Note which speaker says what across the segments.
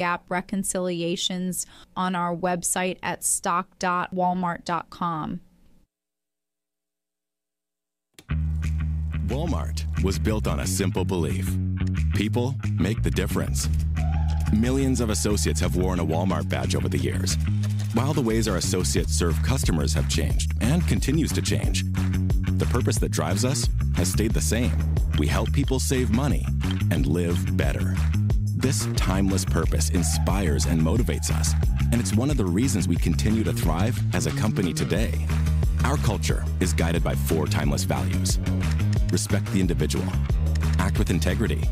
Speaker 1: Gap reconciliations on our website at stock.walmart.com.
Speaker 2: Walmart was built on a simple belief: people make the difference. Millions of associates have worn a Walmart badge over the years. While the ways our associates serve customers have changed and continues to change, the purpose that drives us has stayed the same. We help people save money and live better. This timeless purpose inspires and motivates us, and it's one of the reasons we continue to thrive as a company today. Our culture is guided by four timeless values: respect the individual, act with integrity,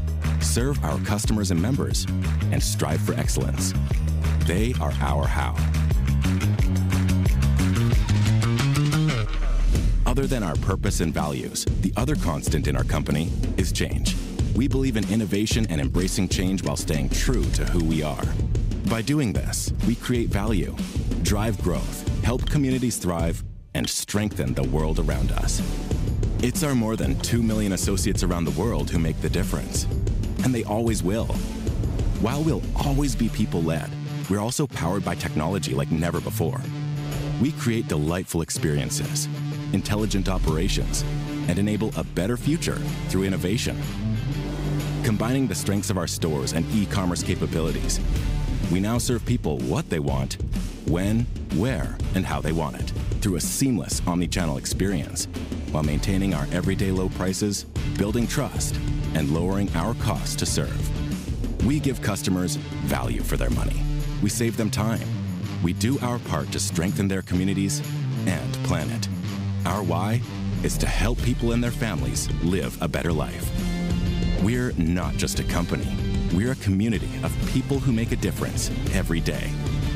Speaker 2: serve our customers and members, and strive for excellence. They are our how. Other than our purpose and values, the other constant in our company is change. We believe in innovation and embracing change while staying true to who we are. By doing this, we create value, drive growth, help communities thrive, and strengthen the world around us. It's our more than 2 million associates around the world who make the difference, and they always will. While we'll always be people-led, we're also powered by technology like never before. We create delightful experiences, intelligent operations, and enable a better future through innovation. Combining the strengths of our stores and e-commerce capabilities, we now serve people what they want, when, where, and how they want it, through a seamless omnichannel experience, while maintaining our everyday low prices, building trust, and lowering our cost to serve. We give customers value for their money. We save them time. We do our part to strengthen their communities and planet. Our why is to help people and their families live a better life. We're not just a company; we're a community of people who make a difference every day,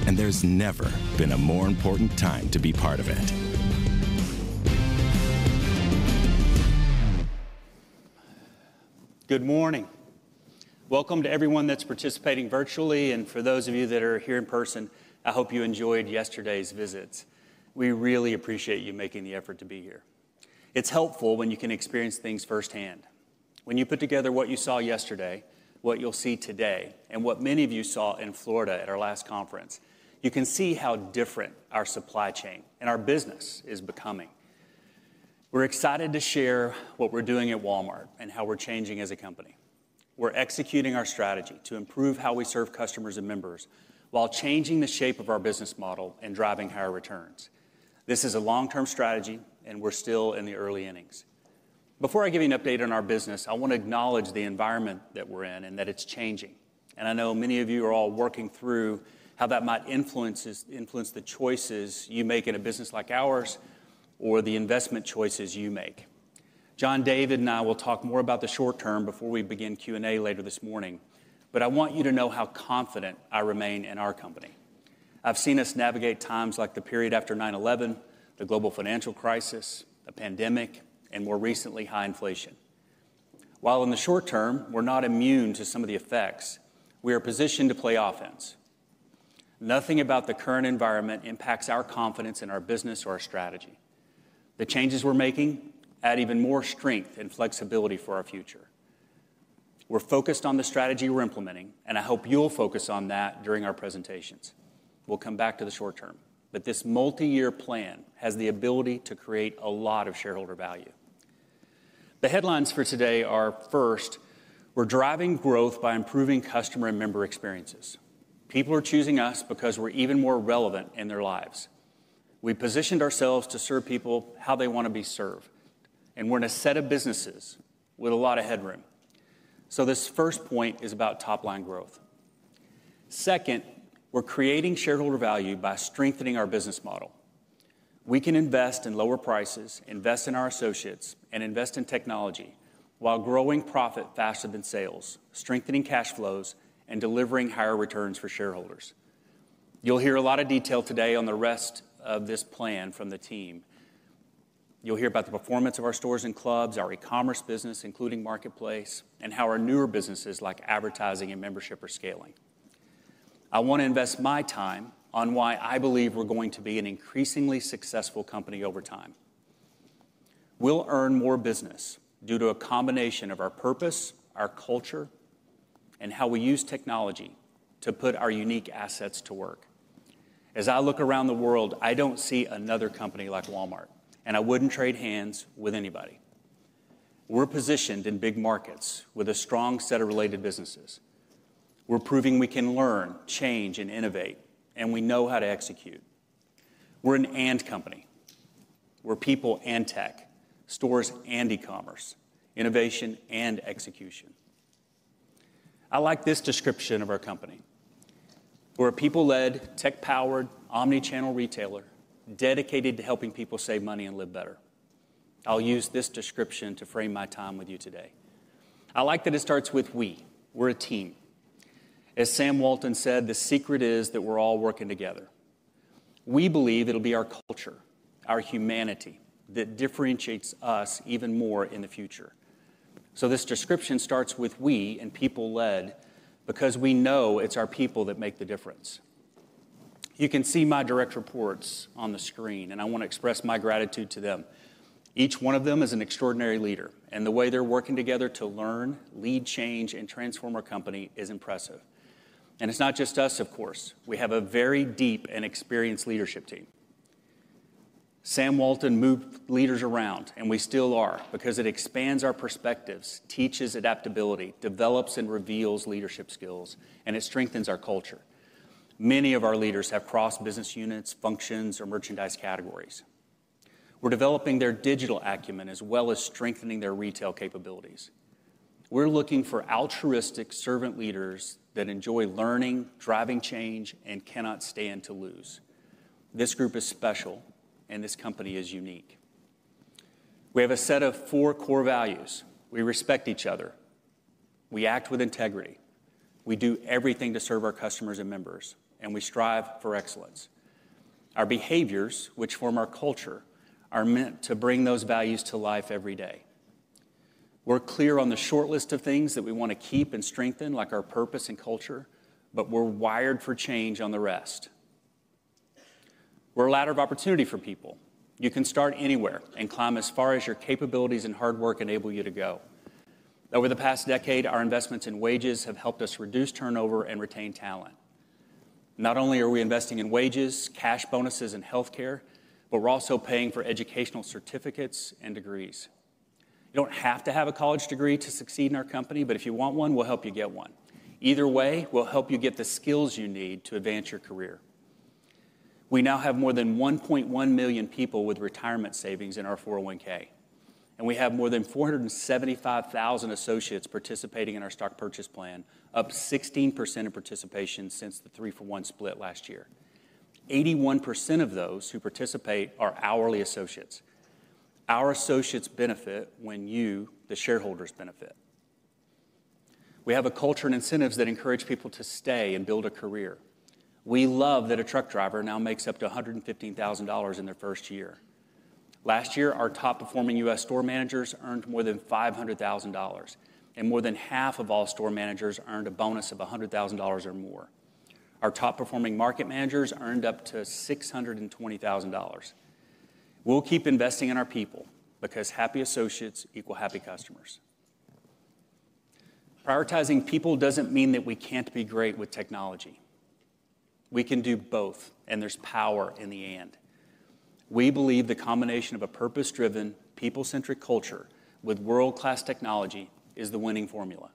Speaker 2: and there's never been a more important time to be part of it.
Speaker 3: Good morning. Welcome to everyone that's participating virtually, and for those of you that are here in person, I hope you enjoyed yesterday's visits. We really appreciate you making the effort to be here. It's helpful when you can experience things firsthand. When you put together what you saw yesterday, what you'll see today, and what many of you saw in Florida at our last conference, you can see how different our supply chain and our business is becoming. We're excited to share what we're doing at Walmart and how we're changing as a company. We're executing our strategy to improve how we serve customers and members while changing the shape of our business model and driving higher returns. This is a long-term strategy, and we're still in the early innings. Before I give you an update on our business, I want to acknowledge the environment that we're in and that it's changing. I know many of you are all working through how that might influence the choices you make in a business like ours or the investment choices you make. John David, and I will talk more about the short term before we begin Q&A later this morning, but I want you to know how confident I remain in our company. I've seen us navigate times like the period after 9/11, the global financial crisis, the pandemic, and more recently, high inflation. While in the short term, we're not immune to some of the effects, we are positioned to play offense. Nothing about the current environment impacts our confidence in our business or our strategy. The changes we're making add even more strength and flexibility for our future. We're focused on the strategy we're implementing, and I hope you'll focus on that during our presentations. We'll come back to the short term, but this multi-year plan has the ability to create a lot of shareholder value. The headlines for today are: first, we're driving growth by improving customer and member experiences. People are choosing us because we're even more relevant in their lives. We positioned ourselves to serve people how they want to be served, and we're in a set of businesses with a lot of headroom. This first point is about top-line growth. Second, we're creating shareholder value by strengthening our business model. We can invest in lower prices, invest in our associates, and invest in technology while growing profit faster than sales, strengthening cash flows, and delivering higher returns for shareholders. You'll hear a lot of detail today on the rest of this plan from the team. You'll hear about the performance of our stores and clubs, our e-commerce business, including Marketplace, and how our newer businesses like advertising and membership are scaling. I want to invest my time on why I believe we're going to be an increasingly successful company over time. We'll earn more business due to a combination of our purpose, our culture, and how we use technology to put our unique assets to work. As I look around the world, I don't see another company like Walmart, and I wouldn't trade hands with anybody. We're positioned in big markets with a strong set of related businesses. We're proving we can learn, change, and innovate, and we know how to execute. We're an and company. We're people and tech, stores and e-commerce, innovation and execution. I like this description of our company. We're a people-led, tech-powered, omnichannel retailer dedicated to helping people save money and live better. I'll use this description to frame my time with you today. I like that it starts with we. We're a team. As Sam Walton said, the secret is that we're all working together. We believe it'll be our culture, our humanity, that differentiates us even more in the future. This description starts with we and people-led because we know it's our people that make the difference. You can see my direct reports on the screen, and I want to express my gratitude to them. Each one of them is an extraordinary leader, and the way they're working together to learn, lead change, and transform our company is impressive. It's not just us, of course. We have a very deep and experienced leadership team. Sam Walton moved leaders around, and we still are because it expands our perspectives, teaches adaptability, develops and reveals leadership skills, and it strengthens our culture. Many of our leaders have cross-business units, functions, or merchandise categories. We're developing their digital acumen as well as strengthening their retail capabilities. We're looking for altruistic servant leaders that enjoy learning, driving change, and cannot stand to lose. This group is special, and this company is unique. We have a set of four core values. We respect each other. We act with integrity. We do everything to serve our customers and members, and we strive for excellence. Our behaviors, which form our culture, are meant to bring those values to life every day. We're clear on the short list of things that we want to keep and strengthen, like our purpose and culture, but we're wired for change on the rest. We're a ladder of opportunity for people. You can start anywhere and climb as far as your capabilities and hard work enable you to go. Over the past decade, our investments in wages have helped us reduce turnover and retain talent. Not only are we investing in wages, cash bonuses, and healthcare, but we're also paying for educational certificates and degrees. You don't have to have a college degree to succeed in our company, but if you want one, we'll help you get one. Either way, we'll help you get the skills you need to advance your career. We now have more than 1.1 million people with retirement savings in our 401(k), and we have more than 475,000 associates participating in our stock purchase plan, up 16% in participation since the 3 for 1 split last year. 81% of those who participate are hourly associates. Our associates benefit when you, the shareholders, benefit. We have a culture and incentives that encourage people to stay and build a career. We love that a truck driver now makes up to $115,000 in their first year. Last year, our top-performing U.S. store managers earned more than $500,000, and more than half of all store managers earned a bonus of $100,000 or more. Our top-performing market managers earned up to $620,000. We'll keep investing in our people because happy associates equal happy customers. Prioritizing people doesn't mean that we can't be great with technology. We can do both, and there's power in the and. We believe the combination of a purpose-driven, people-centric culture with world-class technology is the winning formula.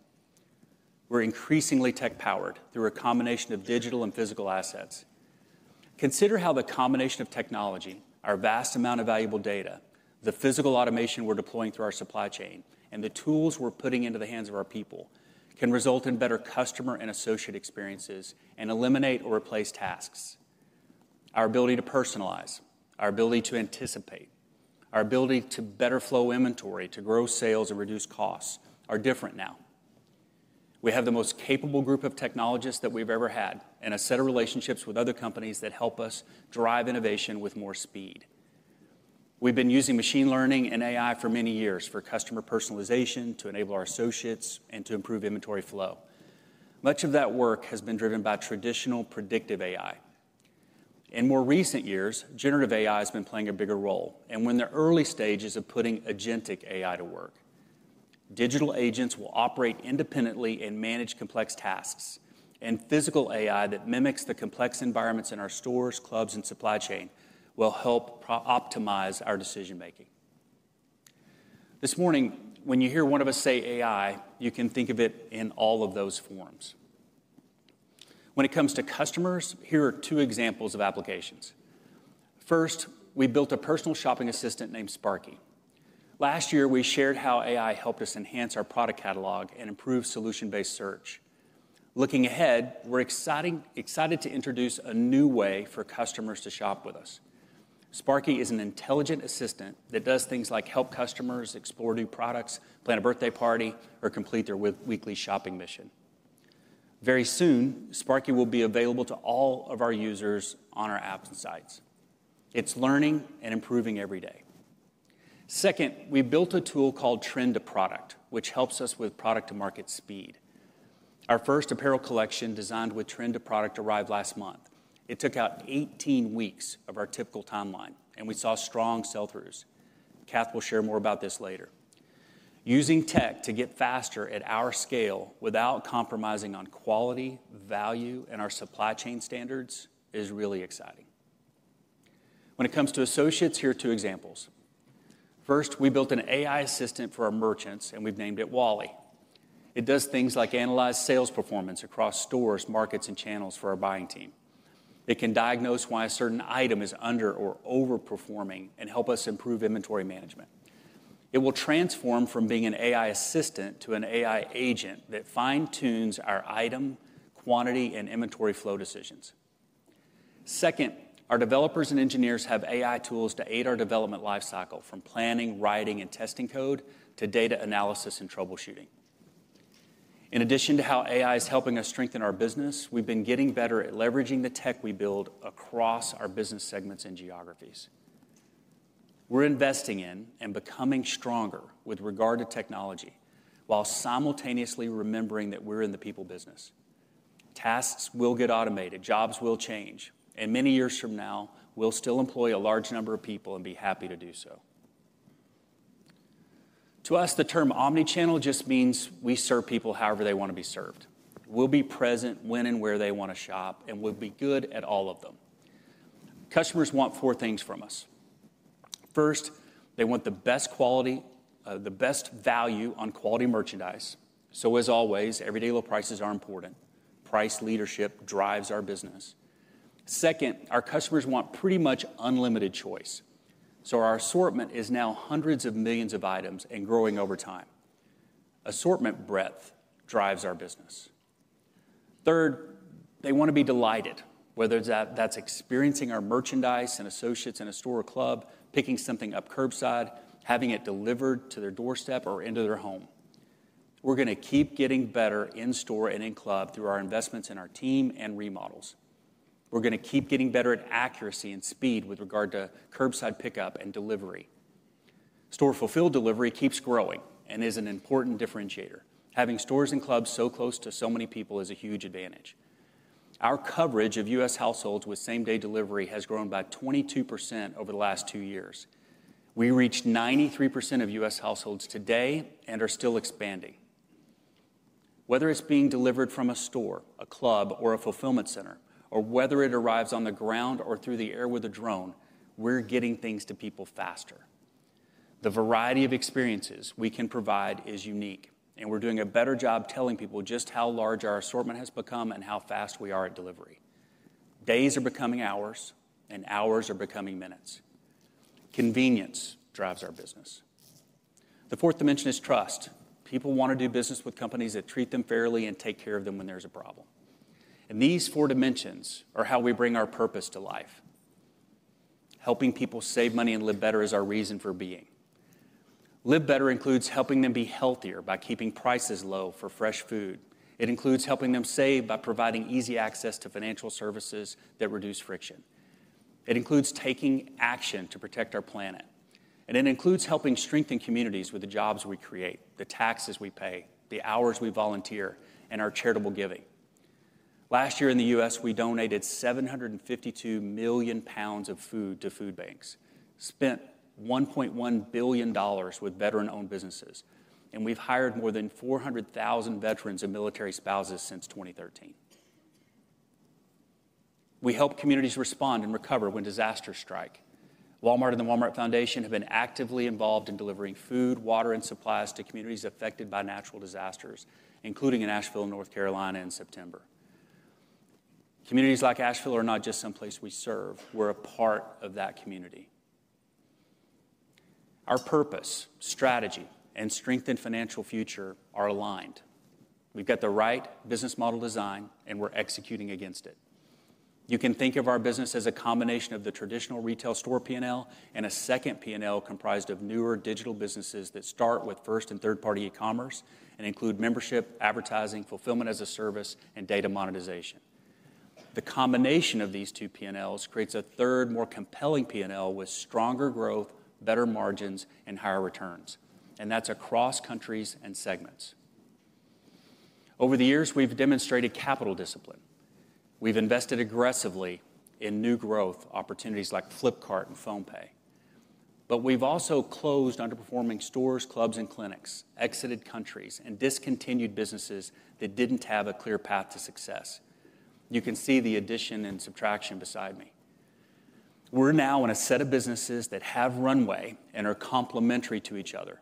Speaker 3: We're increasingly tech-powered through a combination of digital and physical assets. Consider how the combination of technology, our vast amount of valuable data, the physical automation we're deploying through our supply chain, and the tools we're putting into the hands of our people can result in better customer and associate experiences and eliminate or replace tasks. Our ability to personalize, our ability to anticipate, our ability to better flow inventory, to grow sales and reduce costs are different now. We have the most capable group of technologists that we've ever had and a set of relationships with other companies that help us drive innovation with more speed. We've been using machine learning and AI for many years for customer personalization to enable our associates and to improve inventory flow. Much of that work has been driven by traditional predictive AI. In more recent years, generative AI has been playing a bigger role, and we're in the early stages of putting agentic AI to work. Digital agents will operate independently and manage complex tasks, and physical AI that mimics the complex environments in our stores, clubs, and supply chain will help optimize our decision-making. This morning, when you hear one of us say AI, you can think of it in all of those forms. When it comes to customers, here are two examples of applications. First, we built a personal shopping assistant named Sparky. Last year, we shared how AI helped us enhance our product catalog and improve solution-based search. Looking ahead, we're excited to introduce a new way for customers to shop with us. Sparky is an intelligent assistant that does things like help customers explore new products, plan a birthday party, or complete their weekly shopping mission. Very soon, Sparky will be available to all of our users on our apps and sites. It's learning and improving every day. Second, we built a tool called Trend to Product, which helps us with product-to-market speed. Our first apparel collection designed with Trend to Product arrived last month. It took out 18 weeks of our typical timeline, and we saw strong sell-throughs. Kath will share more about this later. Using tech to get faster at our scale without compromising on quality, value, and our supply chain standards is really exciting. When it comes to associates, here are two examples. First, we built an AI assistant for our merchants, and we've named it Wally. It does things like analyze sales performance across stores, markets, and channels for our buying team. It can diagnose why a certain item is under or overperforming and help us improve inventory management. It will transform from being an AI assistant to an AI agent that fine-tunes our item, quantity, and inventory flow decisions. Second, our developers and engineers have AI tools to aid our development lifecycle from planning, writing, and testing code to data analysis and troubleshooting. In addition to how AI is helping us strengthen our business, we've been getting better at leveraging the tech we build across our business segments and geographies. We're investing in and becoming stronger with regard to technology while simultaneously remembering that we're in the people business. Tasks will get automated, jobs will change, and many years from now, we'll still employ a large number of people and be happy to do so. To us, the term omnichannel just means we serve people however they want to be served. We'll be present when and where they want to shop, and we'll be good at all of them. Customers want four things from us. First, they want the best quality, the best value on quality merchandise. As always, everyday low prices are important. Price leadership drives our business. Second, our customers want pretty much unlimited choice. Our assortment is now hundreds of millions of items and growing over time. Assortment breadth drives our business. Third, they want to be delighted, whether that's experiencing our merchandise and associates in a store or club, picking something up curbside, having it delivered to their doorstep or into their home. We're going to keep getting better in store and in club through our investments in our team and remodels. We're going to keep getting better at accuracy and speed with regard to curbside pickup and delivery. Store-fulfilled delivery keeps growing and is an important differentiator. Having stores and clubs so close to so many people is a huge advantage. Our coverage of U.S. households with same-day delivery has grown by 22% over the last two years. We reached 93% of U.S. households today and are still expanding. Whether it's being delivered from a store, a club, or a fulfillment center, or whether it arrives on the ground or through the air with a drone, we're getting things to people faster. The variety of experiences we can provide is unique, and we're doing a better job telling people just how large our assortment has become and how fast we are at delivery. Days are becoming hours, and hours are becoming minutes. Convenience drives our business. The fourth dimension is trust. People want to do business with companies that treat them fairly and take care of them when there's a problem. These four dimensions are how we bring our purpose to life. Helping people save money and live better is our reason for being. Live better includes helping them be healthier by keeping prices low for fresh food. It includes helping them save by providing easy access to financial services that reduce friction. It includes taking action to protect our planet. It includes helping strengthen communities with the jobs we create, the taxes we pay, the hours we volunteer, and our charitable giving. Last year in the U.S., we donated 752 million pounds of food to food banks, spent $1.1 billion with veteran-owned businesses, and we've hired more than 400,000 veterans and military spouses since 2013. We help communities respond and recover when disasters strike. Walmart and the Walmart Foundation have been actively involved in delivering food, water, and supplies to communities affected by natural disasters, including in Asheville, North Carolina, in September. Communities like Asheville are not just someplace we serve. We're a part of that community. Our purpose, strategy, and strengthened financial future are aligned. We've got the right business model design, and we're executing against it. You can think of our business as a combination of the traditional retail store P&L and a second P&L comprised of newer digital businesses that start with first and third-party e-commerce and include membership, advertising, fulfillment as a service, and data monetization. The combination of these two P&Ls creates a third, more compelling P&L with stronger growth, better margins, and higher returns. That's across countries and segments. Over the years, we've demonstrated capital discipline. We've invested aggressively in new growth opportunities like Flipkart and PhonePe. We have also closed underperforming stores, clubs, and clinics, exited countries, and discontinued businesses that did not have a clear path to success. You can see the addition and subtraction beside me. We are now in a set of businesses that have runway and are complementary to each other.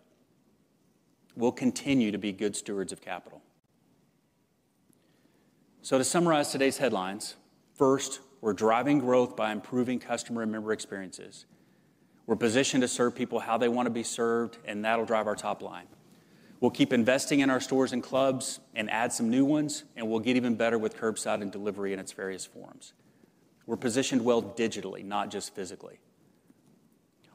Speaker 3: We will continue to be good stewards of capital. To summarize today's headlines, first, we are driving growth by improving customer and member experiences. We are positioned to serve people how they want to be served, and that will drive our top line. We will keep investing in our stores and clubs and add some new ones, and we will get even better with curbside and delivery in its various forms. We are positioned well digitally, not just physically.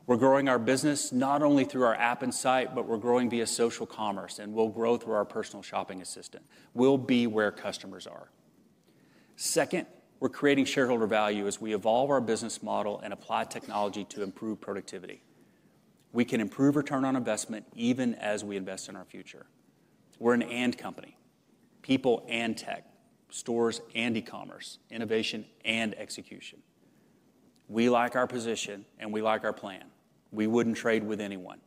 Speaker 3: We are growing our business not only through our app and site, but we are growing via social commerce, and we will grow through our personal shopping assistant. We will be where customers are. Second, we're creating shareholder value as we evolve our business model and apply technology to improve productivity. We can improve return on investment even as we invest in our future. We're an and company. People and tech, stores and e-commerce, innovation and execution. We like our position, and we like our plan. We wouldn't trade with anyone,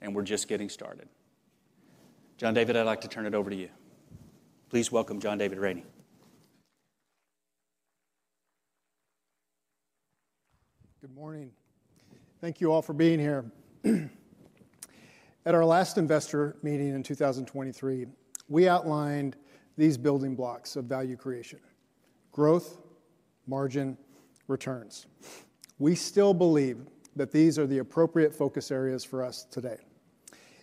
Speaker 3: and we're just getting started. John David, I'd like to turn it over to you. Please welcome John David Rainey.
Speaker 4: Good morning. Thank you all for being here. At our last investor meeting in 2023, we outlined these building blocks of value creation: growth, margin, returns. We still believe that these are the appropriate focus areas for us today.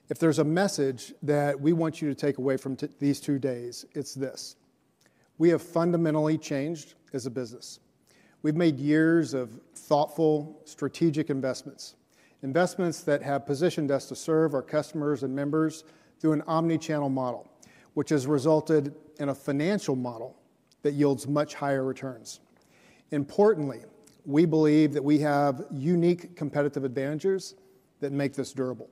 Speaker 4: If there's a message that we want you to take away from these two days, it's this: we have fundamentally changed as a business. We've made years of thoughtful, strategic investments, investments that have positioned us to serve our customers and members through an omnichannel model, which has resulted in a financial model that yields much higher returns. Importantly, we believe that we have unique competitive advantages that make this durable.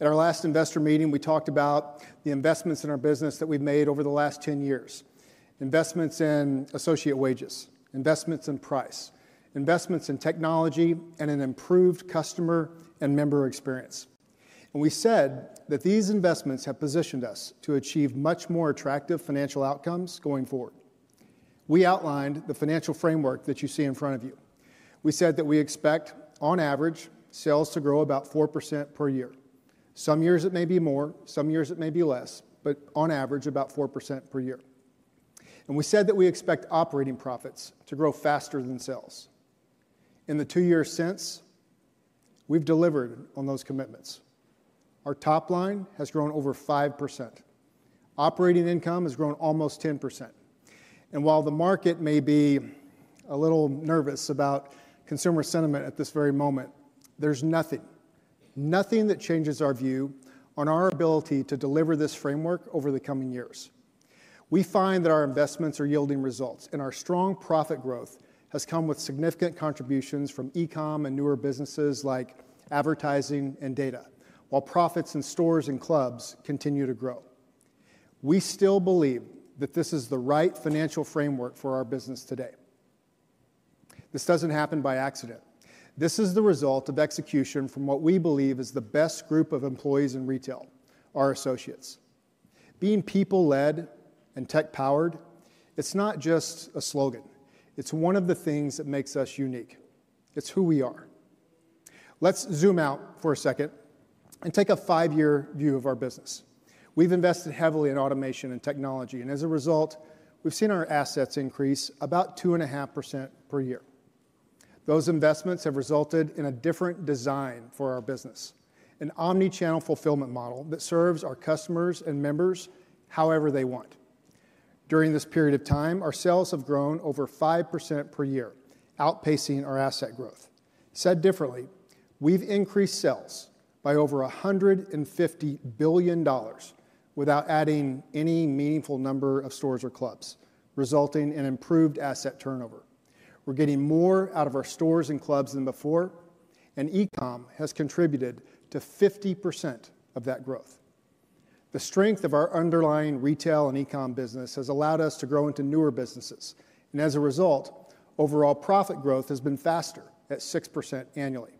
Speaker 4: At our last investor meeting, we talked about the investments in our business that we've made over the last 10 years: investments in associate wages, investments in price, investments in technology, and an improved customer and member experience. We said that these investments have positioned us to achieve much more attractive financial outcomes going forward. We outlined the financial framework that you see in front of you. We said that we expect, on average, sales to grow about 4% per year. Some years it may be more, some years it may be less, but on average, about 4% per year. We said that we expect operating profits to grow faster than sales. In the two years since, we've delivered on those commitments. Our top line has grown over 5%. Operating income has grown almost 10%. While the market may be a little nervous about consumer sentiment at this very moment, there's nothing, nothing that changes our view on our ability to deliver this framework over the coming years. We find that our investments are yielding results, and our strong profit growth has come with significant contributions from e-com and newer businesses like advertising and data, while profits in stores and clubs continue to grow. We still believe that this is the right financial framework for our business today. This does not happen by accident. This is the result of execution from what we believe is the best group of employees in retail: our associates. Being people-led and tech-powered, it's not just a slogan. It's one of the things that makes us unique. It's who we are. Let's zoom out for a second and take a five-year view of our business. We've invested heavily in automation and technology, and as a result, we've seen our assets increase about 2.5% per year. Those investments have resulted in a different design for our business: an omnichannel fulfillment model that serves our customers and members however they want. During this period of time, our sales have grown over 5% per year, outpacing our asset growth. Said differently, we've increased sales by over $150 billion without adding any meaningful number of stores or clubs, resulting in improved asset turnover. We're getting more out of our stores and clubs than before, and e-com has contributed to 50% of that growth. The strength of our underlying retail and e-com business has allowed us to grow into newer businesses. As a result, overall profit growth has been faster at 6% annually.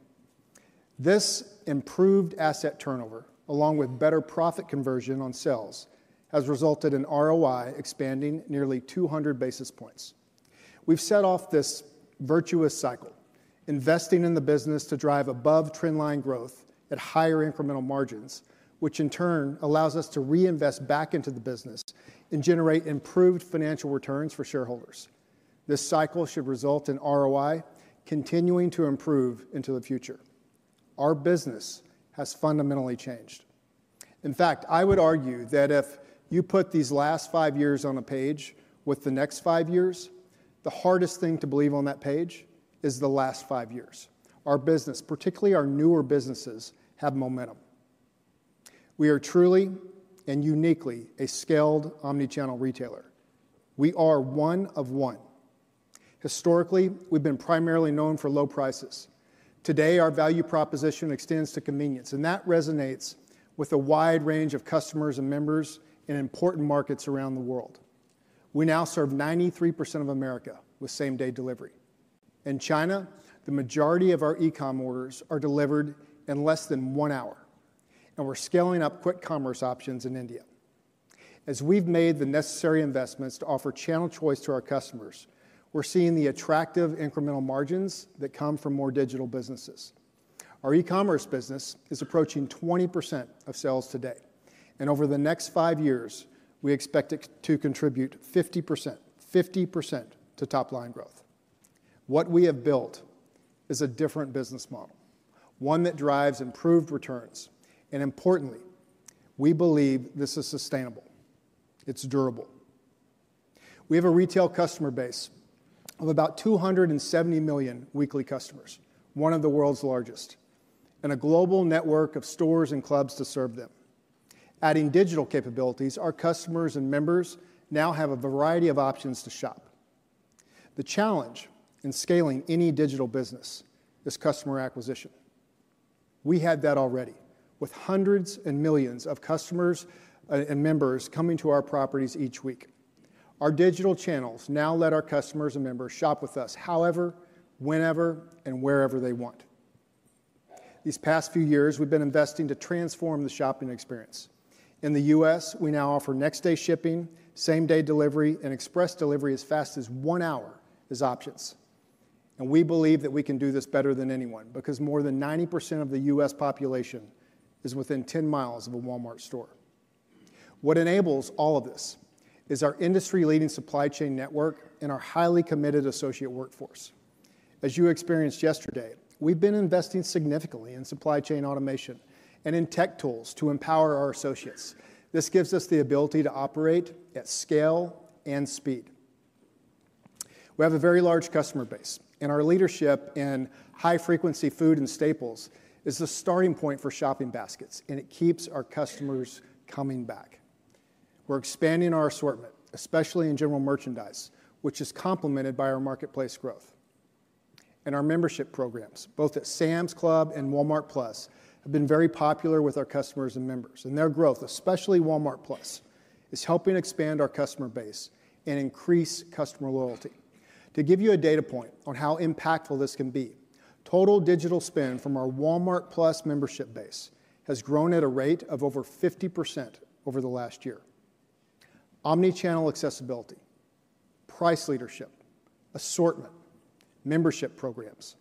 Speaker 4: This improved asset turnover, along with better profit conversion on sales, has resulted in ROI expanding nearly 200 basis points. We've set off this virtuous cycle, investing in the business to drive above trendline growth at higher incremental margins, which in turn allows us to reinvest back into the business and generate improved financial returns for shareholders. This cycle should result in ROI continuing to improve into the future. Our business has fundamentally changed. In fact, I would argue that if you put these last five years on a page with the next five years, the hardest thing to believe on that page is the last five years. Our business, particularly our newer businesses, have momentum. We are truly and uniquely a scaled omnichannel retailer. We are one of one. Historically, we've been primarily known for low prices. Today, our value proposition extends to convenience, and that resonates with a wide range of customers and members in important markets around the world. We now serve 93% of America with same-day delivery. In China, the majority of our e-com orders are delivered in less than one hour, and we're scaling up quick commerce options in India. As we've made the necessary investments to offer channel choice to our customers, we're seeing the attractive incremental margins that come from more digital businesses. Our e-commerce business is approaching 20% of sales today. Over the next five years, we expect it to contribute 50%, 50% to top line growth. What we have built is a different business model, one that drives improved returns. Importantly, we believe this is sustainable. It is durable. We have a retail customer base of about 270 million weekly customers, one of the world's largest, and a global network of stores and clubs to serve them. Adding digital capabilities, our customers and members now have a variety of options to shop. The challenge in scaling any digital business is customer acquisition. We had that already with hundreds of millions of customers and members coming to our properties each week. Our digital channels now let our customers and members shop with us however, whenever, and wherever they want. These past few years, we have been investing to transform the shopping experience. In the U.S., we now offer next-day shipping, same-day delivery, and express delivery as fast as one hour as options. We believe that we can do this better than anyone because more than 90% of the U.S. Population is within 10 miles of a Walmart store. What enables all of this is our industry-leading supply chain network and our highly committed associate workforce. As you experienced yesterday, we've been investing significantly in supply chain automation and in tech tools to empower our associates. This gives us the ability to operate at scale and speed. We have a very large customer base, and our leadership in high-frequency food and staples is the starting point for shopping baskets, and it keeps our customers coming back. We're expanding our assortment, especially in general merchandise, which is complemented by our marketplace growth. Our membership programs, both at Sam's Club and Walmart Plus, have been very popular with our customers and members. Their growth, especially Walmart Plus, is helping expand our customer base and increase customer loyalty. To give you a data point on how impactful this can be, total digital spend from our Walmart Plus membership base has grown at a rate of over 50% over the last year. Omnichannel accessibility, price leadership, assortment, membership programs,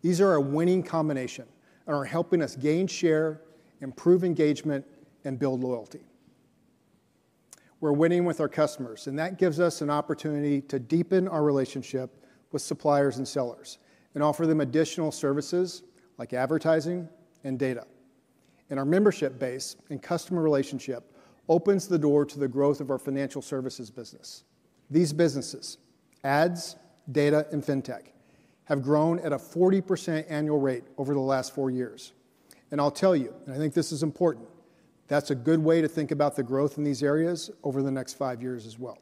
Speaker 4: these are a winning combination and are helping us gain share, improve engagement, and build loyalty. We are winning with our customers, and that gives us an opportunity to deepen our relationship with suppliers and sellers and offer them additional services like advertising and data. Our membership base and customer relationship opens the door to the growth of our financial services business. These businesses, ads, data, and fintech, have grown at a 40% annual rate over the last four years. I will tell you, and I think this is important, that is a good way to think about the growth in these areas over the next five years as well.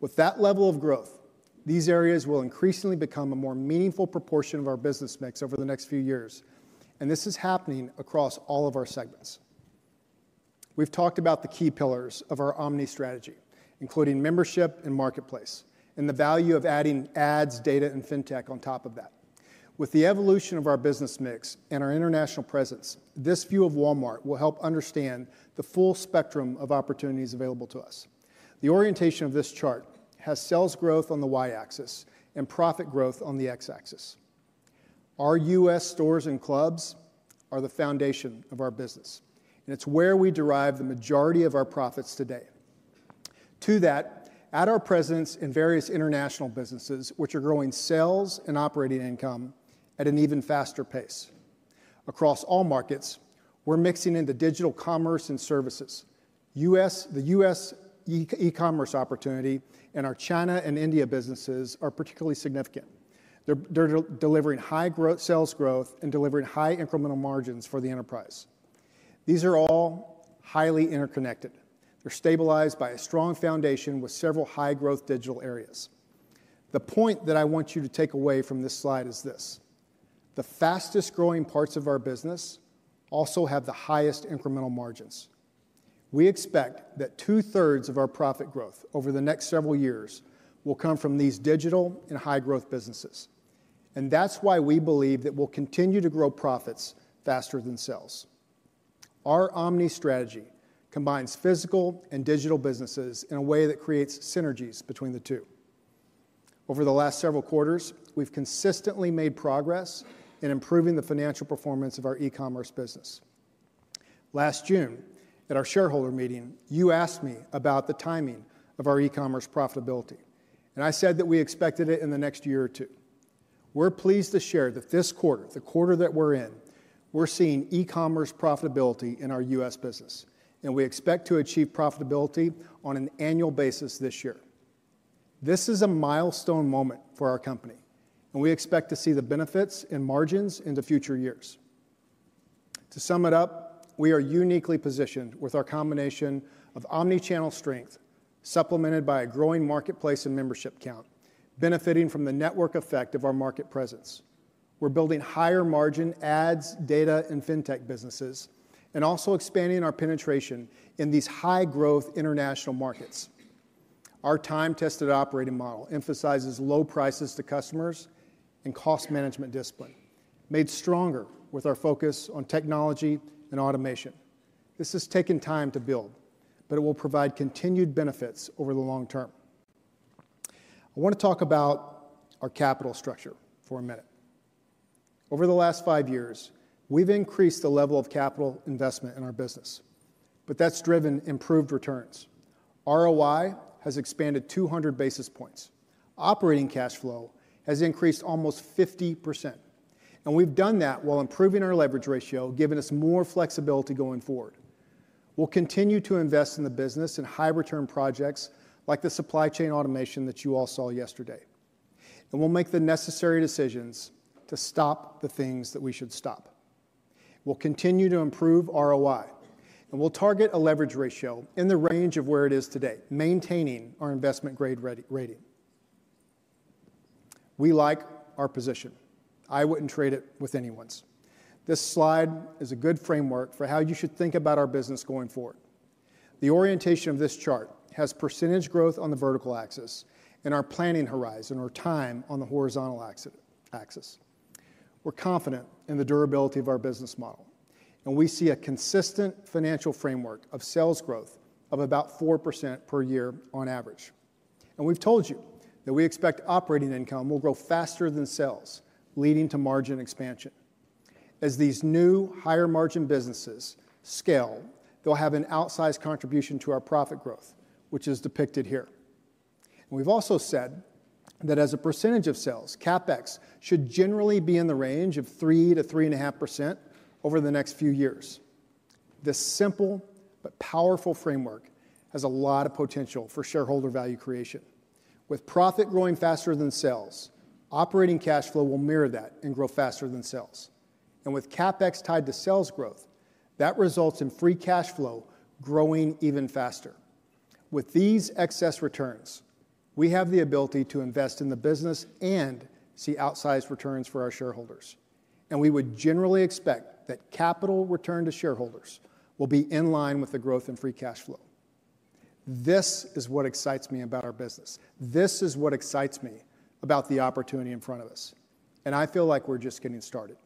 Speaker 4: With that level of growth, these areas will increasingly become a more meaningful proportion of our business mix over the next few years. This is happening across all of our segments. We have talked about the key pillars of our omni strategy, including membership and marketplace, and the value of adding ads, data, and fintech on top of that. With the evolution of our business mix and our international presence, this view of Walmart will help understand the full spectrum of opportunities available to us. The orientation of this chart has sales growth on the Y-axis and profit growth on the X-axis. Our U.S. stores and clubs are the foundation of our business, and it is where we derive the majority of our profits today. To that, add our presence in various international businesses, which are growing sales and operating income at an even faster pace. Across all markets, we're mixing in the digital commerce and services. The U.S. e-commerce opportunity and our China and India businesses are particularly significant. They're delivering high sales growth and delivering high incremental margins for the enterprise. These are all highly interconnected. They're stabilized by a strong foundation with several high-growth digital areas. The point that I want you to take away from this slide is this: the fastest-growing parts of our business also have the highest incremental margins. We expect that two-thirds of our profit growth over the next several years will come from these digital and high-growth businesses. That is why we believe that we'll continue to grow profits faster than sales. Our omni strategy combines physical and digital businesses in a way that creates synergies between the two. Over the last several quarters, we've consistently made progress in improving the financial performance of our e-commerce business. Last June, at our shareholder meeting, you asked me about the timing of our e-commerce profitability, and I said that we expected it in the next year or two. We're pleased to share that this quarter, the quarter that we're in, we're seeing e-commerce profitability in our U.S. business, and we expect to achieve profitability on an annual basis this year. This is a milestone moment for our company, and we expect to see the benefits and margins in the future years. To sum it up, we are uniquely positioned with our combination of omnichannel strength, supplemented by a growing marketplace and membership count, benefiting from the network effect of our market presence. We're building higher-margin ads, data, and fintech businesses, and also expanding our penetration in these high-growth international markets. Our time-tested operating model emphasizes low prices to customers and cost management discipline, made stronger with our focus on technology and automation. This has taken time to build, but it will provide continued benefits over the long term. I want to talk about our capital structure for a minute. Over the last five years, we've increased the level of capital investment in our business, but that's driven improved returns. ROI has expanded 200 basis points. Operating cash flow has increased almost 50%. We've done that while improving our leverage ratio, giving us more flexibility going forward. We'll continue to invest in the business and high-return projects like the supply chain automation that you all saw yesterday. We'll make the necessary decisions to stop the things that we should stop. We'll continue to improve ROI, and we'll target a leverage ratio in the range of where it is today, maintaining our investment-grade rating. We like our position. I wouldn't trade it with anyone's. This slide is a good framework for how you should think about our business going forward. The orientation of this chart has % growth on the vertical axis and our planning horizon or time on the horizontal axis. We're confident in the durability of our business model, and we see a consistent financial framework of sales growth of about 4% per year on average. We've told you that we expect operating income will grow faster than sales, leading to margin expansion. As these new higher-margin businesses scale, they'll have an outsized contribution to our profit growth, which is depicted here. We have also said that as a percentage of sales, CapEx should generally be in the range of 3-3.5% over the next few years. This simple but powerful framework has a lot of potential for shareholder value creation. With profit growing faster than sales, operating cash flow will mirror that and grow faster than sales. With CapEx tied to sales growth, that results in free cash flow growing even faster. With these excess returns, we have the ability to invest in the business and see outsized returns for our shareholders. We would generally expect that capital return to shareholders will be in line with the growth in free cash flow. This is what excites me about our business. This is what excites me about the opportunity in front of us. I feel like we're just getting started.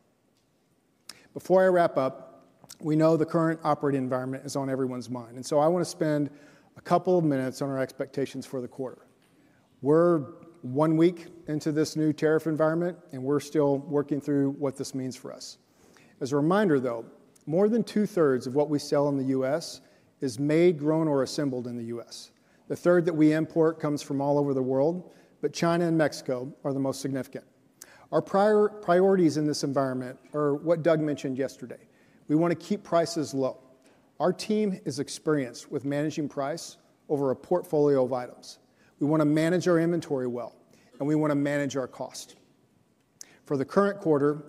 Speaker 4: Before I wrap up, we know the current operating environment is on everyone's mind. I want to spend a couple of minutes on our expectations for the quarter. We're one week into this new tariff environment, and we're still working through what this means for us. As a reminder, more than two-thirds of what we sell in the U.S. is made, grown, or assembled in the U.S. The third that we import comes from all over the world, but China and Mexico are the most significant. Our priorities in this environment are what Doug mentioned yesterday. We want to keep prices low. Our team is experienced with managing price over a portfolio of items. We want to manage our inventory well, and we want to manage our cost. For the current quarter,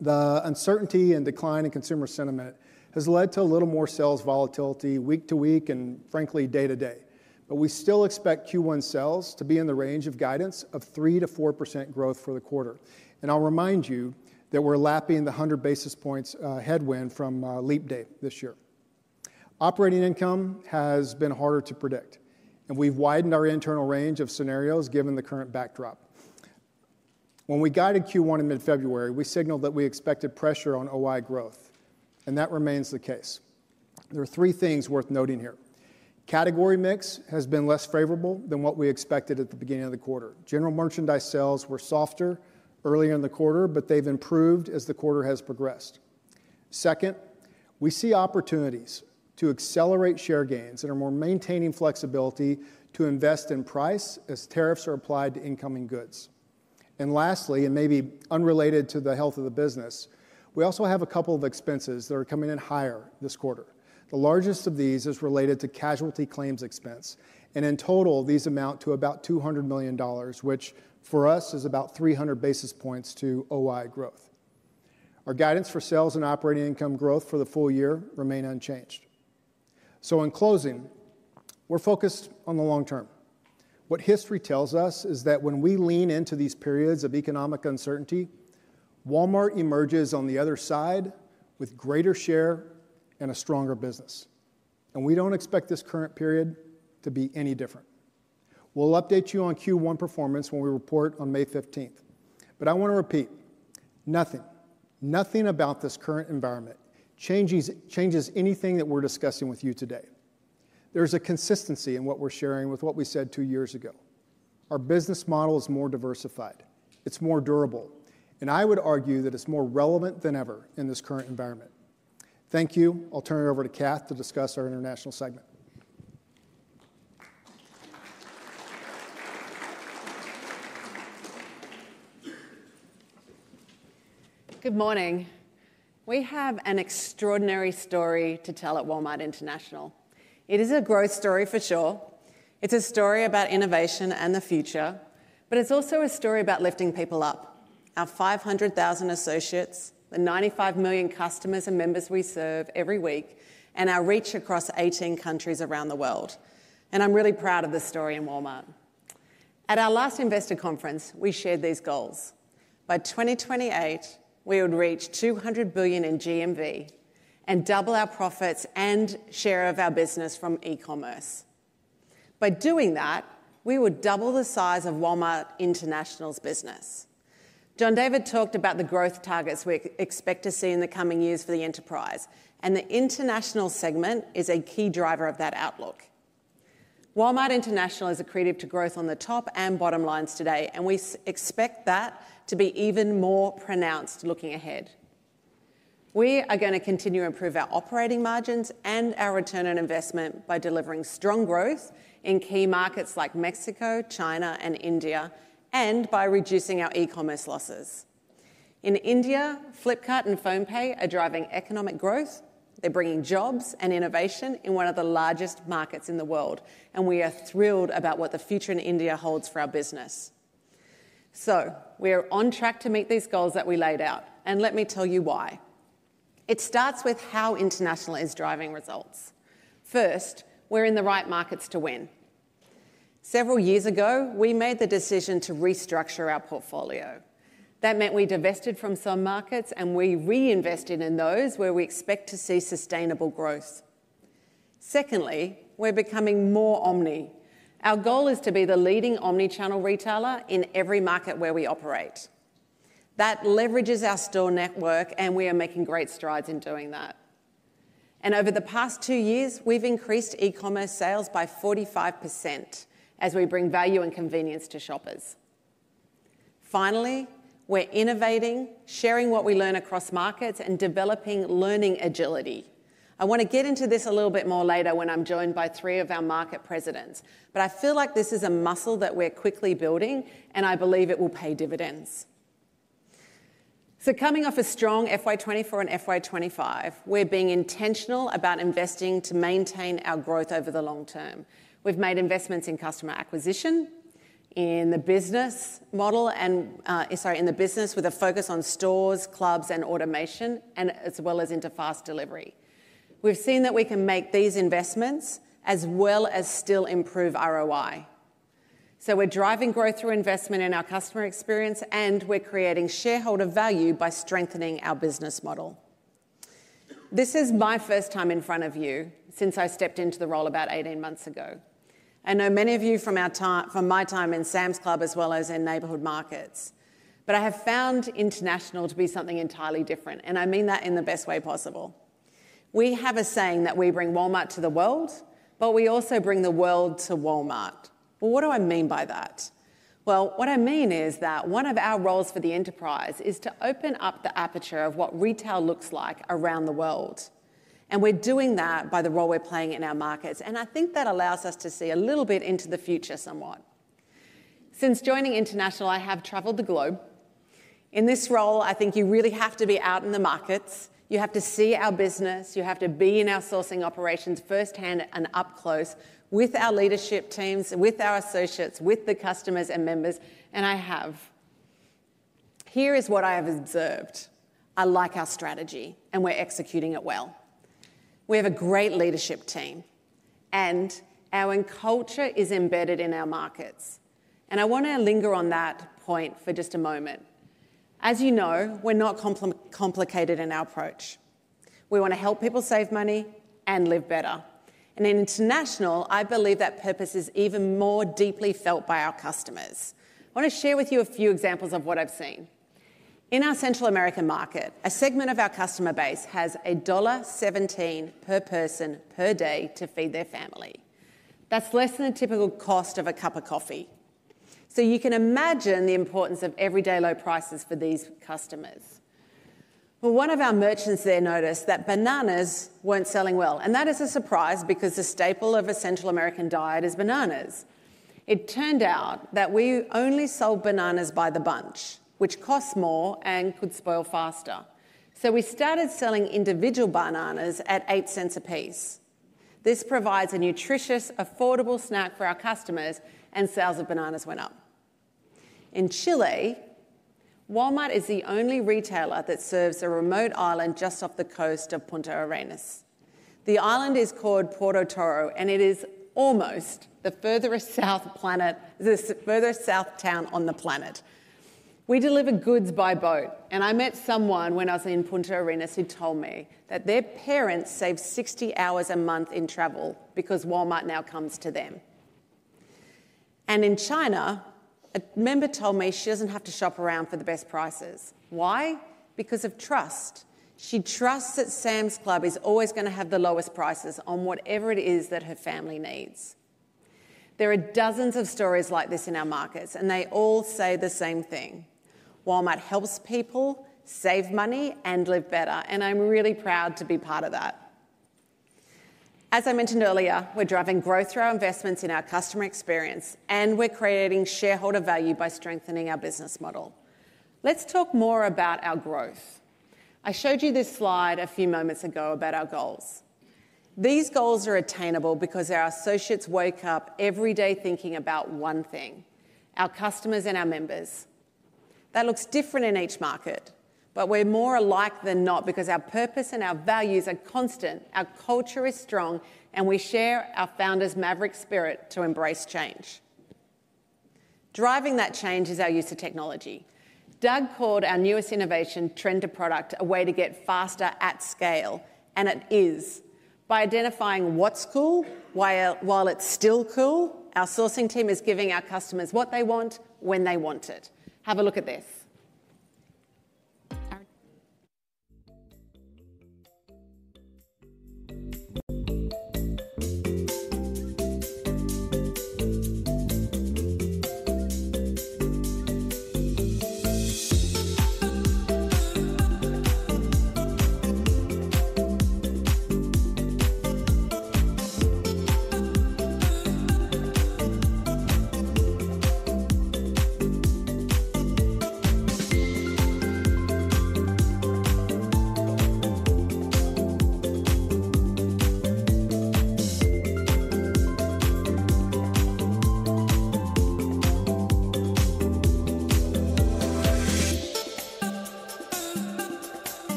Speaker 4: the uncertainty and decline in consumer sentiment has led to a little more sales volatility week to week and, frankly, day to day. We still expect Q1 sales to be in the range of guidance of 3-4% growth for the quarter. I'll remind you that we're lapping the 100 basis points headwind from Leap Day this year. Operating income has been harder to predict, and we've widened our internal range of scenarios given the current backdrop. When we guided Q1 in mid-February, we signaled that we expected pressure on OI growth, and that remains the case. There are three things worth noting here. Category mix has been less favorable than what we expected at the beginning of the quarter. General merchandise sales were softer earlier in the quarter, but they've improved as the quarter has progressed. Second, we see opportunities to accelerate share gains and are maintaining flexibility to invest in price as tariffs are applied to incoming goods. Lastly, and maybe unrelated to the health of the business, we also have a couple of expenses that are coming in higher this quarter. The largest of these is related to casualty claims expense. In total, these amount to about $200 million, which for us is about 300 basis points to OI growth. Our guidance for sales and operating income growth for the full year remains unchanged. In closing, we're focused on the long term. What history tells us is that when we lean into these periods of economic uncertainty, Walmart emerges on the other side with greater share and a stronger business. We do not expect this current period to be any different. We'll update you on Q1 performance when we report on May 15th. I want to repeat, nothing, nothing about this current environment changes anything that we're discussing with you today. There's a consistency in what we're sharing with what we said two years ago. Our business model is more diversified. It's more durable. I would argue that it's more relevant than ever in this current environment. Thank you. I'll turn it over to Kath to discuss our international segment.
Speaker 5: Good morning. We have an extraordinary story to tell at Walmart International. It is a growth story, for sure. It's a story about innovation and the future, but it's also a story about lifting people up, our 500,000 associates, the 95 million customers and members we serve every week, and our reach across 18 countries around the world. I'm really proud of this story in Walmart.
Speaker 3: At our last investor conference, we shared these goals. By 2028, we would reach $200 billion in GMV and double our profits and share of our business from e-commerce. By doing that, we would double the size of Walmart International's business. John David talked about the growth targets we expect to see in the coming years for the enterprise, and the international segment is a key driver of that outlook. Walmart International is accredited to growth on the top and bottom lines today, and we expect that to be even more pronounced looking ahead. We are going to continue to improve our operating margins and our return on investment by delivering strong growth in key markets like Mexico, China, and India, and by reducing our e-commerce losses. In India, Flipkart and PhonePe are driving economic growth.
Speaker 5: They're bringing jobs and innovation in one of the largest markets in the world, and we are thrilled about what the future in India holds for our business. We are on track to meet these goals that we laid out, and let me tell you why. It starts with how international is driving results. First, we're in the right markets to win. Several years ago, we made the decision to restructure our portfolio. That meant we divested from some markets, and we reinvested in those where we expect to see sustainable growth. Secondly, we're becoming more omni. Our goal is to be the leading omnichannel retailer in every market where we operate. That leverages our store network, and we are making great strides in doing that. Over the past two years, we've increased e-commerce sales by 45% as we bring value and convenience to shoppers. Finally, we're innovating, sharing what we learn across markets, and developing learning agility. I want to get into this a little bit more later when I'm joined by three of our market presidents, but I feel like this is a muscle that we're quickly building, and I believe it will pay dividends. Coming off a strong FY 2024 and FY 2025, we're being intentional about investing to maintain our growth over the long term. We've made investments in customer acquisition, in the business model, and sorry, in the business with a focus on stores, clubs, and automation, as well as into fast delivery. We've seen that we can make these investments as well as still improve ROI. We're driving growth through investment in our customer experience, and we're creating shareholder value by strengthening our business model. This is my first time in front of you since I stepped into the role about 18 months ago. I know many of you from my time in Sam's Club as well as in Neighborhood Markets, but I have found International to be something entirely different, and I mean that in the best way possible. We have a saying that we bring Walmart to the world, but we also bring the world to Walmart. What do I mean by that? What I mean is that one of our roles for the enterprise is to open up the aperture of what retail looks like around the world. We are doing that by the role we are playing in our markets. I think that allows us to see a little bit into the future somewhat. Since joining International, I have traveled the globe. In this role, I think you really have to be out in the markets. You have to see our business. You have to be in our sourcing operations firsthand and up close with our leadership teams, with our associates, with the customers and members, and I have. Here is what I have observed. I like our strategy, and we're executing it well. We have a great leadership team, and our culture is embedded in our markets. I want to linger on that point for just a moment. As you know, we're not complicated in our approach. We want to help people save money and live better. In international, I believe that purpose is even more deeply felt by our customers. I want to share with you a few examples of what I've seen. In our Central American market, a segment of our customer base has a $1.17 per person per day to feed their family. That's less than the typical cost of a cup of coffee. You can imagine the importance of everyday low prices for these customers. One of our merchants there noticed that bananas weren't selling well. That is a surprise because the staple of a Central American diet is bananas. It turned out that we only sold bananas by the bunch, which costs more and could spoil faster. We started selling individual bananas at $0.08 a piece. This provides a nutritious, affordable snack for our customers, and sales of bananas went up. In Chile, Walmart is the only retailer that serves a remote island just off the coast of Punta Arenas. The island is called Puerto Toro, and it is almost the furthest south town on the planet. We deliver goods by boat, and I met someone when I was in Punta Arenas who told me that their parents saved 60 hours a month in travel because Walmart now comes to them. In China, a member told me she doesn't have to shop around for the best prices. Why? Because of trust. She trusts that Sam's Club is always going to have the lowest prices on whatever it is that her family needs. There are dozens of stories like this in our markets, and they all say the same thing. Walmart helps people save money and live better, and I'm really proud to be part of that. As I mentioned earlier, we're driving growth through our investments in our customer experience, and we're creating shareholder value by strengthening our business model. Let's talk more about our growth. I showed you this slide a few moments ago about our goals. These goals are attainable because our associates wake up every day thinking about one thing: our customers and our members. That looks different in each market, but we're more alike than not because our purpose and our values are constant, our culture is strong, and we share our founder's Maverick spirit to embrace change. Driving that change is our use of technology. Doug called our newest innovation, Trend to Product, a way to get faster at scale, and it is by identifying what's cool while it's still cool. Our sourcing team is giving our customers what they want when they want it. Have a look at this.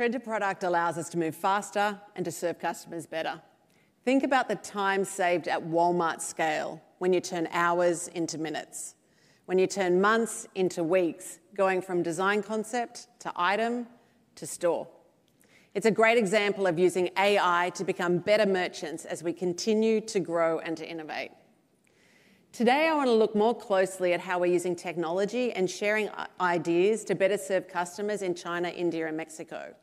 Speaker 5: Trend to Product allows us to move faster and to serve customers better. Think about the time saved at Walmart scale when you turn hours into minutes, when you turn months into weeks, going from design concept to item to store. It's a great example of using AI to become better merchants as we continue to grow and to innovate. Today, I want to look more closely at how we're using technology and sharing ideas to better serve customers in China, India, and Mexico.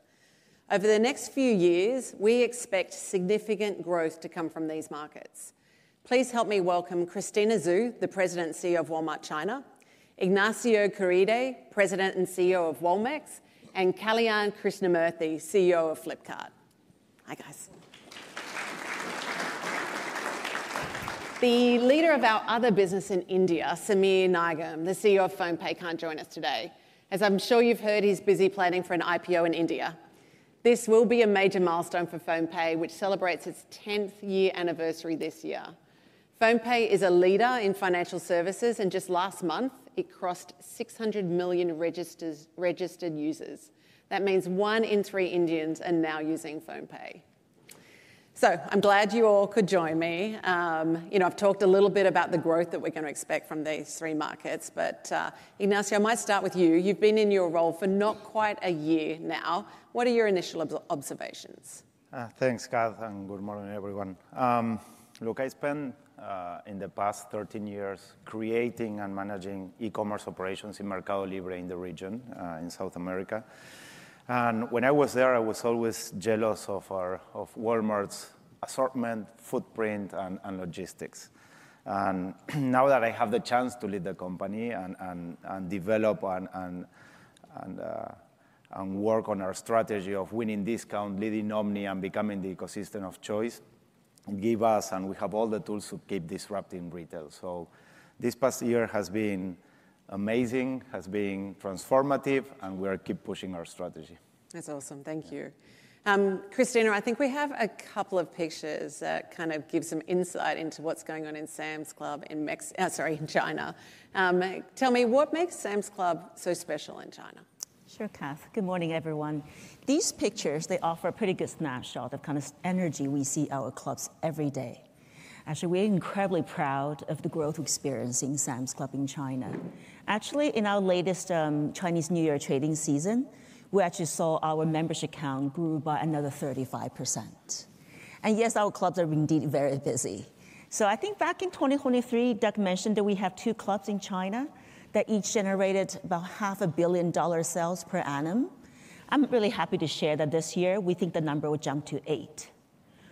Speaker 5: Over the next few years, we expect significant growth to come from these markets. Please help me welcome Christina Zhu, the President and CEO of Walmart China, Ignacio Caride, President and CEO of Walmex, and Kalyan Krishnamurthy, CEO of Flipkart. Hi, guys. The leader of our other business in India, Sameer Nigam, the CEO of PhonePe, can't join us today. As I'm sure you've heard, he's busy planning for an IPO in India. This will be a major milestone for PhonePe, which celebrates its 10th year anniversary this year. PhonePe is a leader in financial services, and just last month, it crossed 600 million registered users. That means one in three Indians are now using PhonePe. I'm glad you all could join me. I've talked a little bit about the growth that we're going to expect from these three markets, but Ignacio, I might start with you. You've been in your role for not quite a year now. What are your initial observations?
Speaker 6: Thanks, Kath, and good morning, everyone. Look, I spent the past 13 years creating and managing e-commerce operations in Mercado Libre in the region in South America. When I was there, I was always jealous of Walmart's assortment, footprint, and logistics. Now that I have the chance to lead the company and develop and work on our strategy of winning discount, leading omni, and becoming the ecosystem of choice, it gave us, and we have all the tools to keep disrupting retail. This past year has been amazing, has been transformative, and we are keep pushing our strategy.
Speaker 5: That's awesome. Thank you. Christina, I think we have a couple of pictures that kind of give some insight into what's going on in Sam's Club in Mexico, sorry, in China. Tell me, what makes Sam's Club so special in China?
Speaker 7: Sure, Kath. Good morning, everyone. These pictures, they offer a pretty good snapshot of kind of energy we see at our clubs every day. Actually, we're incredibly proud of the growth we're experiencing in Sam's Club in China. Actually, in our latest Chinese New Year trading season, we actually saw our membership count grew by another 35%. Yes, our clubs are indeed very busy. I think back in 2023, Doug mentioned that we have two clubs in China that each generated about $500,000,000 sales per annum. I'm really happy to share that this year, we think the number will jump to eight.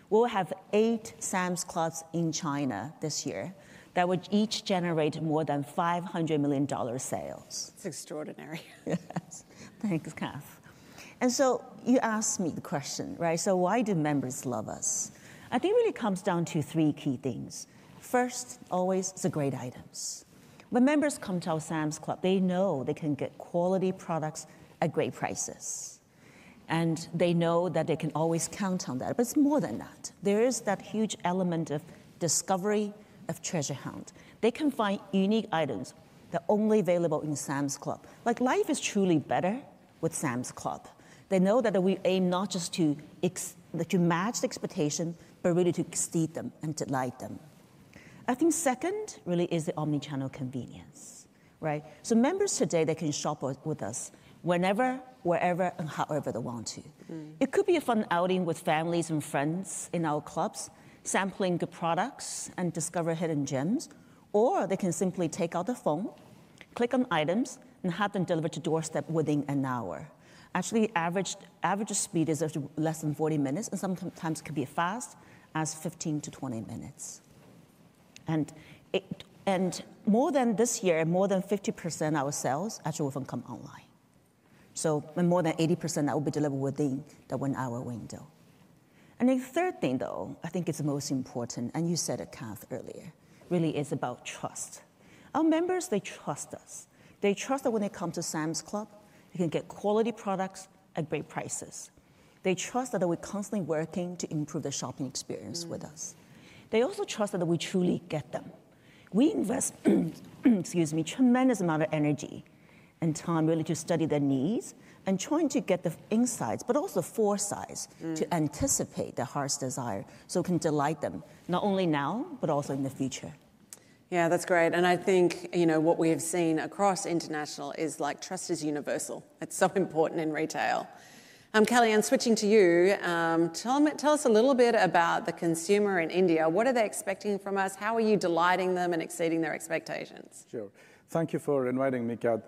Speaker 7: We'll have eight Sam's Clubs in China this year that would each generate more than $500,000,000 sales.
Speaker 5: That's extraordinary.
Speaker 7: Thanks, Kath. You asked me the question, right? Why do members love us? I think it really comes down to three key things. First, always it's great items. When members come to our Sam's Club, they know they can get quality products at great prices, and they know that they can always count on that. It is more than that. There is that huge element of discovery, of treasure hunt. They can find unique items that are only available in Sam's Club. Life is truly better with Sam's Club. They know that we aim not just to match the expectation, but really to exceed them and delight them. I think second really is the omnichannel convenience, right? Members today, they can shop with us whenever, wherever, and however they want to. It could be a fun outing with families and friends in our clubs, sampling good products and discovering hidden gems, or they can simply take out their phone, click on items, and have them delivered to their doorstep within an hour. Actually, average speed is less than 40 minutes, and sometimes it could be as fast as 15-20 minutes. More than this year, more than 50% of our sales actually will come online. More than 80% will be delivered within that one-hour window. The third thing, though, I think is the most important, and you said it, Kath, earlier, really is about trust. Our members, they trust us. They trust that when they come to Sam's Club, they can get quality products at great prices. They trust that we're constantly working to improve the shopping experience with us. They also trust that we truly get them. We invest, excuse me, a tremendous amount of energy and time really to study their needs and trying to get the insights, but also foresights to anticipate their heart's desire so we can delight them not only now, but also in the future.
Speaker 5: Yeah, that's great. I think what we have seen across international is trust is universal. It's so important in retail. Kalyan, switching to you, tell us a little bit about the consumer in India. What are they expecting from us? How are you delighting them and exceeding their expectations?
Speaker 8: Sure. Thank you for inviting me, Kath.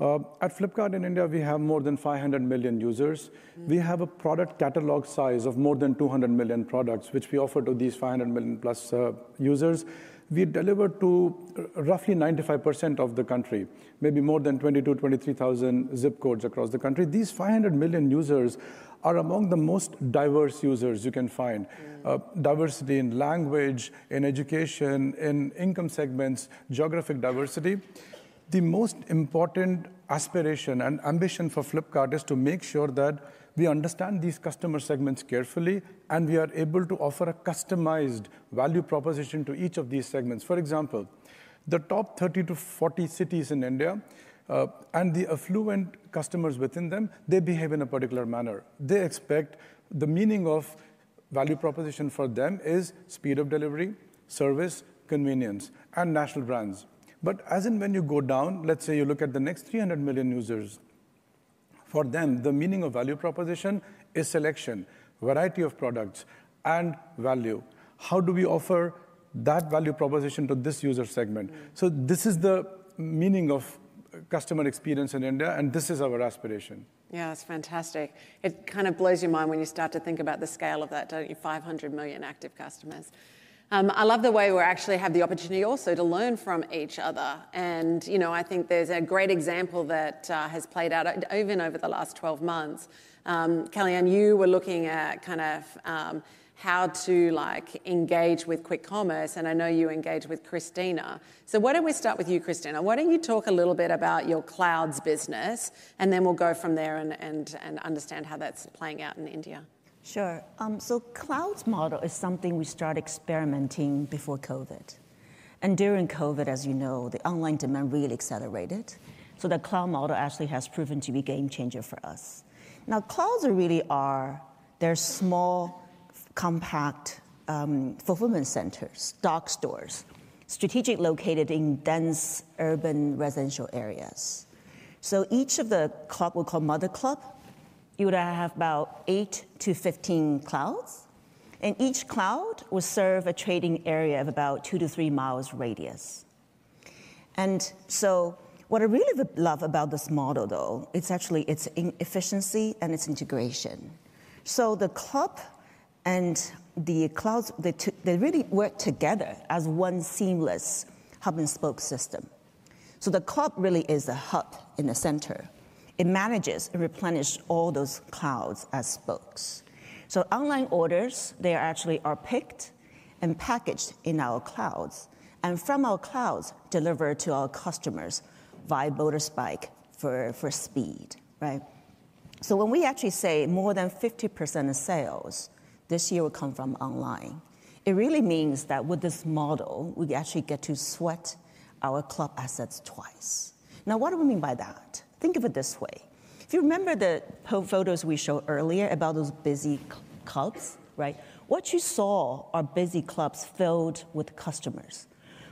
Speaker 8: At Flipkart in India, we have more than 500 million users. We have a product catalog size of more than 200 million products, which we offer to these 500 million plus users. We deliver to roughly 95% of the country, maybe more than 22,000-23,000 zip codes across the country. These 500 million users are among the most diverse users you can find: diversity in language, in education, in income segments, geographic diversity. The most important aspiration and ambition for Flipkart is to make sure that we understand these customer segments carefully and we are able to offer a customized value proposition to each of these segments. For example, the top 30-40 cities in India and the affluent customers within them, they behave in a particular manner. They expect the meaning of value proposition for them is speed of delivery, service, convenience, and national brands. As you go down, let's say you look at the next 300 million users, for them, the meaning of value proposition is selection, variety of products, and value. How do we offer that value proposition to this user segment? This is the meaning of customer experience in India, and this is our aspiration.
Speaker 5: Yeah, that's fantastic. It kind of blows your mind when you start to think about the scale of that, 500 million active customers. I love the way we actually have the opportunity also to learn from each other. I think there's a great example that has played out even over the last 12 months. Kalyan, you were looking at kind of how to engage with Quick Commerce, and I know you engage with Christina. Why don't we start with you, Christina? Why don't you talk a little bit about your clouds business, and then we'll go from there and understand how that's playing out in India.
Speaker 7: Sure. Clouds model is something we started experimenting before COVID. During COVID, as you know, the online demand really accelerated. The cloud model actually has proven to be a game changer for us. Now, clouds really are their small, compact fulfillment centers, dock stores, strategically located in dense urban residential areas. Each of the clubs we call Mother Club, you would have about 8 to 15 clouds, and each cloud will serve a trading area of about 2 to 3 miles radius. What I really love about this model, though, it's actually its efficiency and its integration. The club and the clouds, they really work together as one seamless hub and spoke system. The club really is a hub in the center. It manages and replenishes all those clouds as spokes. Online orders, they actually are picked and packaged in our clouds, and from our clouds, delivered to our customers via motorbike for speed, right? When we actually say more than 50% of sales this year will come from online, it really means that with this model, we actually get to sweat our club assets twice. Now, what do we mean by that? Think of it this way. If you remember the photos we showed earlier about those busy clubs, right? What you saw are busy clubs filled with customers.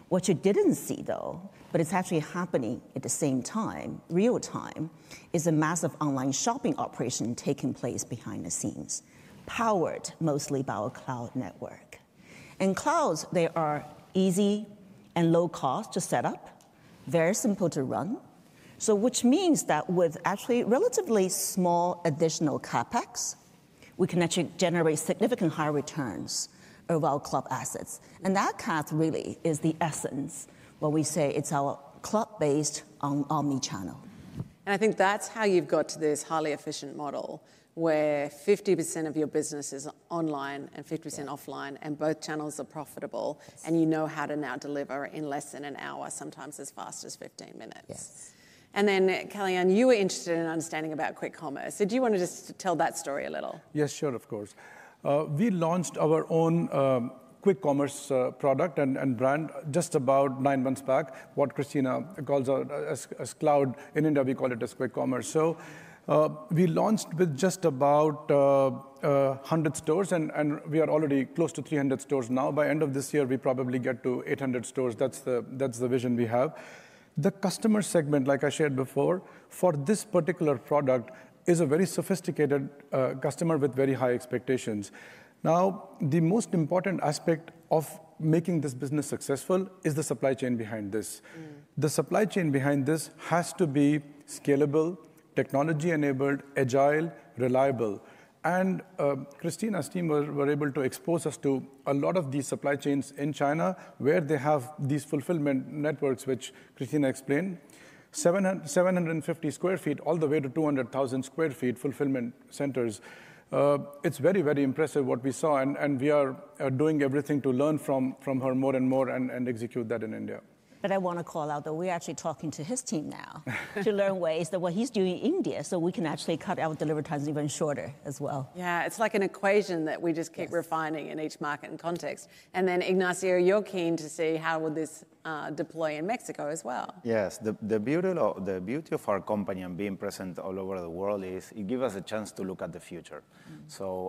Speaker 7: What you did not see, though, but it is actually happening at the same time, real time, is a massive online shopping operation taking place behind the scenes, powered mostly by our cloud network. Clouds are easy and low cost to set up, very simple to run. Which means that with actually relatively small additional CapEx, we can actually generate significant high returns of our club assets. That, Kath, really is the essence, what we say it is our club-based omnichannel.
Speaker 5: I think that's how you've got to this highly efficient model where 50% of your business is online and 50% offline, and both channels are profitable, and you know how to now deliver in less than an hour, sometimes as fast as 15 minutes. Kalyan, you were interested in understanding about Quick Commerce. Do you want to just tell that story a little?
Speaker 8: Yes, sure, of course. We launched our own Quick Commerce product and brand just about nine months back, what Christina calls us cloud. In India, we call it Quick Commerce. We launched with just about 100 stores, and we are already close to 300 stores now. By the end of this year, we probably get to 800 stores. That's the vision we have. The customer segment, like I shared before, for this particular product is a very sophisticated customer with very high expectations. Now, the most important aspect of making this business successful is the supply chain behind this. The supply chain behind this has to be scalable, technology-enabled, agile, reliable. Christina's team were able to expose us to a lot of these supply chains in China where they have these fulfillment networks, which Christina explained, 750 sq ft all the way to 200,000 sq ft fulfillment centers. It's very, very impressive what we saw, and we are doing everything to learn from her more and more and execute that in India.
Speaker 7: I want to call out that we're actually talking to his team now to learn ways that what he's doing in India so we can actually cut our delivery times even shorter as well.
Speaker 5: Yeah, it's like an equation that we just keep refining in each market and context. Ignacio, you're keen to see how would this deploy in Mexico as well.
Speaker 6: Yes, the beauty of our company and being present all over the world is it gives us a chance to look at the future.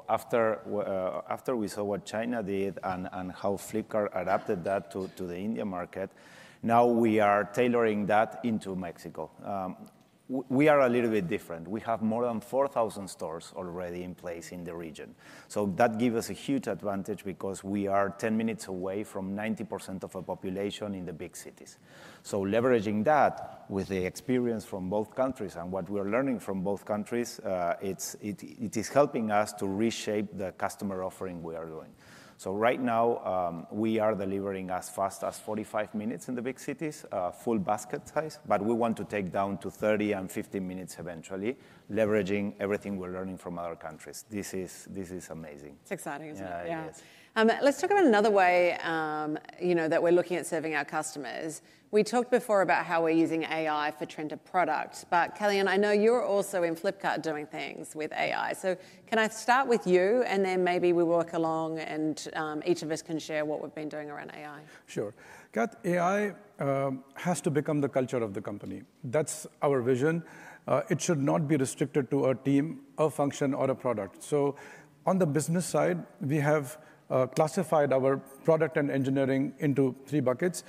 Speaker 6: After we saw what China did and how Flipkart adapted that to the Indian market, now we are tailoring that into Mexico. We are a little bit different. We have more than 4,000 stores already in place in the region. That gives us a huge advantage because we are 10 minutes away from 90% of our population in the big cities. Leveraging that with the experience from both countries and what we are learning from both countries, it is helping us to reshape the customer offering we are doing. Right now, we are delivering as fast as 45 minutes in the big cities, full basket size, but we want to take down to 30 and 15 minutes eventually, leveraging everything we're learning from other countries. This is amazing.
Speaker 5: It's exciting, isn't it?
Speaker 6: Yeah.
Speaker 5: Let's talk about another way that we're looking at serving our customers. We talked before about how we're using AI for trend of products, but Kalyan, I know you're also in Flipkart doing things with AI. Can I start with you, and then maybe we work along and each of us can share what we've been doing around AI?
Speaker 8: Sure. Kath, AI has to become the culture of the company. That's our vision. It should not be restricted to a team, a function, or a product. On the business side, we have classified our product and engineering into three buckets: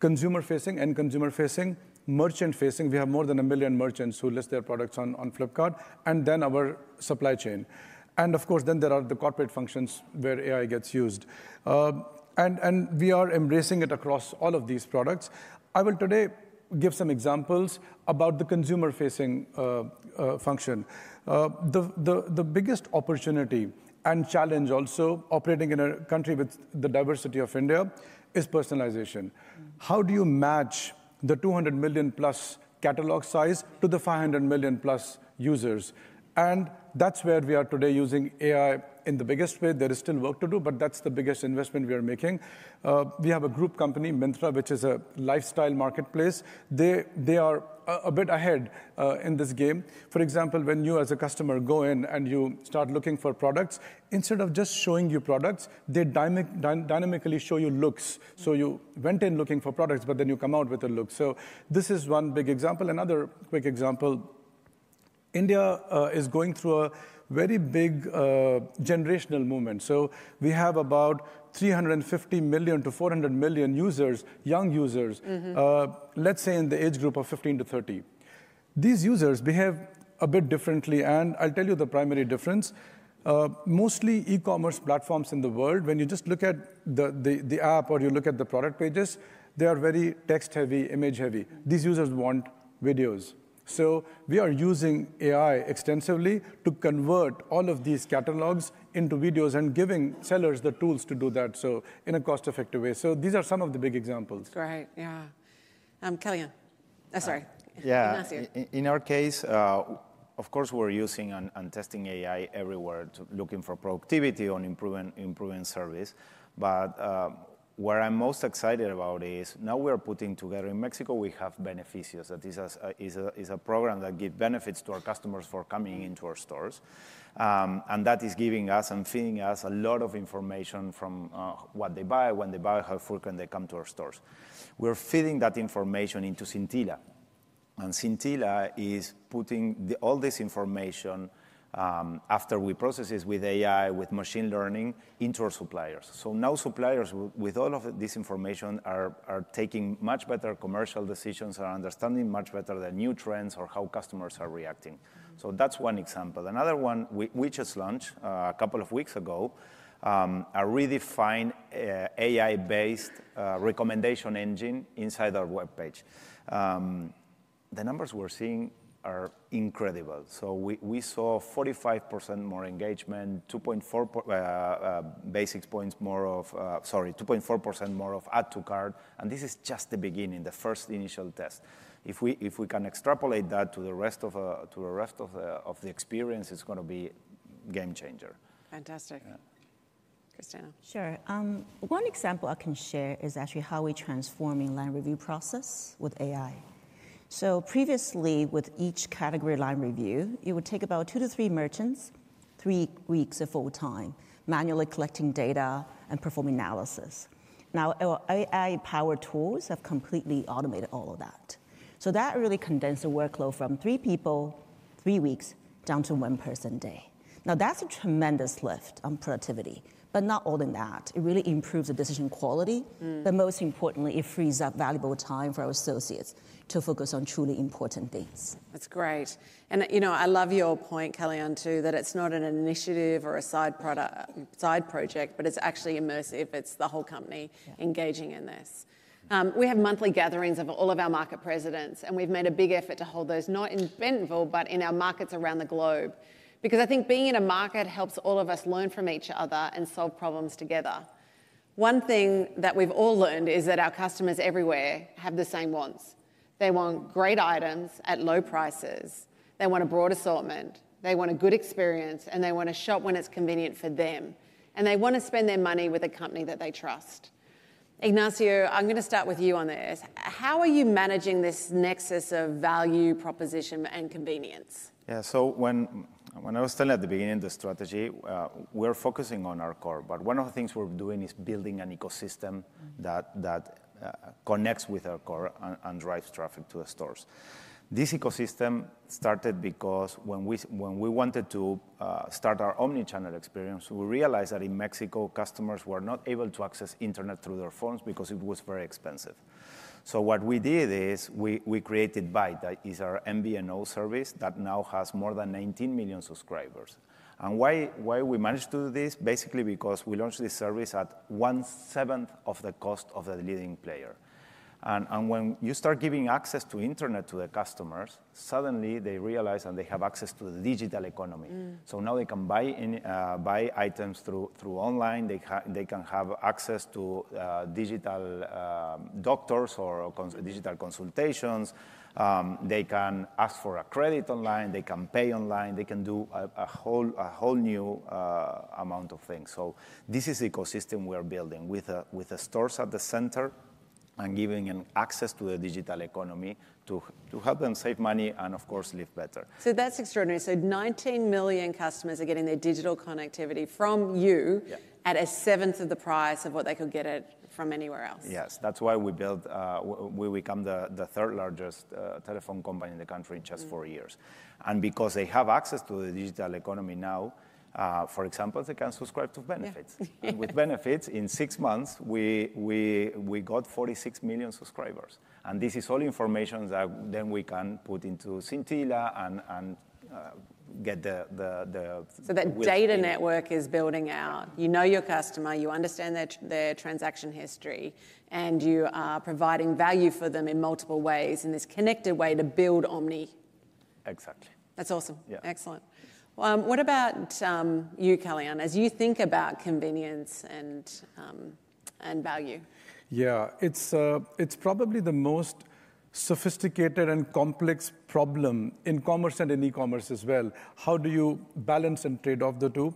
Speaker 8: consumer-facing and consumer-facing, merchant-facing. We have more than a million merchants who list their products on Flipkart, and then our supply chain. Of course, there are the corporate functions where AI gets used. We are embracing it across all of these products. I will today give some examples about the consumer-facing function. The biggest opportunity and challenge also operating in a country with the diversity of India is personalization. How do you match the 200 million plus catalog size to the 500 million plus users? That is where we are today using AI in the biggest way. There is still work to do, but that is the biggest investment we are making. We have a group company, Myntra, which is a lifestyle marketplace. They are a bit ahead in this game. For example, when you as a customer go in and you start looking for products, instead of just showing you products, they dynamically show you looks. You went in looking for products, but then you come out with a look. This is one big example. Another quick example, India is going through a very big generational movement. We have about 350 million-400 million users, young users, let's say in the age group of 15 to 30. These users behave a bit differently, and I'll tell you the primary difference. Mostly e-commerce platforms in the world, when you just look at the app or you look at the product pages, they are very text-heavy, image-heavy. These users want videos. We are using AI extensively to convert all of these catalogs into videos and giving sellers the tools to do that in a cost-effective way. These are some of the big examples.
Speaker 5: Right, yeah. Kalyan, sorry. Yeah.
Speaker 6: In our case, of course, we're using and testing AI everywhere to look for productivity on improving service. Where I'm most excited about is now we are putting together in Mexico, we have Beneficios. That is a program that gives benefits to our customers for coming into our stores. That is giving us and feeding us a lot of information from what they buy, when they buy, how frequent they come to our stores. We're feeding that information into Scintilla. Scintilla is putting all this information after we process it with AI, with machine learning, into our suppliers. Now suppliers with all of this information are taking much better commercial decisions and are understanding much better the new trends or how customers are reacting. That's one example. Another one we just launched a couple of weeks ago, a redefined AI-based recommendation engine inside our webpage. The numbers we're seeing are incredible. We saw 45% more engagement, 2.4 percentage points more of, sorry, 2.4% more of add to cart. This is just the beginning, the first initial test. If we can extrapolate that to the rest of the experience, it's going to be a game changer.
Speaker 5: Fantastic. Christina?
Speaker 7: Sure. One example I can share is actually how we transform the line review process with AI. Previously, with each category line review, it would take about two to three merchants three weeks of full-time manually collecting data and performing analysis. Now, our AI-powered tools have completely automated all of that. That really condensed the workload from three people, three weeks, down to one person a day. Now, that's a tremendous lift on productivity, but not all in that. It really improves the decision quality. Most importantly, it frees up valuable time for our associates to focus on truly important things.
Speaker 5: That's great. I love your point, Kalyan, too, that it's not an initiative or a side project, but it's actually immersive. It's the whole company engaging in this. We have monthly gatherings of all of our market presidents, and we've made a big effort to hold those not in Bentonville, but in our markets around the globe because I think being in a market helps all of us learn from each other and solve problems together. One thing that we've all learned is that our customers everywhere have the same wants. They want great items at low prices. They want a broad assortment. They want a good experience, and they want to shop when it's convenient for them. They want to spend their money with a company that they trust. Ignacio, I'm going to start with you on this. How are you managing this nexus of value, proposition, and convenience?
Speaker 6: Yeah, so when I was telling at the beginning the strategy, we're focusing on our core. One of the things we're doing is building an ecosystem that connects with our core and drives traffic to the stores. This ecosystem started because when we wanted to start our omnichannel experience, we realized that in Mexico, customers were not able to access internet through their phones because it was very expensive. What we did is we created Byte, that is our MBNO service that now has more than 19 million subscribers. Why we managed to do this? Basically because we launched this service at one seventh of the cost of the leading player. When you start giving access to internet to the customers, suddenly they realize and they have access to the digital economy. Now they can buy items through online. They can have access to digital doctors or digital consultations. They can ask for a credit online. They can pay online. They can do a whole new amount of things. This is the ecosystem we are building with the stores at the center and giving them access to the digital economy to help them save money and, of course, live better.
Speaker 5: That's extraordinary. 19 million customers are getting their digital connectivity from you at a seventh of the price of what they could get from anywhere else.
Speaker 6: Yes, that's why we become the third largest telephone company in the country in just four years. Because they have access to the digital economy now, for example, they can subscribe to Benefits. With Benefits, in six months, we got 46 million subscribers. This is all information that then we can put into Sintila and get the...
Speaker 5: So that data network is building out. You know your customer. You understand their transaction history. You are providing value for them in multiple ways in this connected way to build omni.
Speaker 6: Exactly.
Speaker 5: That's awesome. Excellent. What about you, Kalyan, as you think about convenience and value?
Speaker 8: Yeah, it's probably the most sophisticated and complex problem in commerce and in e-commerce as well. How do you balance and trade off the two?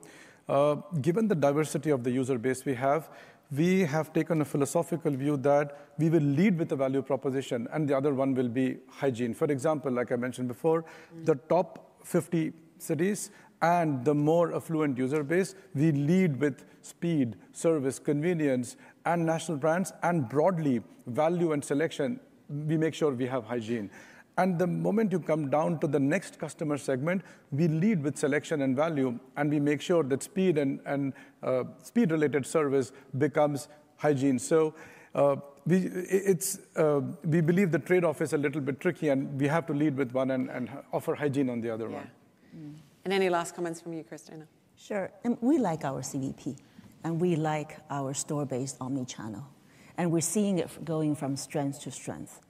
Speaker 8: Given the diversity of the user base we have, we have taken a philosophical view that we will lead with the value proposition, and the other one will be hygiene. For example, like I mentioned before, the top 50 cities and the more affluent user base, we lead with speed, service, convenience, and national brands. Broadly, value and selection, we make sure we have hygiene. The moment you come down to the next customer segment, we lead with selection and value, and we make sure that speed and speed-related service becomes hygiene. We believe the trade-off is a little bit tricky, and we have to lead with one and offer hygiene on the other one.
Speaker 5: Any last comments from you, Christina?
Speaker 7: Sure. We like our CVP, and we like our store-based omni-channel. We're seeing it going from strength to strength.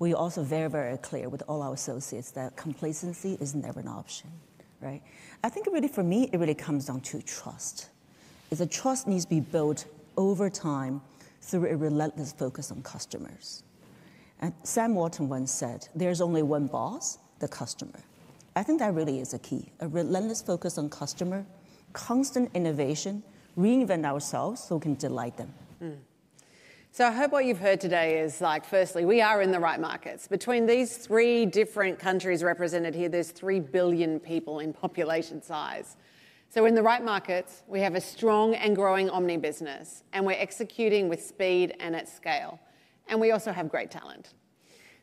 Speaker 7: We're also very, very clear with all our associates that complacency is never an option. Right? I think really for me, it really comes down to trust. The trust needs to be built over time through a relentless focus on customers. And Sam Walton once said, "There's only one boss, the customer." I think that really is a key. A relentless focus on customer, constant innovation, reinvent ourselves so we can delight them.
Speaker 5: I hope what you've heard today is like, firstly, we are in the right markets. Between these three different countries represented here, there's 3 billion people in population size. We are in the right markets. We have a strong and growing omni-business, and we're executing with speed and at scale. We also have great talent.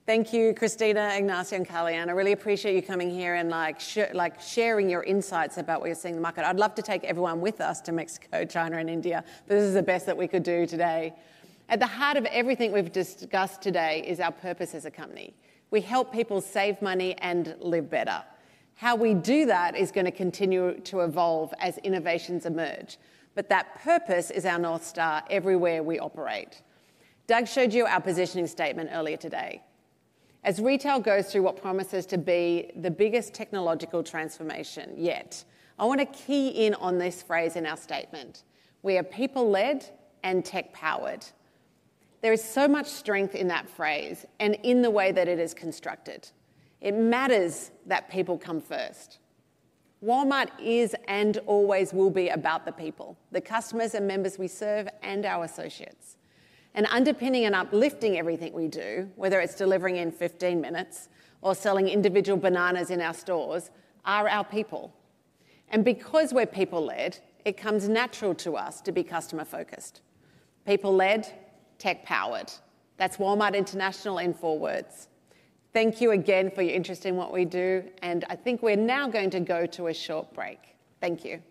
Speaker 5: Thank you, Christina, Ignacio, and Kalyan. I really appreciate you coming here and sharing your insights about what you're seeing in the market. I'd love to take everyone with us to Mexico, China, and India, but this is the best that we could do today. At the heart of everything we've discussed today is our purpose as a company. We help people save money and live better. How we do that is going to continue to evolve as innovations emerge. That purpose is our North Star everywhere we operate. Doug showed you our positioning statement earlier today. As retail goes through what promises to be the biggest technological transformation yet, I want to key in on this phrase in our statement. We are people-led and tech-powered. There is so much strength in that phrase and in the way that it is constructed. It matters that people come first. Walmart is and always will be about the people, the customers and members we serve and our associates. Underpinning and uplifting everything we do, whether it's delivering in 15 minutes or selling individual bananas in our stores, are our people. Because we're people-led, it comes natural to us to be customer-focused. People-led, tech-powered. That's Walmart International in four words. Thank you again for your interest in what we do. I think we're now going to go to a short break. Thank you.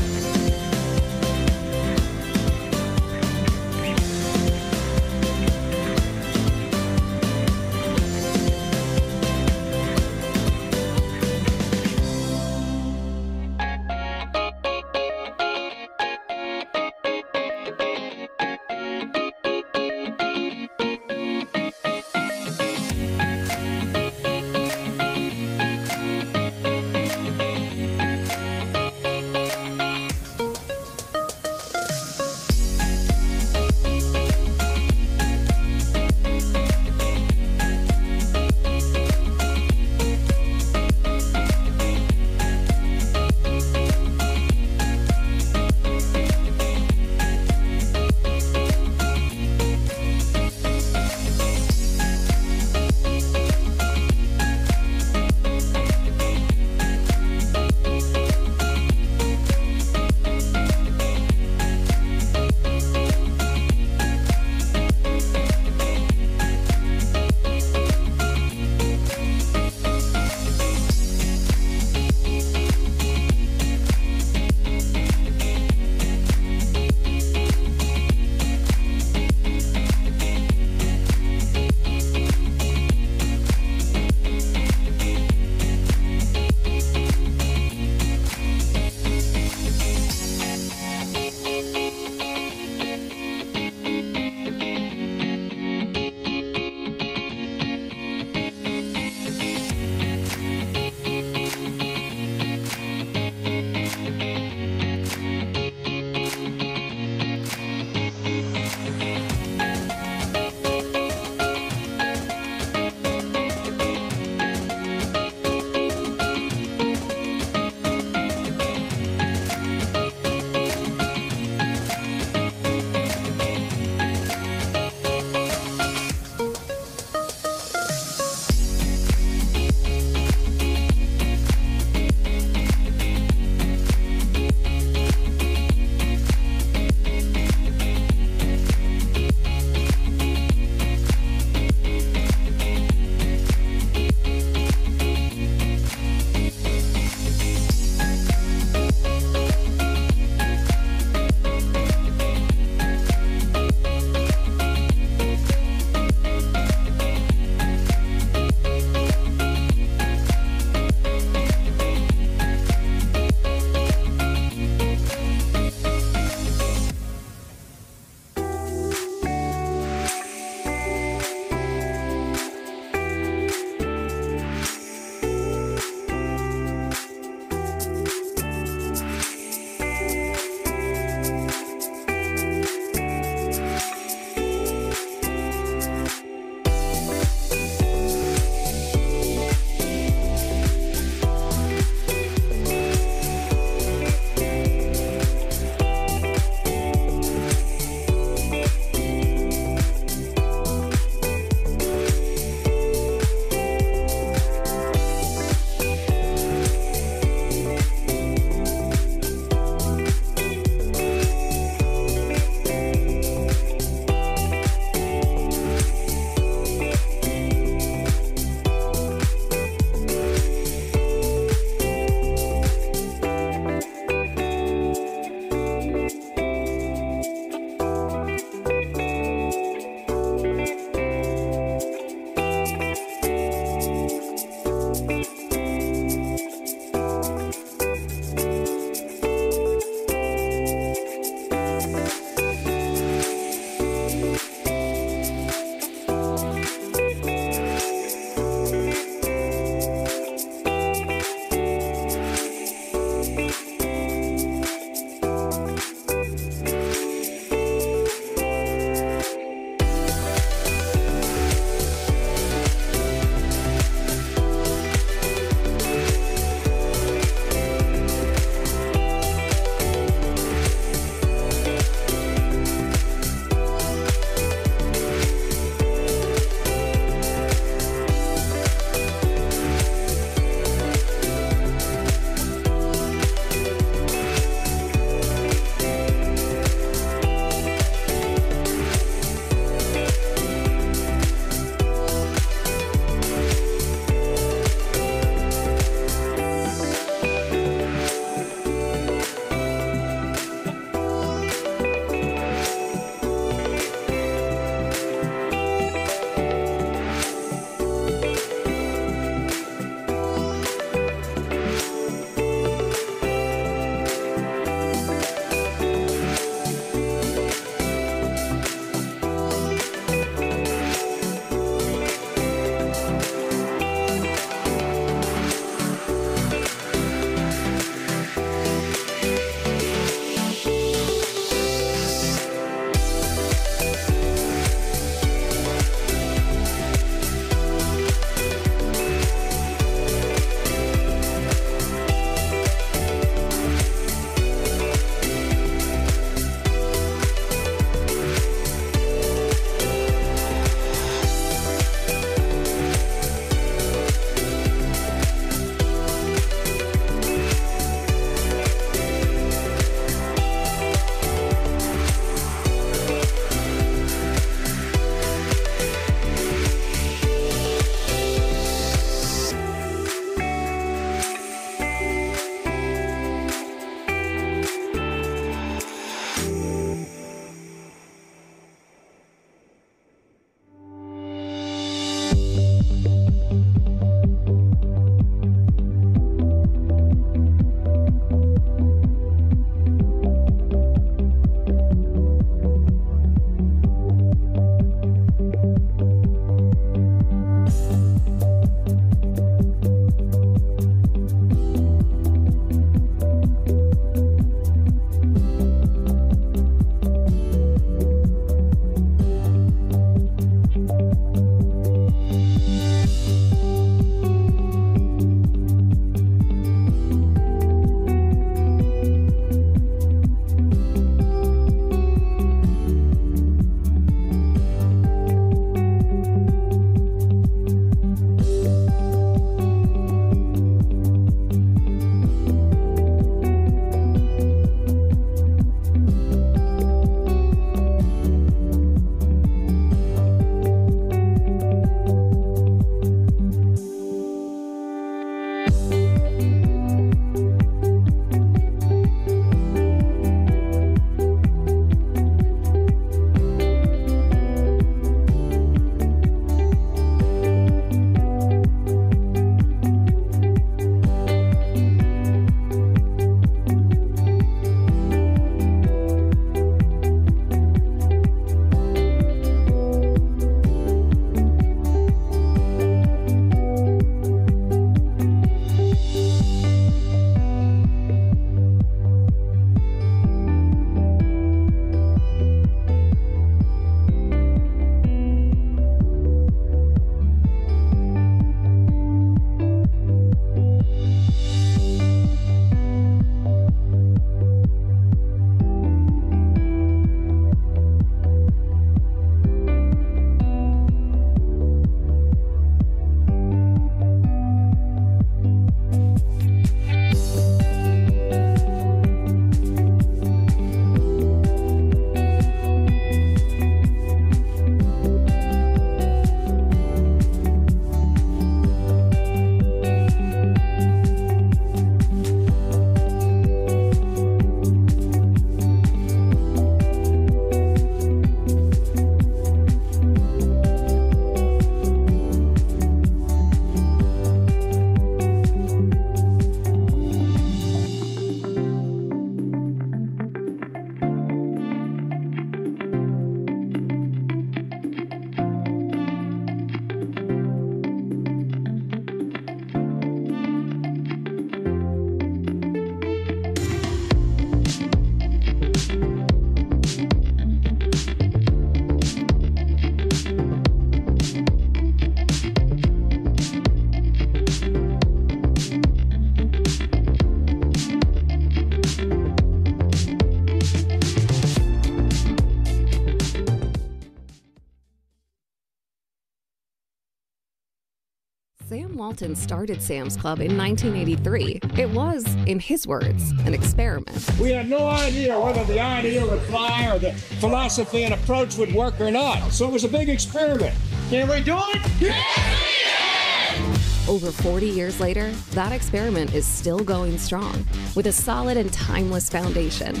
Speaker 2: Sam Walton started Sam's Club in 1983. It was, in his words, an experiment. We had no idea whether the idea would fly or the philosophy and approach would work or not. It was a big experiment. Can we do it? Can we do it? Over 40 years later, that experiment is still going strong with a solid and timeless foundation.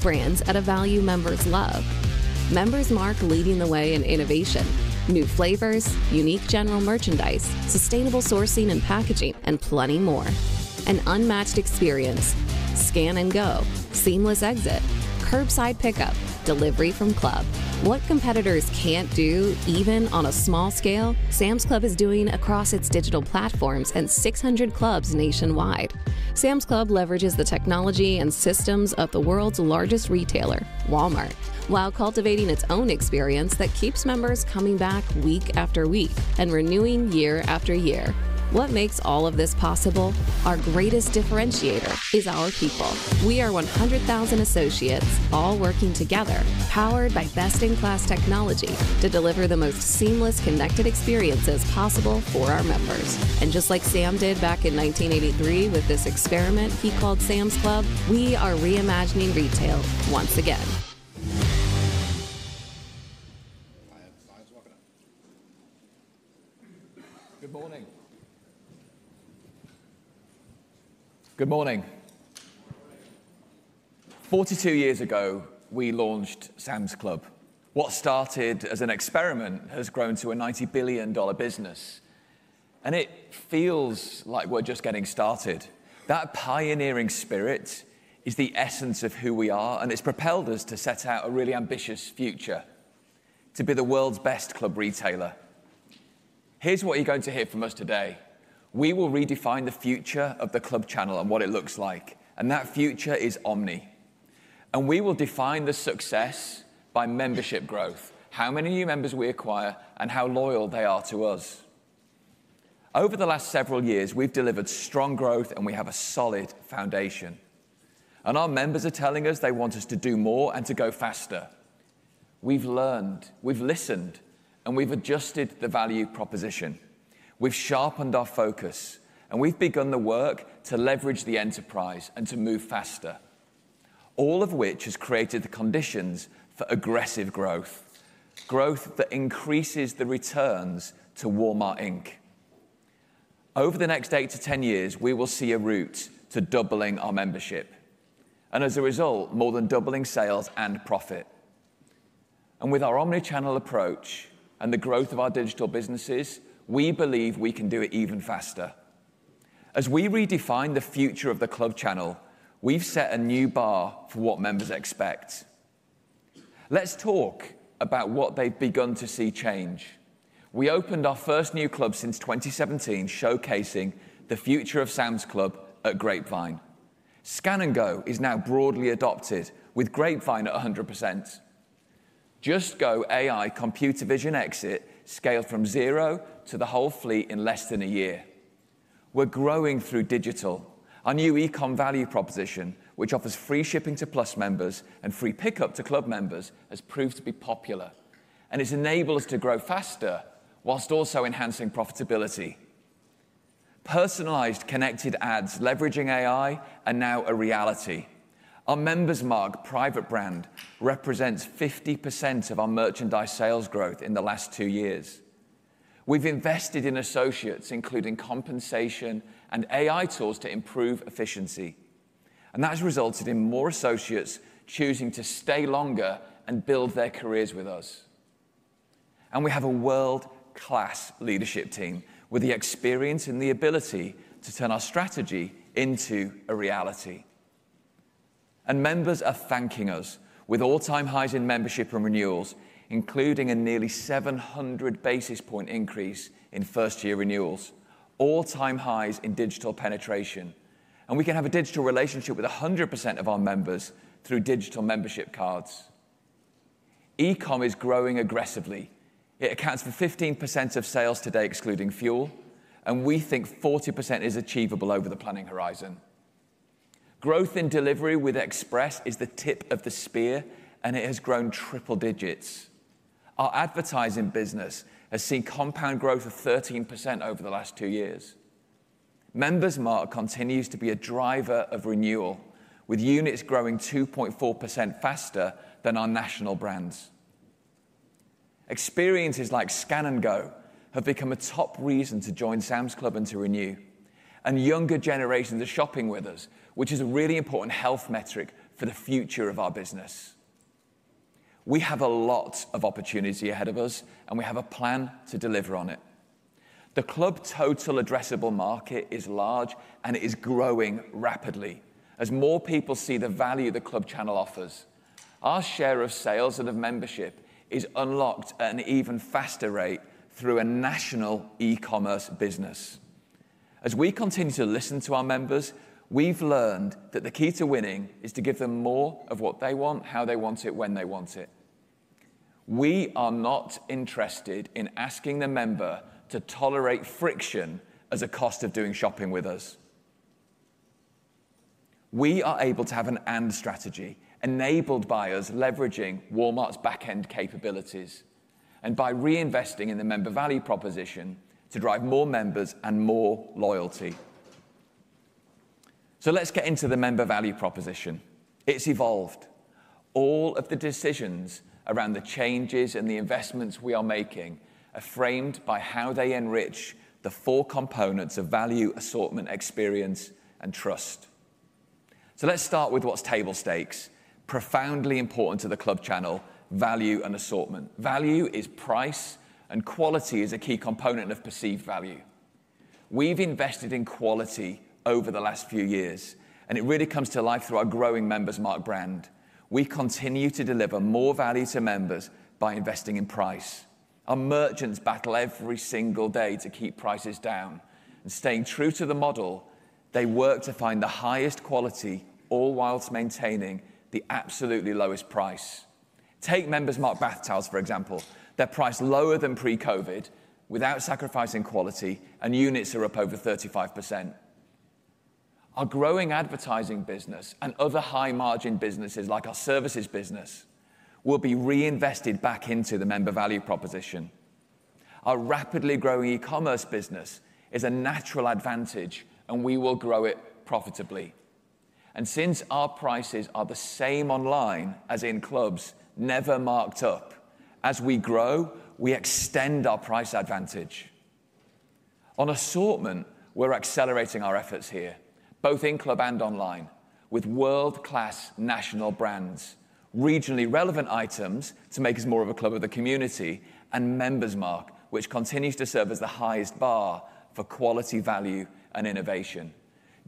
Speaker 2: Brands at a value members love. Members Mark leading the way in innovation, new flavors, unique general merchandise, sustainable sourcing and packaging, and plenty more. An unmatched experience. Scan and go. Seamless exit. Curbside pickup. Delivery from club. What competitors can't do, even on a small scale, Sam's Club is doing across its digital platforms and 600 clubs nationwide. Sam's Club leverages the technology and systems of the world's largest retailer, Walmart, while cultivating its own experience that keeps members coming back week after week and renewing year after year. What makes all of this possible? Our greatest differentiator is our people. We are 100,000 associates all working together, powered by best-in-class technology to deliver the most seamless connected experiences possible for our members. Just like Sam did back in 1983 with this experiment he called Sam's Club, we are reimagining retail once again.
Speaker 9: Good morning. Good morning. Forty-two years ago, we launched Sam's Club. What started as an experiment has grown to a $90 billion business. It feels like we're just getting started. That pioneering spirit is the essence of who we are, and it's propelled us to set out a really ambitious future to be the world's best club retailer. Here's what you're going to hear from us today. We will redefine the future of the club channel and what it looks like. That future is omni. We will define the success by membership growth, how many new members we acquire, and how loyal they are to us. Over the last several years, we've delivered strong growth, and we have a solid foundation. Our members are telling us they want us to do more and to go faster. We've learned, we've listened, and we've adjusted the value proposition. We've sharpened our focus, and we've begun the work to leverage the enterprise and to move faster, all of which has created the conditions for aggressive growth, growth that increases the returns to Walmart. Over the next 8 to 10 years, we will see a route to doubling our membership. As a result, more than doubling sales and profit. With our omnichannel approach and the growth of our digital businesses, we believe we can do it even faster. As we redefine the future of the club channel, we've set a new bar for what members expect. Let's talk about what they've begun to see change. We opened our first new club since 2017, showcasing the future of Sam's Club at Grapevine. Scan and Go is now broadly adopted with Grapevine at 100%. Just Go AI Computer Vision Exit scaled from zero to the whole fleet in less than a year. We are growing through digital. Our new e-comm value proposition, which offers free shipping to Plus members and free pickup to club members, has proved to be popular and has enabled us to grow faster whilst also enhancing profitability. Personalized connected ads leveraging AI are now a reality. Our Members Mark private brand represents 50% of our merchandise sales growth in the last two years. We have invested in associates, including compensation and AI tools to improve efficiency. That has resulted in more associates choosing to stay longer and build their careers with us. We have a world-class leadership team with the experience and the ability to turn our strategy into a reality. Members are thanking us with all-time highs in membership and renewals, including a nearly 700 basis point increase in first-year renewals, all-time highs in digital penetration. We can have a digital relationship with 100% of our members through digital membership cards. E-comm is growing aggressively. It accounts for 15% of sales today, excluding fuel, and we think 40% is achievable over the planning horizon. Growth in delivery with Express is the tip of the spear, and it has grown triple digits. Our advertising business has seen compound growth of 13% over the last two years. Members Mark continues to be a driver of renewal, with units growing 2.4% faster than our national brands. Experiences like Scan and Go have become a top reason to join Sam's Club and to renew. Younger generations are shopping with us, which is a really important health metric for the future of our business. We have a lot of opportunity ahead of us, and we have a plan to deliver on it. The club total addressable market is large, and it is growing rapidly as more people see the value the club channel offers. Our share of sales and of membership is unlocked at an even faster rate through a national e-commerce business. As we continue to listen to our members, we've learned that the key to winning is to give them more of what they want, how they want it, when they want it. We are not interested in asking the member to tolerate friction as a cost of doing shopping with us. We are able to have an end strategy enabled by us leveraging Walmart's back-end capabilities and by reinvesting in the member value proposition to drive more members and more loyalty. Let's get into the member value proposition. It's evolved. All of the decisions around the changes and the investments we are making are framed by how they enrich the four components of value, assortment, experience, and trust. Let's start with what's table stakes, profoundly important to the club channel: value and assortment. Value is price, and quality is a key component of perceived value. We've invested in quality over the last few years, and it really comes to life through our growing Members Mark brand. We continue to deliver more value to members by investing in price. Our merchants battle every single day to keep prices down. Staying true to the model, they work to find the highest quality, all whilst maintaining the absolutely lowest price. Take Members Mark bath towels, for example. They're priced lower than pre-COVID without sacrificing quality, and units are up over 35%. Our growing advertising business and other high-margin businesses like our services business will be reinvested back into the member value proposition. Our rapidly growing e-commerce business is a natural advantage, and we will grow it profitably. Since our prices are the same online as in clubs, never marked up. As we grow, we extend our price advantage. On assortment, we're accelerating our efforts here, both in club and online, with world-class national brands, regionally relevant items to make us more of a club of the community, and Members Mark, which continues to serve as the highest bar for quality, value, and innovation.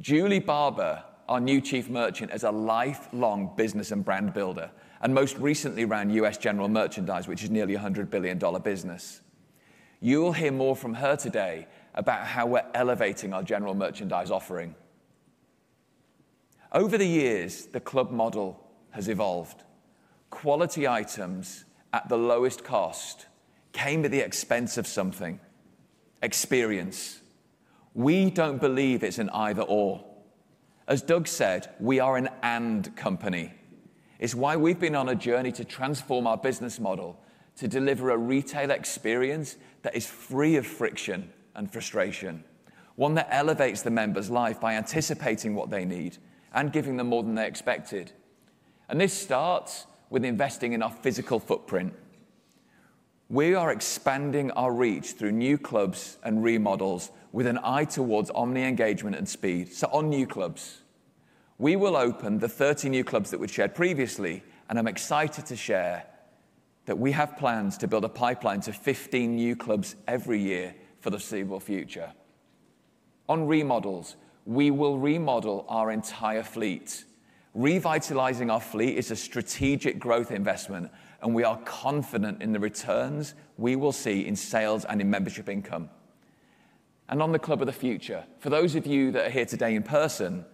Speaker 9: Julie Barber, our new Chief Merchant, is a lifelong business and brand builder, and most recently ran US general merchandise, which is nearly a $100 billion business. You'll hear more from her today about how we're elevating our general merchandise offering. Over the years, the club model has evolved. Quality items at the lowest cost came at the expense of something: experience. We don't believe it's an either/or. As Doug said, we are an and company. It's why we've been on a journey to transform our business model to deliver a retail experience that is free of friction and frustration, one that elevates the members' life by anticipating what they need and giving them more than they expected. This starts with investing in our physical footprint. We are expanding our reach through new clubs and remodels with an eye towards omni engagement and speed. On new clubs, we will open the 30 new clubs that we've shared previously, and I'm excited to share that we have plans to build a pipeline to 15 new clubs every year for the foreseeable future. On remodels, we will remodel our entire fleet. Revitalizing our fleet is a strategic growth investment, and we are confident in the returns we will see in sales and in membership income. On the club of the future, for those of you that are here today in person,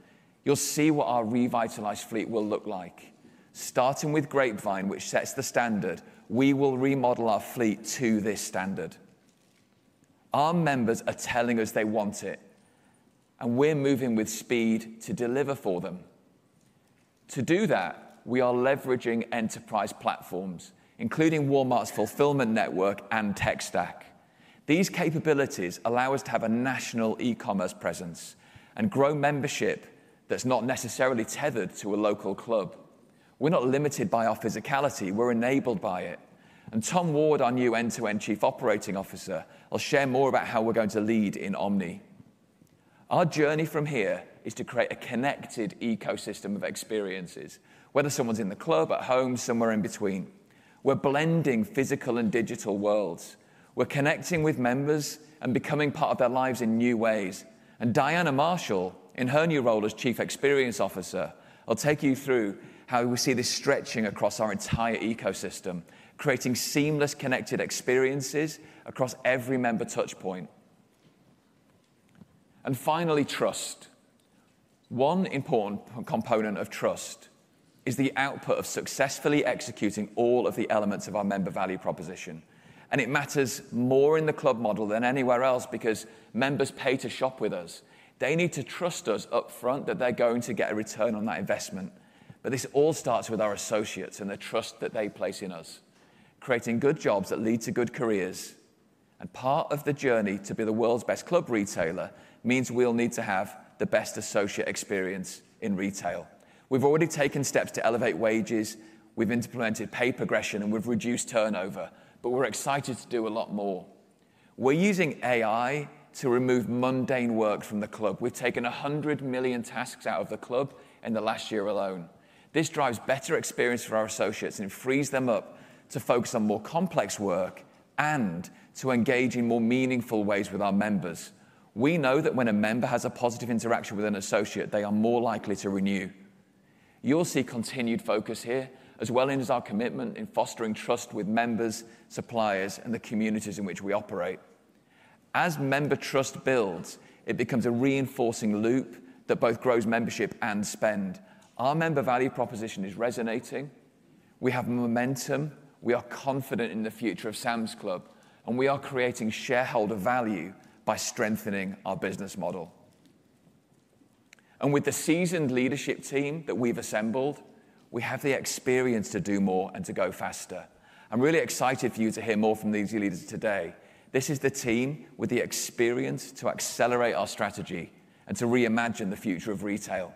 Speaker 9: you'll see what our revitalized fleet will look like. Starting with Grapevine, which sets the standard, we will remodel our fleet to this standard. Our members are telling us they want it, and we're moving with speed to deliver for them. To do that, we are leveraging enterprise platforms, including Walmart's fulfillment network and tech stack. These capabilities allow us to have a national e-commerce presence and grow membership that's not necessarily tethered to a local club. We're not limited by our physicality. We're enabled by it. Tom Ward, our new End-to-End Chief Operating Officer, will share more about how we're going to lead in omni. Our journey from here is to create a connected ecosystem of experiences, whether someone's in the club, at home, somewhere in between. We're blending physical and digital worlds. We're connecting with members and becoming part of their lives in new ways. Diana Marshall, in her new role as Chief Experience Officer, will take you through how we see this stretching across our entire ecosystem, creating seamless connected experiences across every member touchpoint. Finally, trust. One important component of trust is the output of successfully executing all of the elements of our member value proposition. It matters more in the club model than anywhere else because members pay to shop with us. They need to trust us upfront that they're going to get a return on that investment. This all starts with our associates and the trust that they place in us, creating good jobs that lead to good careers. Part of the journey to be the world's best club retailer means we'll need to have the best associate experience in retail. We've already taken steps to elevate wages. We've implemented pay progression, and we've reduced turnover. We're excited to do a lot more. We're using AI to remove mundane work from the club. We've taken 100 million tasks out of the club in the last year alone. This drives better experience for our associates and frees them up to focus on more complex work and to engage in more meaningful ways with our members. We know that when a member has a positive interaction with an associate, they are more likely to renew. You will see continued focus here, as well as our commitment in fostering trust with members, suppliers, and the communities in which we operate. As member trust builds, it becomes a reinforcing loop that both grows membership and spend. Our member value proposition is resonating. We have momentum. We are confident in the future of Sam's Club, and we are creating shareholder value by strengthening our business model. With the seasoned leadership team that we have assembled, we have the experience to do more and to go faster. I'm really excited for you to hear more from these leaders today. This is the team with the experience to accelerate our strategy and to reimagine the future of retail.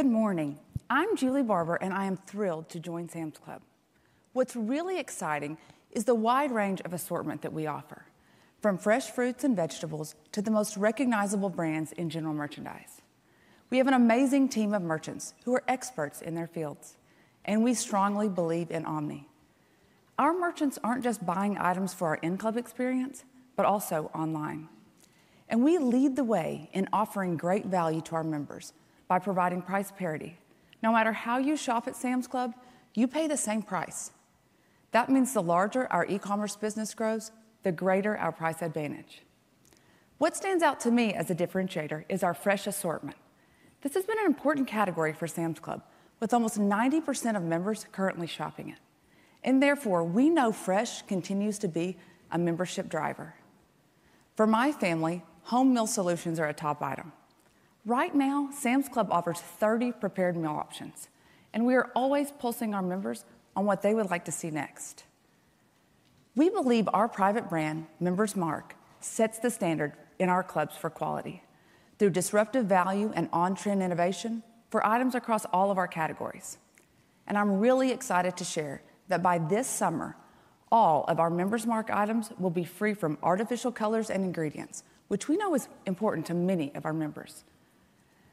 Speaker 10: Good morning. I'm Julie Barber, and I am thrilled to join Sam's Club. What's really exciting is the wide range of assortment that we offer, from fresh fruits and vegetables to the most recognizable brands in general merchandise. We have an amazing team of merchants who are experts in their fields, and we strongly believe in omni. Our merchants aren't just buying items for our in-club experience, but also online. We lead the way in offering great value to our members by providing price parity. No matter how you shop at Sam's Club, you pay the same price. That means the larger our e-commerce business grows, the greater our price advantage. What stands out to me as a differentiator is our fresh assortment. This has been an important category for Sam's Club, with almost 90% of members currently shopping it. We know fresh continues to be a membership driver. For my family, home meal solutions are a top item. Right now, Sam's Club offers 30 prepared meal options, and we are always pulsing our members on what they would like to see next. We believe our private brand, Members Mark, sets the standard in our clubs for quality through disruptive value and on-trend innovation for items across all of our categories. I am really excited to share that by this summer, all of our Members Mark items will be free from artificial colors and ingredients, which we know is important to many of our members.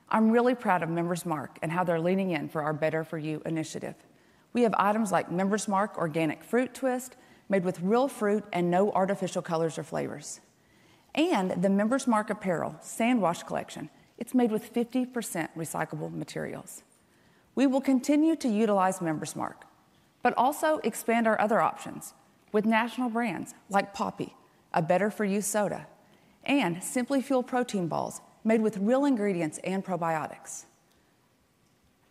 Speaker 10: I am really proud of Members Mark and how they are leaning in for our Better For You initiative. We have items like Members Mark organic fruit twist made with real fruit and no artificial colors or flavors. The Members Mark apparel sandwash collection is made with 50% recyclable materials. We will continue to utilize Members Mark, but also expand our other options with national brands like Poppy, a Better For You soda, and Simply Fuel protein balls made with real ingredients and probiotics.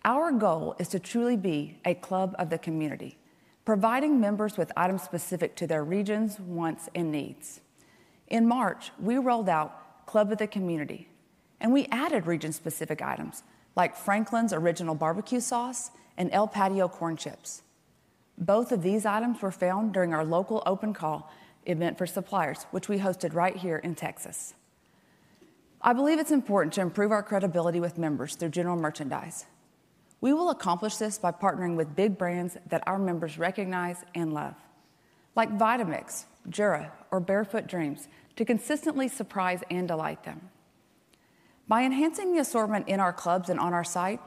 Speaker 10: Our goal is to truly be a club of the community, providing members with items specific to their region's wants and needs. In March, we rolled out Club of the Community, and we added region-specific items like Franklin's original barbecue sauce and El Patio corn chips. Both of these items were found during our local open call event for suppliers, which we hosted right here in Texas. I believe it's important to improve our credibility with members through general merchandise. We will accomplish this by partnering with big brands that our members recognize and love, like Vitamix, Jira, or Barefoot Dreams, to consistently surprise and delight them. By enhancing the assortment in our clubs and on our site,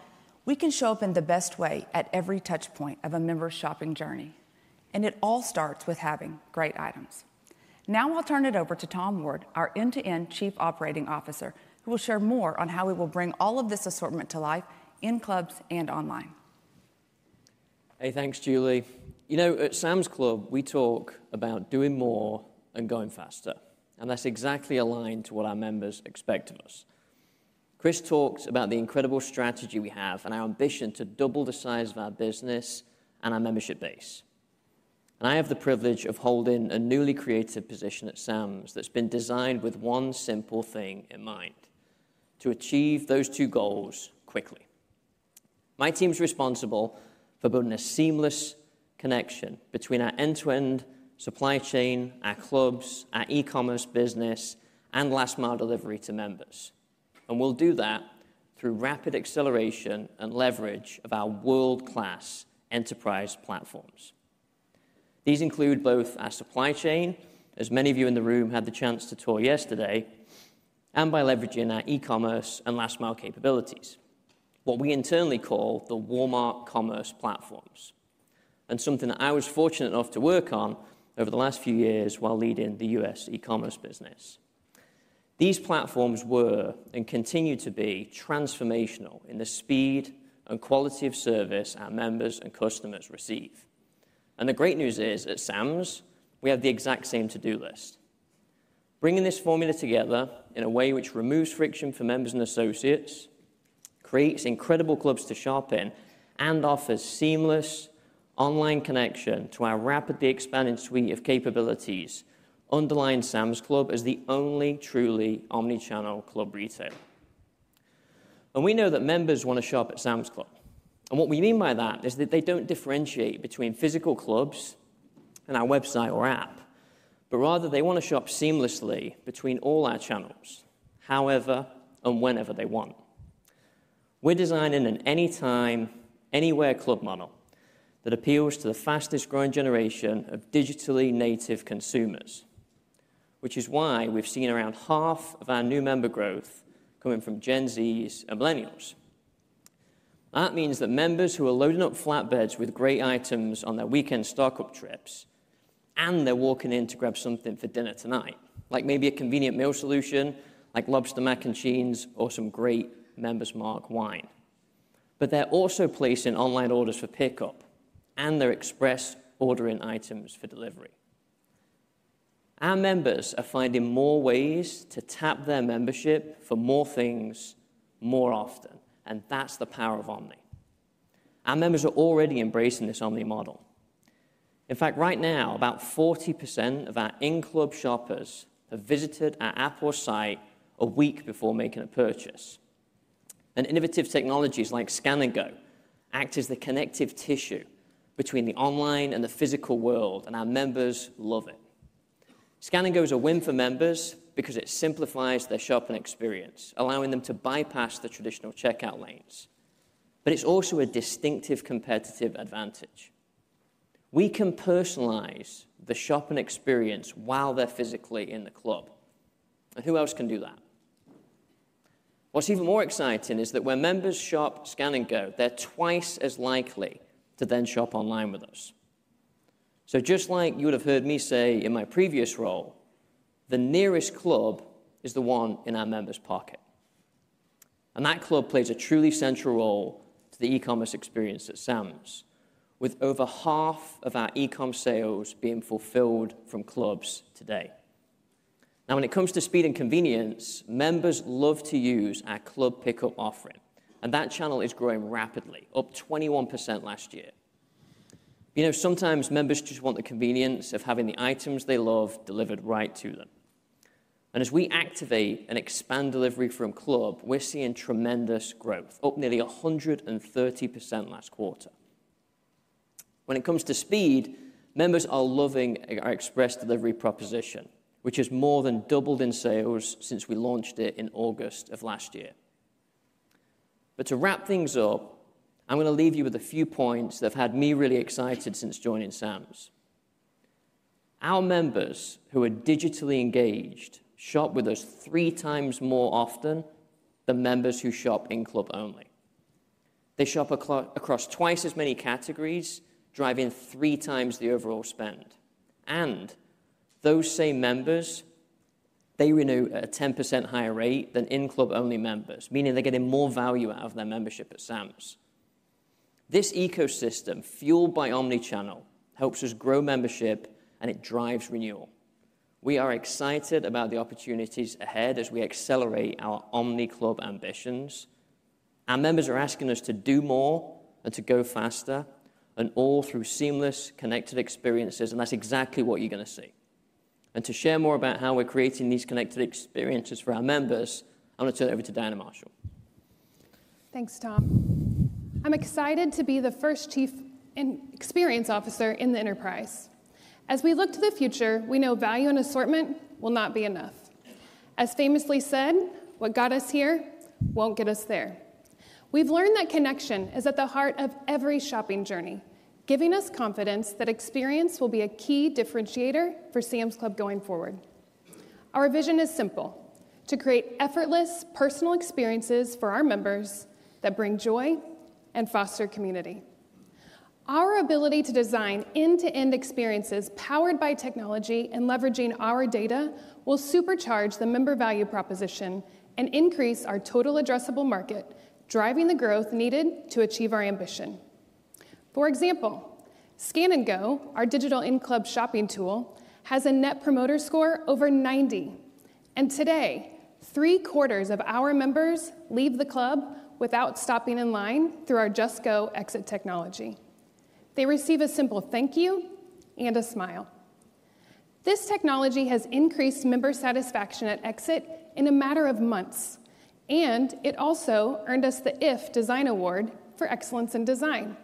Speaker 10: we can show up in the best way at every touchpoint of a member's shopping journey. It all starts with having great items. Now I'll turn it over to Tom Ward, our End-to-End Chief Operating Officer, who will share more on how we will bring all of this assortment to life in clubs and online.
Speaker 11: Hey, thanks, Julie. You know, at Sam's Club, we talk about doing more and going faster. That's exactly aligned to what our members expect of us. Chris talks about the incredible strategy we have and our ambition to double the size of our business and our membership base. I have the privilege of holding a newly created position at Sam's that's been designed with one simple thing in mind: to achieve those two goals quickly. My team's responsible for building a seamless connection between our end-to-end supply chain, our clubs, our e-commerce business, and last-mile delivery to members. We'll do that through rapid acceleration and leverage of our world-class enterprise platforms. These include both our supply chain, as many of you in the room had the chance to tour yesterday, and by leveraging our e-commerce and last-mile capabilities, what we internally call the Walmart Commerce platforms, and something that I was fortunate enough to work on over the last few years while leading the U.S. e-commerce business. These platforms were and continue to be transformational in the speed and quality of service our members and customers receive. The great news is at Sam's, we have the exact same to-do list. Bringing this formula together in a way which removes friction for members and associates, creates incredible clubs to shop in, and offers seamless online connection to our rapidly expanding suite of capabilities underlines Sam's Club as the only truly omnichannel club retail. We know that members want to shop at Sam's Club. What we mean by that is that they don't differentiate between physical clubs and our website or app, but rather they want to shop seamlessly between all our channels, however and whenever they want. We're designing an anytime, anywhere club model that appeals to the fastest growing generation of digitally native consumers, which is why we've seen around half of our new member growth coming from Gen Zs and millennials. That means that members who are loading up flatbeds with great items on their weekend stock-up trips and they're walking in to grab something for dinner tonight, like maybe a convenient meal solution like lobster mac and cheese or some great Members Mark wine. They are also placing online orders for pickup and they're express ordering items for delivery. Our members are finding more ways to tap their membership for more things more often. That is the power of omni. Our members are already embracing this omni model. In fact, right now, about 40% of our in-club shoppers have visited our app or site a week before making a purchase. Innovative technologies like Scan and Go act as the connective tissue between the online and the physical world, and our members love it. Go is a win for members because it simplifies their shopping experience, allowing them to bypass the traditional checkout lanes. It is also a distinctive competitive advantage. We can personalize the shopping experience while they're physically in the club. Who else can do that? What is even more exciting is that when members shop Scan and Go, they're twice as likely to then shop online with us. Just like you would have heard me say in my previous role, the nearest club is the one in our members' pocket. That club plays a truly central role to the e-commerce experience at Sam's, with over half of our e-commerce sales being fulfilled from clubs today. When it comes to speed and convenience, members love to use our club pickup offering. That channel is growing rapidly, up 21% last year. You know, sometimes members just want the convenience of having the items they love delivered right to them. As we activate and expand delivery from club, we're seeing tremendous growth, up nearly 130% last quarter. When it comes to speed, members are loving our express delivery proposition, which has more than doubled in sales since we launched it in August of last year. To wrap things up, I'm going to leave you with a few points that have had me really excited since joining Sam's. Our members who are digitally engaged shop with us three times more often than members who shop in-club only. They shop across twice as many categories, driving three times the overall spend. Those same members, they renew at a 10% higher rate than in-club only members, meaning they're getting more value out of their membership at Sam's. This ecosystem, fueled by omnichannel, helps us grow membership, and it drives renewal. We are excited about the opportunities ahead as we accelerate our omniclub ambitions. Our members are asking us to do more and to go faster, all through seamless connected experiences. That is exactly what you're going to see. To share more about how we're creating these connected experiences for our members, I want to turn it over to Diana Marshall.
Speaker 12: Thanks, Tom. I'm excited to be the first Chief Experience Officer in the enterprise. As we look to the future, we know value and assortment will not be enough. As famously said, what got us here won't get us there. We've learned that connection is at the heart of every shopping journey, giving us confidence that experience will be a key differentiator for Sam's Club going forward. Our vision is simple: to create effortless personal experiences for our members that bring joy and foster community. Our ability to design end-to-end experiences powered by technology and leveraging our data will supercharge the member value proposition and increase our total addressable market, driving the growth needed to achieve our ambition. For example, Scan and Go, our digital in-club shopping tool, has a net promoter score over 90. Today, three quarters of our members leave the club without stopping in line through our Just Go exit technology. They receive a simple thank you and a smile. This technology has increased member satisfaction at exit in a matter of months, and it also earned us the IFF Design Award for excellence in design.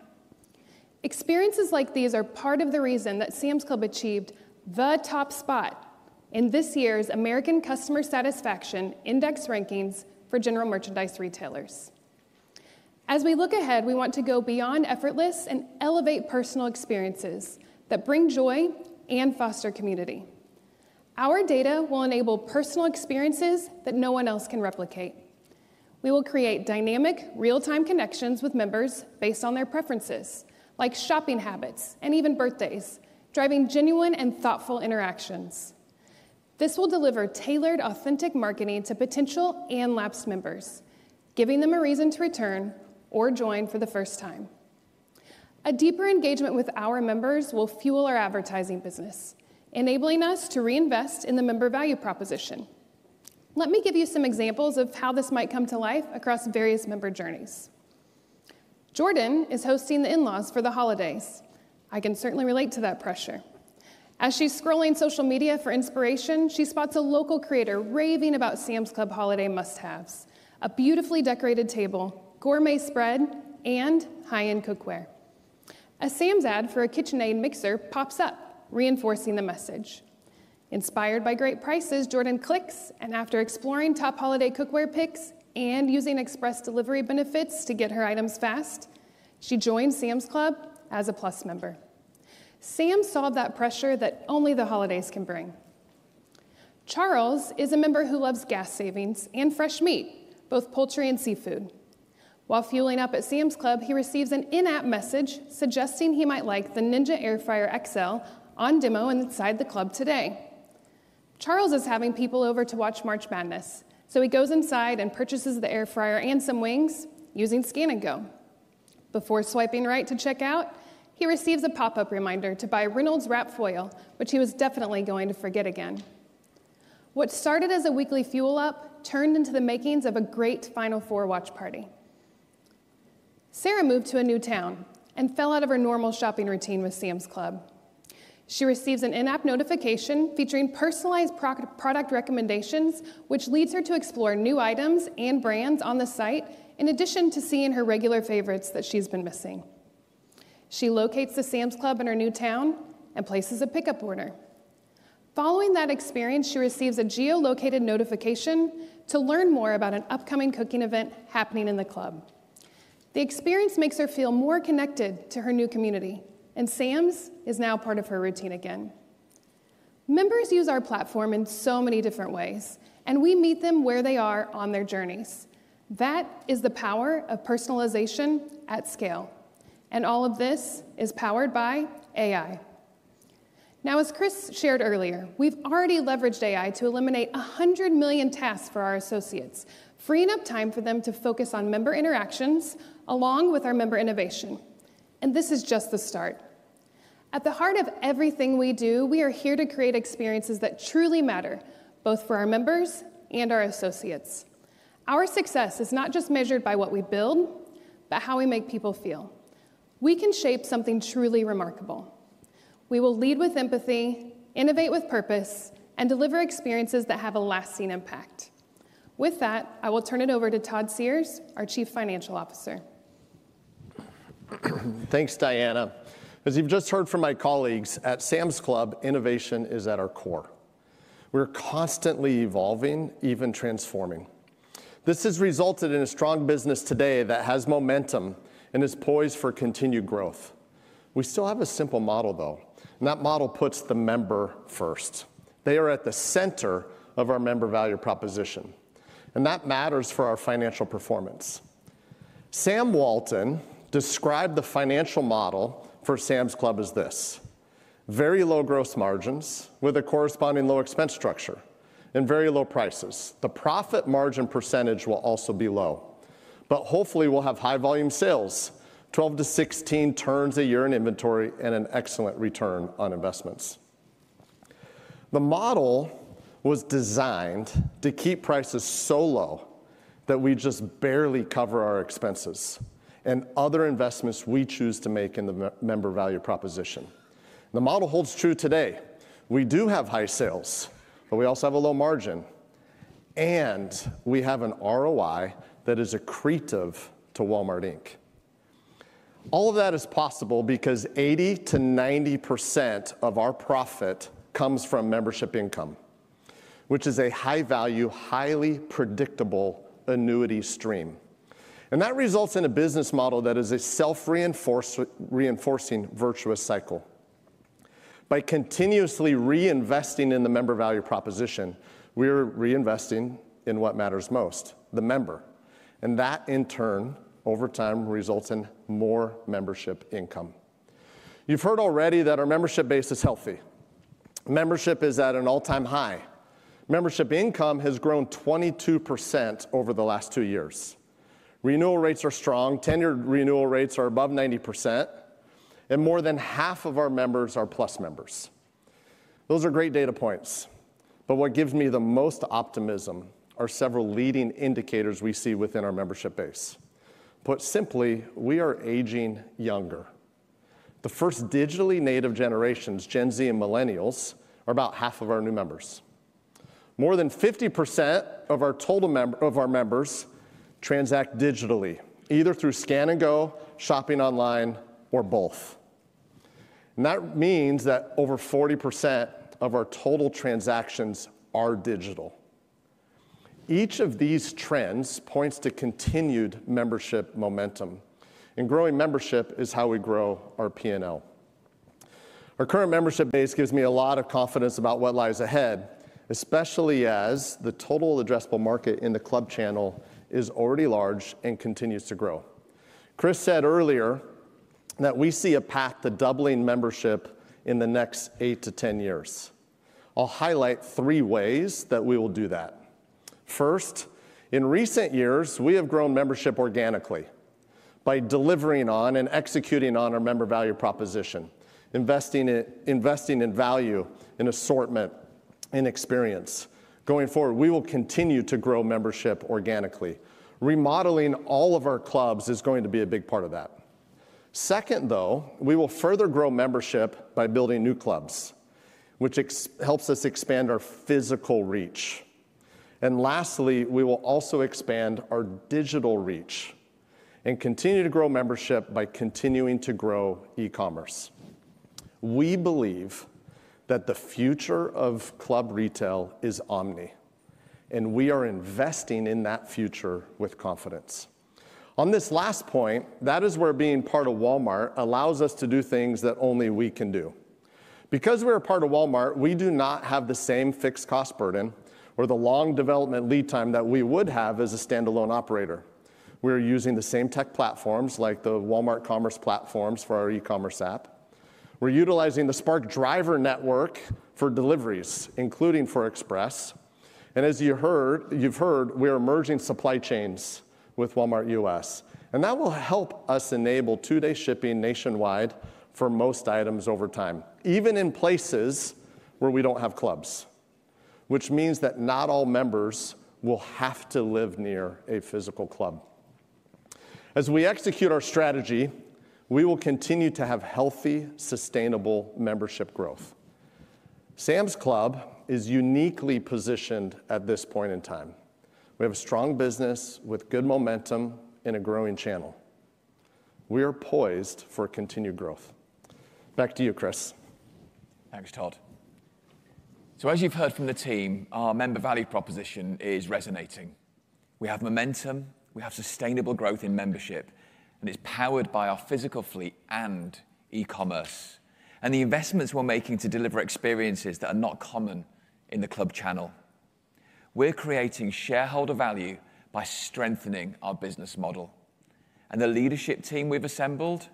Speaker 12: Experiences like these are part of the reason that Sam's Club achieved the top spot in this year's American Customer Satisfaction Index rankings for general merchandise retailers. As we look ahead, we want to go beyond effortless and elevate personal experiences that bring joy and foster community. Our data will enable personal experiences that no one else can replicate. We will create dynamic, real-time connections with members based on their preferences, like shopping habits and even birthdays, driving genuine and thoughtful interactions. This will deliver tailored, authentic marketing to potential and lapsed members, giving them a reason to return or join for the first time. A deeper engagement with our members will fuel our advertising business, enabling us to reinvest in the member value proposition. Let me give you some examples of how this might come to life across various member journeys. Jordan is hosting the in-laws for the holidays. I can certainly relate to that pressure. As she's scrolling social media for inspiration, she spots a local creator raving about Sam's Club holiday must-haves: a beautifully decorated table, gourmet spread, and high-end cookware. A Sam's ad for a KitchenAid mixer pops up, reinforcing the message. Inspired by great prices, Jordan clicks, and after exploring top holiday cookware picks and using express delivery benefits to get her items fast, she joins Sam's Club as a plus member. Sam solved that pressure that only the holidays can bring. Charles is a member who loves gas savings and fresh meat, both poultry and seafood. While fueling up at Sam's Club, he receives an in-app message suggesting he might like the Ninja Air Fryer XL on demo inside the club today. Charles is having people over to watch March Madness, so he goes inside and purchases the air fryer and some wings using Scan and Go. Before swiping right to check out, he receives a pop-up reminder to buy Reynolds Wrap Foil, which he was definitely going to forget again. What started as a weekly fuel-up turned into the makings of a great Final Four watch party. Sarah moved to a new town and fell out of her normal shopping routine with Sam's Club. She receives an in-app notification featuring personalized product recommendations, which leads her to explore new items and brands on the site, in addition to seeing her regular favorites that she's been missing. She locates the Sam's Club in her new town and places a pickup order. Following that experience, she receives a geo-located notification to learn more about an upcoming cooking event happening in the club. The experience makes her feel more connected to her new community, and Sam's is now part of her routine again. Members use our platform in so many different ways, and we meet them where they are on their journeys. That is the power of personalization at scale. All of this is powered by AI. As Chris shared earlier, we've already leveraged AI to eliminate 100 million tasks for our associates, freeing up time for them to focus on member interactions along with our member innovation. This is just the start. At the heart of everything we do, we are here to create experiences that truly matter, both for our members and our associates. Our success is not just measured by what we build, but how we make people feel. We can shape something truly remarkable. We will lead with empathy, innovate with purpose, and deliver experiences that have a lasting impact. With that, I will turn it over to Todd Sears, our Chief Financial Officer. Thanks, Diana.
Speaker 13: As you've just heard from my colleagues at Sam's Club, innovation is at our core. We're constantly evolving, even transforming. This has resulted in a strong business today that has momentum and is poised for continued growth. We still have a simple model, though. That model puts the member first. They are at the center of our member value proposition. That matters for our financial performance. Sam Walton described the financial model for Sam's Club as this: very low gross margins with a corresponding low expense structure and very low prices. The profit margin percentage will also be low, but hopefully we'll have high volume sales, 12-16 turns a year in inventory, and an excellent return on investments. The model was designed to keep prices so low that we just barely cover our expenses and other investments we choose to make in the member value proposition. The model holds true today. We do have high sales, but we also have a low margin. We have an ROI that is accretive to Walmart. All of that is possible because 80-90% of our profit comes from membership income, which is a high-value, highly predictable annuity stream. That results in a business model that is a self-reinforcing virtuous cycle. By continuously reinvesting in the member value proposition, we are reinvesting in what matters most: the member. That, in turn, over time results in more membership income. You've heard already that our membership base is healthy. Membership is at an all-time high. Membership income has grown 22% over the last two years. Renewal rates are strong. Tenure renewal rates are above 90%. More than half of our members are plus members. Those are great data points. What gives me the most optimism are several leading indicators we see within our membership base. Put simply, we are aging younger. The first digitally native generations, Gen Z and Millennials, are about half of our new members. More than 50% of our members transact digitally, either through Scan and Go, shopping online, or both. That means that over 40% of our total transactions are digital. Each of these trends points to continued membership momentum. Growing membership is how we grow our P&L. Our current membership base gives me a lot of confidence about what lies ahead, especially as the total addressable market in the club channel is already large and continues to grow. Chris said earlier that we see a path to doubling membership in the next 8-10 years. I'll highlight three ways that we will do that. First, in recent years, we have grown membership organically by delivering on and executing on our member value proposition, investing in value, in assortment, in experience. Going forward, we will continue to grow membership organically. Remodeling all of our clubs is going to be a big part of that. Second, though, we will further grow membership by building new clubs, which helps us expand our physical reach. Lastly, we will also expand our digital reach and continue to grow membership by continuing to grow e-commerce. We believe that the future of club retail is omni. We are investing in that future with confidence. On this last point, that is where being part of Walmart allows us to do things that only we can do. Because we're a part of Walmart, we do not have the same fixed cost burden or the long development lead time that we would have as a standalone operator. We're using the same tech platforms like the Walmart Commerce platforms for our e-commerce app. We're utilizing the Spark Driver network for deliveries, including for express. As you've heard, we're merging supply chains with Walmart U.S. That will help us enable two-day shipping nationwide for most items over time, even in places where we do not have clubs, which means that not all members will have to live near a physical club. As we execute our strategy, we will continue to have healthy, sustainable membership growth. Sam's Club is uniquely positioned at this point in time. We have a strong business with good momentum in a growing channel. We are poised for continued growth. Back to you, Chris. Thanks, Todd.
Speaker 9: As you've heard from the team, our member value proposition is resonating. We have momentum. We have sustainable growth in membership. It's powered by our physical fleet and e-commerce. The investments we're making deliver experiences that are not common in the club channel. We're creating shareholder value by strengthening our business model. The leadership team we've assembled,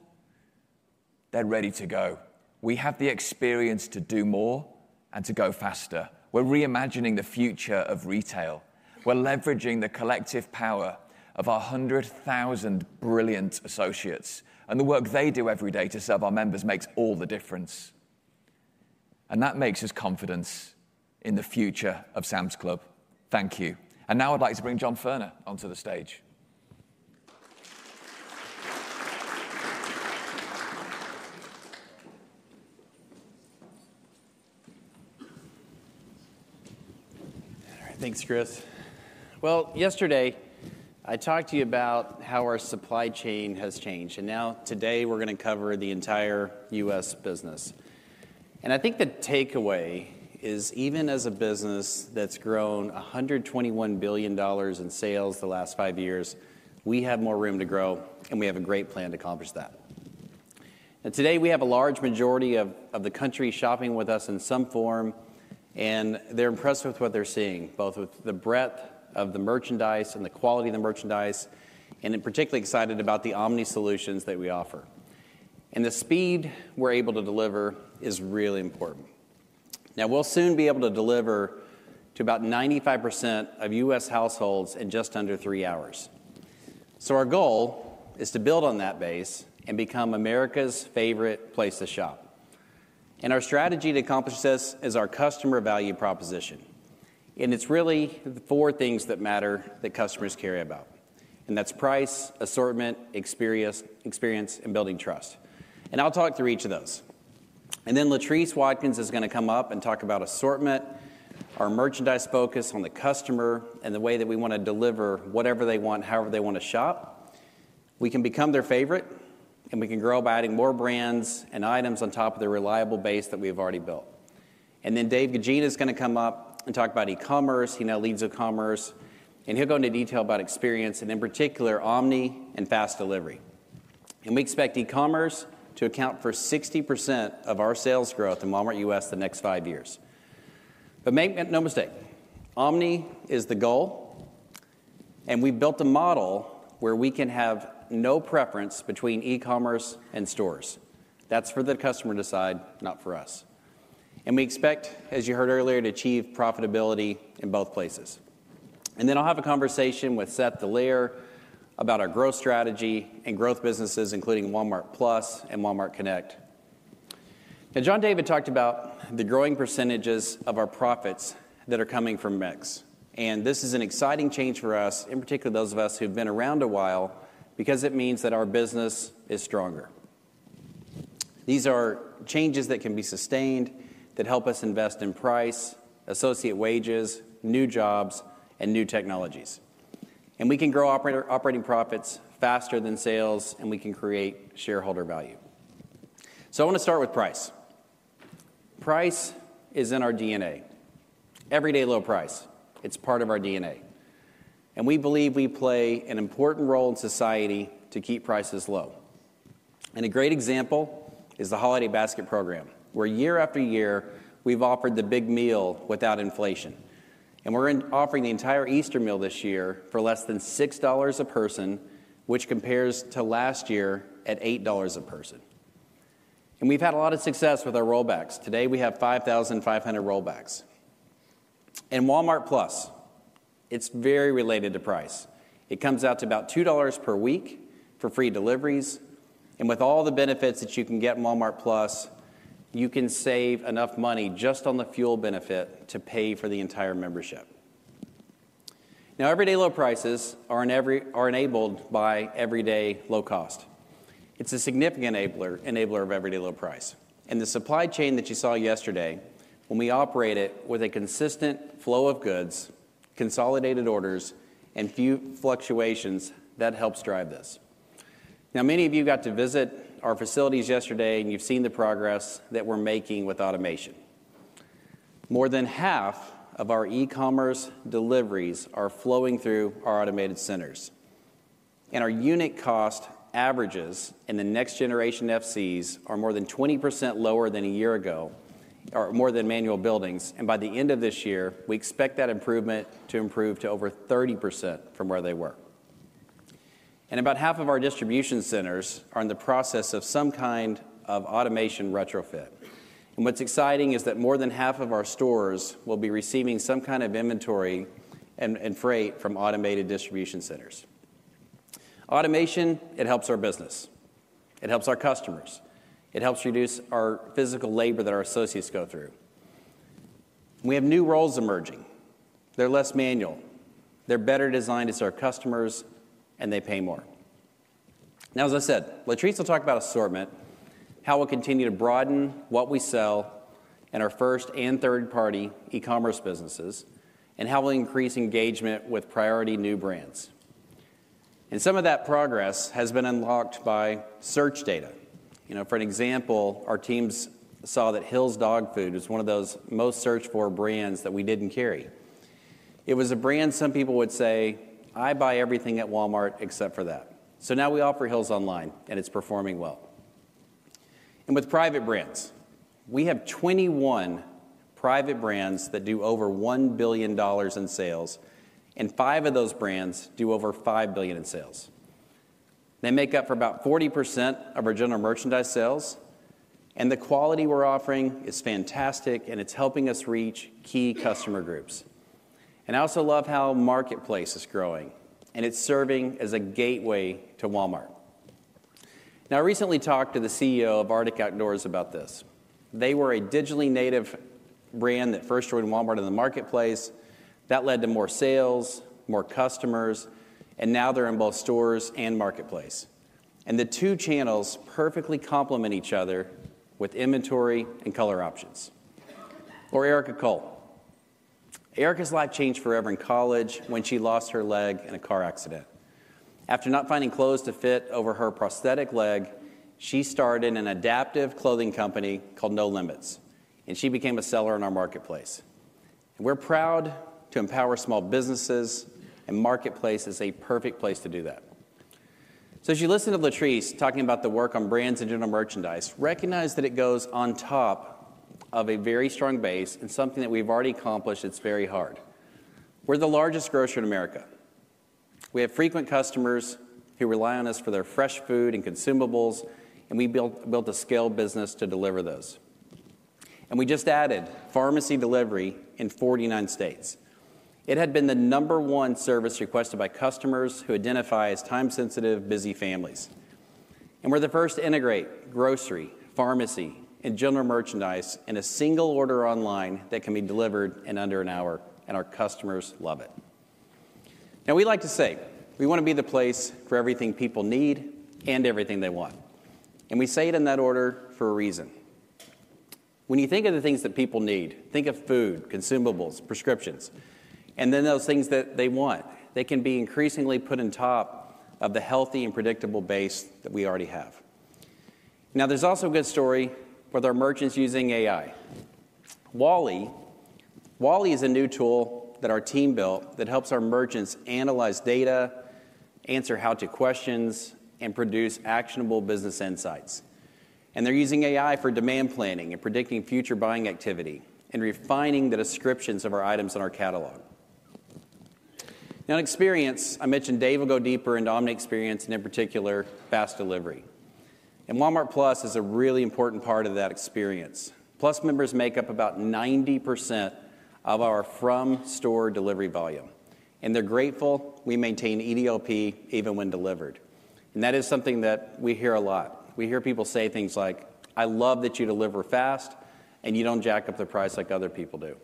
Speaker 9: they're ready to go. We have the experience to do more and to go faster. We're reimagining the future of retail. We're leveraging the collective power of our 100,000 brilliant associates. The work they do every day to serve our members makes all the difference. That makes us confident in the future of Sam's Club. Thank you. Now I'd like to bring John Furner onto the stage.
Speaker 14: Thanks, Chris. Yesterday, I talked to you about how our supply chain has changed. Now today, we're going to cover the entire U.S. business. I think the takeaway is, even as a business that's grown $121 billion in sales the last five years, we have more room to grow. We have a great plan to accomplish that. Today, we have a large majority of the country shopping with us in some form. They're impressed with what they're seeing, both with the breadth of the merchandise and the quality of the merchandise. In particular, excited about the omni solutions that we offer. The speed we're able to deliver is really important. We'll soon be able to deliver to about 95% of U.S. households in just under three hours. Our goal is to build on that base and become America's favorite place to shop. Our strategy to accomplish this is our customer value proposition. It is really the four things that matter that customers care about. That is price, assortment, experience, and building trust. I will talk through each of those. Latrice Watkins is going to come up and talk about assortment, our merchandise focus on the customer, and the way that we want to deliver whatever they want, however they want to shop. We can become their favorite. We can grow by adding more brands and items on top of the reliable base that we have already built. Dave Guggina is going to come up and talk about e-commerce. He now leads e-commerce. He will go into detail about experience and, in particular, omni and fast delivery. We expect e-commerce to account for 60% of our sales growth in Walmart U.S. the next five years. Make no mistake, omni is the goal. We have built a model where we can have no preference between e-commerce and stores. That is for the customer to decide, not for us. We expect, as you heard earlier, to achieve profitability in both places. I will have a conversation with Seth Dallaire about our growth strategy and growth businesses, including Walmart Plus and Walmart Connect. John David talked about the growing percentages of our profits that are coming from MIX. This is an exciting change for us, in particular, those of us who have been around a while, because it means that our business is stronger. These are changes that can be sustained, that help us invest in price, associate wages, new jobs, and new technologies. We can grow operating profits faster than sales, and we can create shareholder value. I want to start with price. Price is in our DNA. Everyday low price, it's part of our DNA. We believe we play an important role in society to keep prices low. A great example is the holiday basket program, where year after year, we've offered the big meal without inflation. We're offering the entire Easter meal this year for less than $6 a person, which compares to last year at $8 a person. We've had a lot of success with our rollbacks. Today, we have 5,500 rollbacks. Walmart Plus, it's very related to price. It comes out to about $2 per week for free deliveries. With all the benefits that you can get in Walmart Plus, you can save enough money just on the fuel benefit to pay for the entire membership. Everyday low prices are enabled by everyday low cost. It's a significant enabler of everyday low price. The supply chain that you saw yesterday, when we operate it with a consistent flow of goods, consolidated orders, and few fluctuations, that helps drive this. Many of you got to visit our facilities yesterday, and you've seen the progress that we're making with automation. More than half of our e-commerce deliveries are flowing through our automated centers. Our unit cost averages in the next generation FCs are more than 20% lower than a year ago, or more than manual buildings. By the end of this year, we expect that improvement to improve to over 30% from where they were. About half of our distribution centers are in the process of some kind of automation retrofit. What's exciting is that more than half of our stores will be receiving some kind of inventory and freight from automated distribution centers. Automation, it helps our business. It helps our customers. It helps reduce our physical labor that our associates go through. We have new roles emerging. They're less manual. They're better designed to serve customers, and they pay more. As I said, Latrice will talk about assortment, how we'll continue to broaden what we sell in our first and third-party e-commerce businesses, and how we'll increase engagement with priority new brands. Some of that progress has been unlocked by search data. For an example, our teams saw that Hill's Dog Food was one of those most searched-for brands that we didn't carry. It was a brand some people would say, "I buy everything at Walmart except for that." Now we offer Hill's online, and it's performing well. With private brands, we have 21 private brands that do over $1 billion in sales, and five of those brands do over $5 billion in sales. They make up for about 40% of our general merchandise sales. The quality we're offering is fantastic, and it's helping us reach key customer groups. I also love how Marketplace is growing, and it's serving as a gateway to Walmart. I recently talked to the CEO of Arctic Outdoors about this. They were a digitally native brand that first joined Walmart in the Marketplace. That led to more sales, more customers, and now they're in both stores and Marketplace. The two channels perfectly complement each other with inventory and color options. Erica Cole's life changed forever in college when she lost her leg in a car accident. After not finding clothes to fit over her prosthetic leg, she started an adaptive clothing company called No Limits. She became a seller in our Marketplace. We are proud to empower small businesses, and Marketplace is a perfect place to do that. As you listen to Latrice talking about the work on brands and general merchandise, recognize that it goes on top of a very strong base and something that we have already accomplished that is very hard. We are the largest grocer in America. We have frequent customers who rely on us for their fresh food and consumables, and we built a scale business to deliver those. We just added pharmacy delivery in 49 states. It had been the number one service requested by customers who identify as time-sensitive, busy families. We are the first to integrate grocery, pharmacy, and general merchandise in a single order online that can be delivered in under an hour, and our customers love it. We like to say we want to be the place for everything people need and everything they want. We say it in that order for a reason. When you think of the things that people need, think of food, consumables, prescriptions, and then those things that they want. They can be increasingly put on top of the healthy and predictable base that we already have. There is also a good story with our merchants using AI. Wally. Wally is a new tool that our team built that helps our merchants analyze data, answer how-to questions, and produce actionable business insights. They are using AI for demand planning and predicting future buying activity and refining the descriptions of our items in our catalog. In experience, I mentioned Dave will go deeper into omni experience and, in particular, fast delivery. Walmart Plus is a really important part of that experience. Plus members make up about 90% of our from-store delivery volume. They are grateful we maintain EDLP even when delivered. That is something that we hear a lot. We hear people say things like, "I love that you deliver fast and you don't jack up the price like other people do."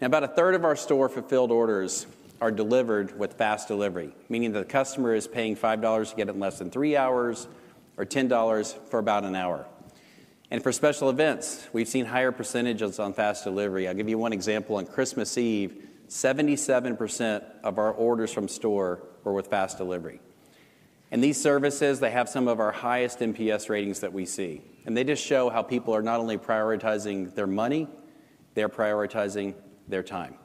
Speaker 14: About a third of our store-fulfilled orders are delivered with fast delivery, meaning the customer is paying $5 to get it in less than three hours or $10 for about an hour. For special events, we have seen higher percentages on fast delivery. I'll give you one example. On Christmas Eve, 77% of our orders from store were with fast delivery. These services, they have some of our highest NPS ratings that we see. They just show how people are not only prioritizing their money, they're prioritizing their time.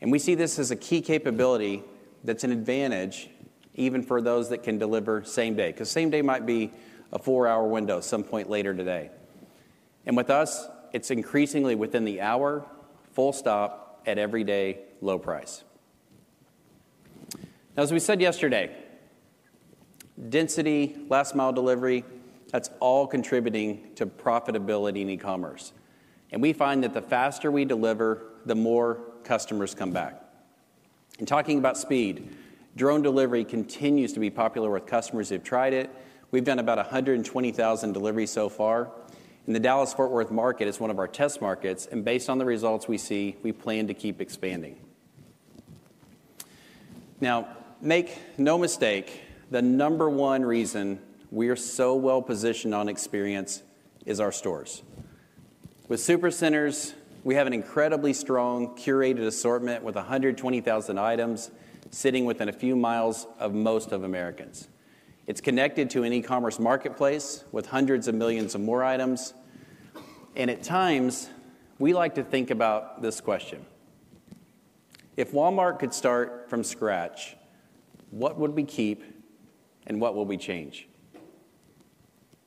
Speaker 14: We see this as a key capability that's an advantage even for those that can deliver same day. Same day might be a four-hour window some point later today. With us, it's increasingly within the hour, full stop, at everyday low price. Now, as we said yesterday, density, last-mile delivery, that's all contributing to profitability in e-commerce. We find that the faster we deliver, the more customers come back. Talking about speed, drone delivery continues to be popular with customers who've tried it. We've done about 120,000 deliveries so far. The Dallas-Fort Worth market is one of our test markets. Based on the results we see, we plan to keep expanding. Make no mistake, the number one reason we are so well positioned on experience is our stores. With Supercenters, we have an incredibly strong curated assortment with 120,000 items sitting within a few miles of most Americans. It is connected to an e-commerce marketplace with hundreds of millions of more items. At times, we like to think about this question. If Walmart could start from scratch, what would we keep and what would we change?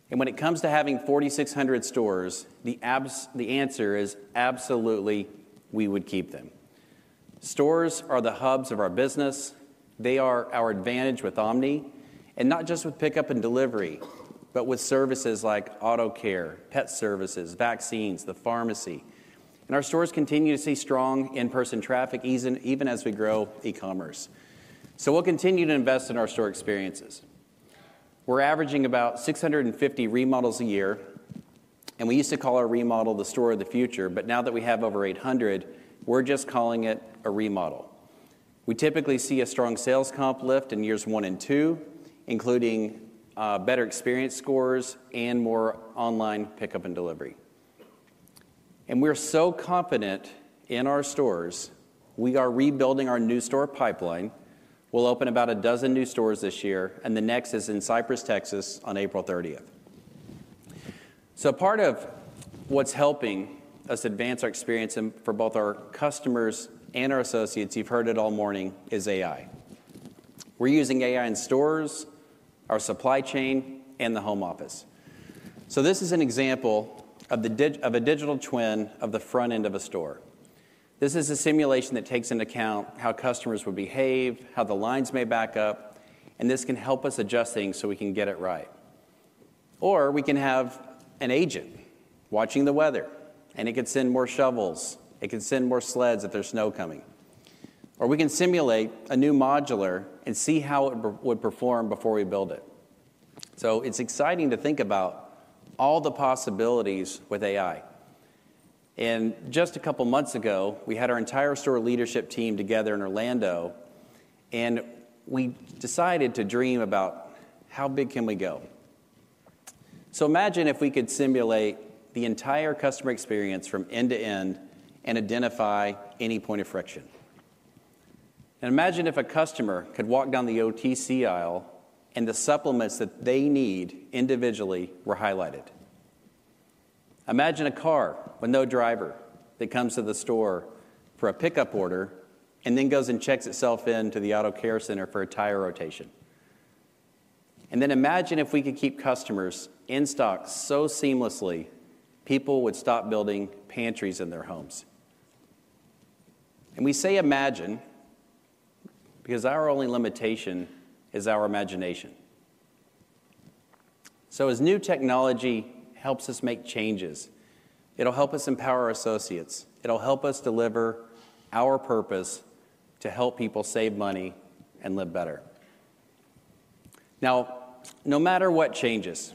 Speaker 14: When it comes to having 4,600 stores, the answer is absolutely we would keep them. Stores are the hubs of our business. They are our advantage with omni. Not just with pickup and delivery, but with services like auto care, pet services, vaccines, the pharmacy. Our stores continue to see strong in-person traffic even as we grow e-commerce. We will continue to invest in our store experiences. We are averaging about 650 remodels a year. We used to call our remodel the store of the future, but now that we have over 800, we are just calling it a remodel. We typically see a strong sales comp lift in years one and two, including better experience scores and more online pickup and delivery. We are so confident in our stores, we are rebuilding our new store pipeline. We will open about a dozen new stores this year, and the next is in Cypress, Texas, on April 30th. Part of what is helping us advance our experience for both our customers and our associates, you have heard it all morning, is AI. We are using AI in stores, our supply chain, and the home office. This is an example of a digital twin of the front end of a store. This is a simulation that takes into account how customers would behave, how the lines may back up, and this can help us adjust things so we can get it right. We can have an agent watching the weather, and it could send more shovels. It could send more sleds if there's snow coming. We can simulate a new modular and see how it would perform before we build it. It's exciting to think about all the possibilities with AI. Just a couple of months ago, we had our entire store leadership team together in Orlando, and we decided to dream about how big can we go. Imagine if we could simulate the entire customer experience from end to end and identify any point of friction. Imagine if a customer could walk down the OTC aisle and the supplements that they need individually were highlighted. Imagine a car with no driver that comes to the store for a pickup order and then goes and checks itself in to the auto care center for a tire rotation. Imagine if we could keep customers in stock so seamlessly people would stop building pantries in their homes. We say imagine because our only limitation is our imagination. As new technology helps us make changes, it will help us empower our associates. It will help us deliver our purpose to help people save money and live better. No matter what changes,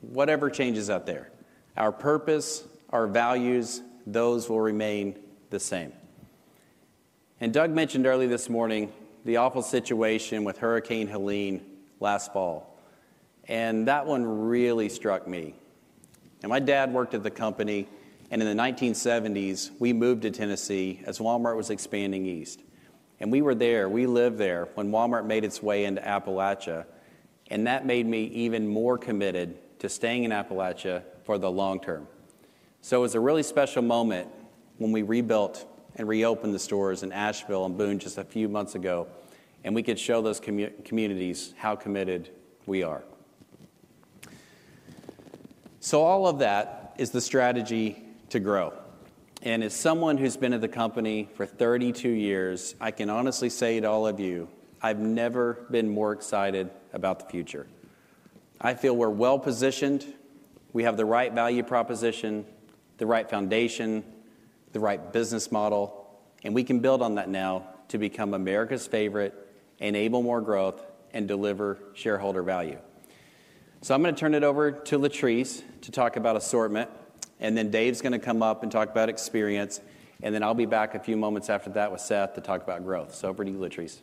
Speaker 14: whatever changes out there, our purpose, our values, those will remain the same. Doug mentioned early this morning the awful situation with Hurricane Helene last fall. That one really struck me. My dad worked at the company, and in the 1970s, we moved to Tennessee as Walmart was expanding east. We were there. We lived there when Walmart made its way into Appalachia. That made me even more committed to staying in Appalachia for the long term. It was a really special moment when we rebuilt and reopened the stores in Asheville and Boone just a few months ago, and we could show those communities how committed we are. All of that is the strategy to grow. As someone who's been at the company for 32 years, I can honestly say to all of you, I've never been more excited about the future. I feel we're well positioned. We have the right value proposition, the right foundation, the right business model, and we can build on that now to become America's favorite, enable more growth, and deliver shareholder value. I'm going to turn it over to Latrice to talk about assortment, and then Dave's going to come up and talk about experience, and then I'll be back a few moments after that with Seth to talk about growth. Over to you, Latrice.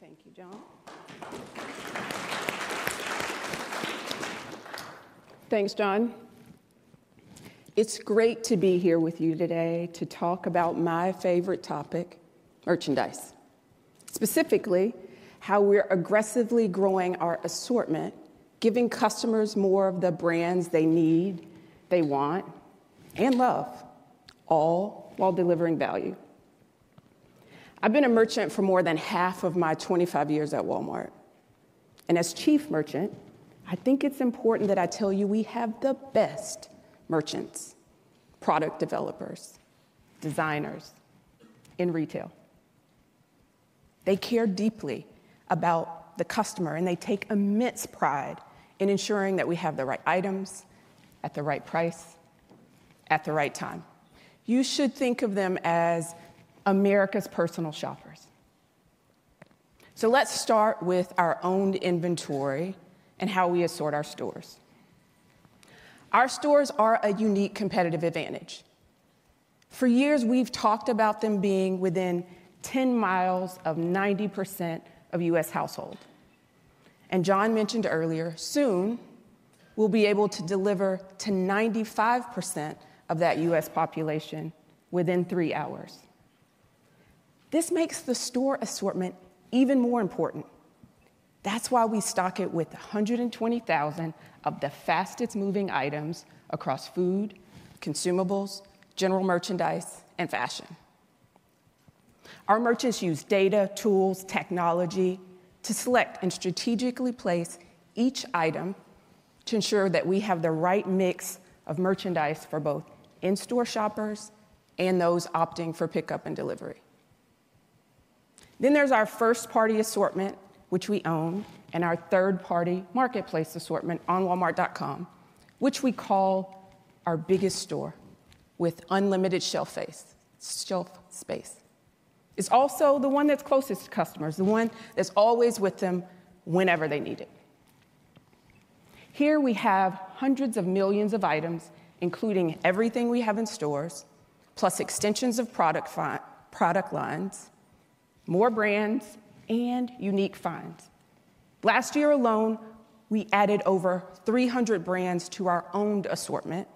Speaker 15: Thank you, John. Thanks, John. It's great to be here with you today to talk about my favorite topic, merchandise. Specifically, how we're aggressively growing our assortment, giving customers more of the brands they need, they want, and love, all while delivering value. I've been a merchant for more than half of my 25 years at Walmart. As Chief Merchant, I think it's important that I tell you we have the best merchants, product developers, designers in retail. They care deeply about the customer, and they take immense pride in ensuring that we have the right items at the right price, at the right time. You should think of them as America's personal shoppers. Let's start with our owned inventory and how we assort our stores. Our stores are a unique competitive advantage. For years, we've talked about them being within 10 mi of 90% of U.S. households. John mentioned earlier, soon we'll be able to deliver to 95% of that U.S. population within three hours. This makes the store assortment even more important. That's why we stock it with 120,000 of the fastest moving items across food, consumables, general merchandise, and fashion. Our merchants use data, tools, technology to select and strategically place each item to ensure that we have the right mix of merchandise for both in-store shoppers and those opting for pickup and delivery. There is our first-party assortment, which we own, and our third-party marketplace assortment on walmart.com, which we call our biggest store with unlimited shelf space. It is also the one that is closest to customers, the one that is always with them whenever they need it. Here we have hundreds of millions of items, including everything we have in stores, plus extensions of product lines, more brands, and unique finds. Last year alone, we added over 300 brands to our owned assortment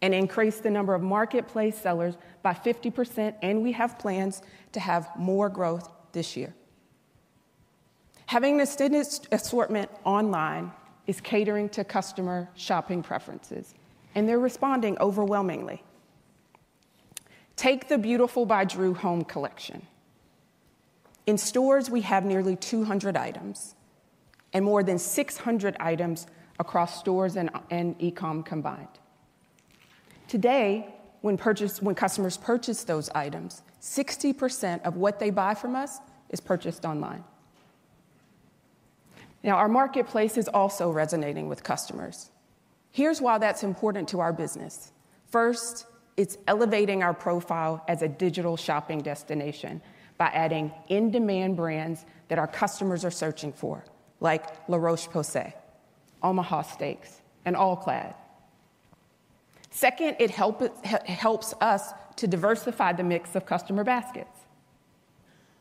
Speaker 15: and increased the number of marketplace sellers by 50%, and we have plans to have more growth this year. Having this assortment online is catering to customer shopping preferences, and they are responding overwhelmingly. Take the Beautiful by Drew home collection. In stores, we have nearly 200 items and more than 600 items across stores and e-comm combined. Today, when customers purchase those items, 60% of what they buy from us is purchased online. Now, our marketplace is also resonating with customers. Here's why that's important to our business. First, it's elevating our profile as a digital shopping destination by adding in-demand brands that our customers are searching for, like La Roche-Posay, Omaha Steaks, and All-Clad. Second, it helps us to diversify the mix of customer baskets.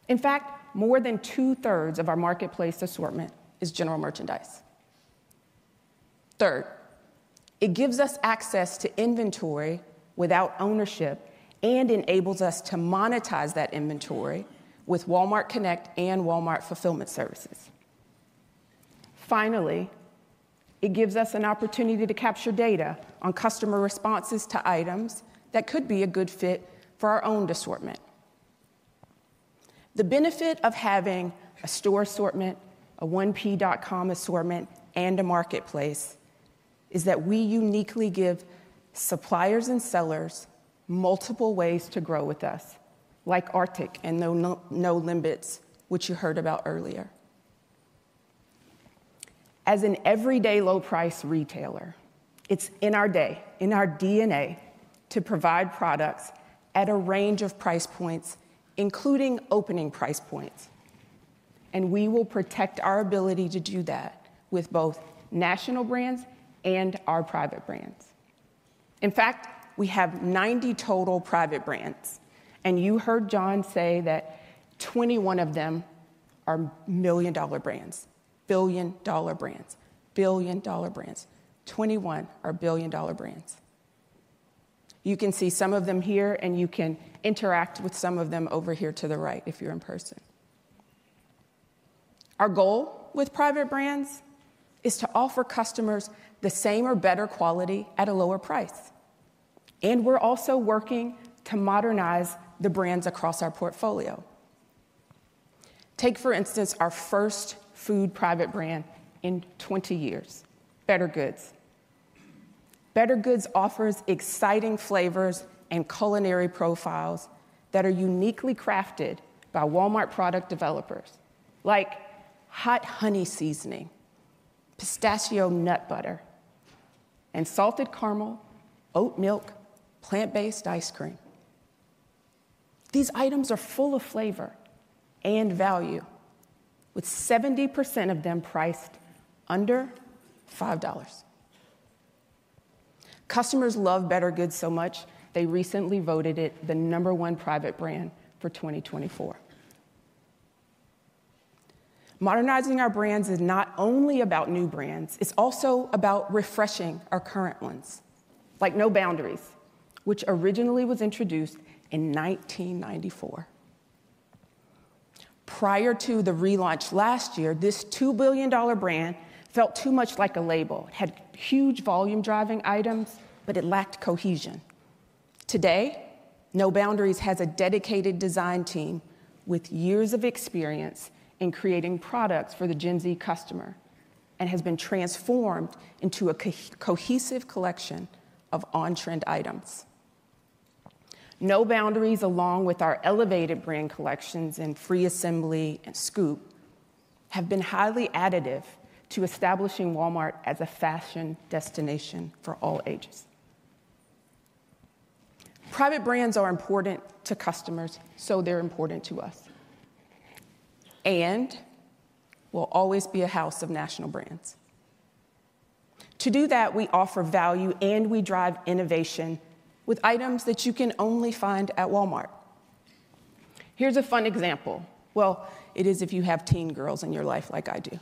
Speaker 15: In fact, more than two-thirds of our marketplace assortment is general merchandise. Third, it gives us access to inventory without ownership and enables us to monetize that inventory with Walmart Connect and Walmart Fulfillment Services. Finally, it gives us an opportunity to capture data on customer responses to items that could be a good fit for our owned assortment. The benefit of having a store assortment, a 1P.com assortment, and a marketplace is that we uniquely give suppliers and sellers multiple ways to grow with us, like Arctic and No Limits, which you heard about earlier. As an everyday low-price retailer, it's in our DNA to provide products at a range of price points, including opening price points. We will protect our ability to do that with both national brands and our private brands. In fact, we have 90 total private brands, and you heard John say that 21 of them are million-dollar brands, billion-dollar brands, billion-dollar brands. Twenty-one are billion-dollar brands. You can see some of them here, and you can interact with some of them over here to the right if you're in person. Our goal with private brands is to offer customers the same or better quality at a lower price. We're also working to modernize the brands across our portfolio. Take, for instance, our first food private brand in 20 years, Better Goods. Better Goods offers exciting flavors and culinary profiles that are uniquely crafted by Walmart product developers, like hot honey seasoning, pistachio nut butter, and salted caramel, oat milk, plant-based ice cream. These items are full of flavor and value, with 70% of them priced under $5. Customers love Better Goods so much they recently voted it the number one private brand for 2024. Modernizing our brands is not only about new brands. It's also about refreshing our current ones, like No Boundaries, which originally was introduced in 1994. Prior to the relaunch last year, this $2 billion brand felt too much like a label. It had huge volume-driving items, but it lacked cohesion. Today, No Boundaries has a dedicated design team with years of experience in creating products for the Gen Z customer and has been transformed into a cohesive collection of on-trend items. No Boundaries, along with our elevated brand collections and Free Assembly and Scoop, have been highly additive to establishing Walmart as a fashion destination for all ages. Private brands are important to customers, so they're important to us. We will always be a house of national brands. To do that, we offer value, and we drive innovation with items that you can only find at Walmart. Here's a fun example. It is if you have teen girls in your life like I do.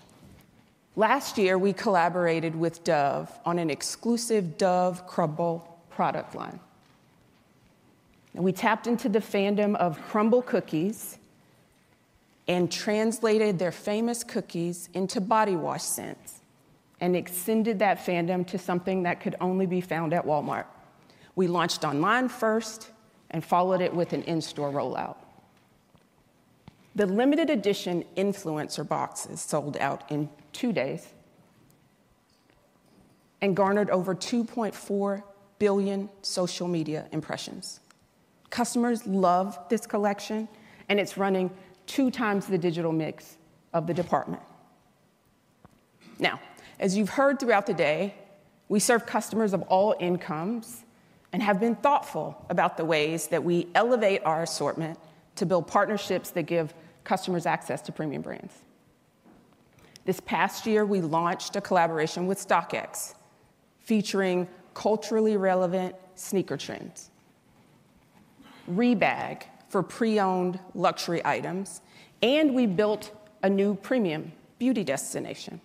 Speaker 15: Last year, we collaborated with Dove on an exclusive Dove Crumble product line. We tapped into the fandom of Crumble Cookies and translated their famous cookies into body wash scents and extended that fandom to something that could only be found at Walmart. We launched online first and followed it with an in-store rollout. The limited edition influencer boxes sold out in two days and garnered over 2.4 billion social media impressions. Customers love this collection, and it's running two times the digital mix of the department. Now, as you've heard throughout the day, we serve customers of all incomes and have been thoughtful about the ways that we elevate our assortment to build partnerships that give customers access to premium brands. This past year, we launched a collaboration with StockX featuring culturally relevant sneaker trends, Rebag for pre-owned luxury items, and we built a new premium beauty destination.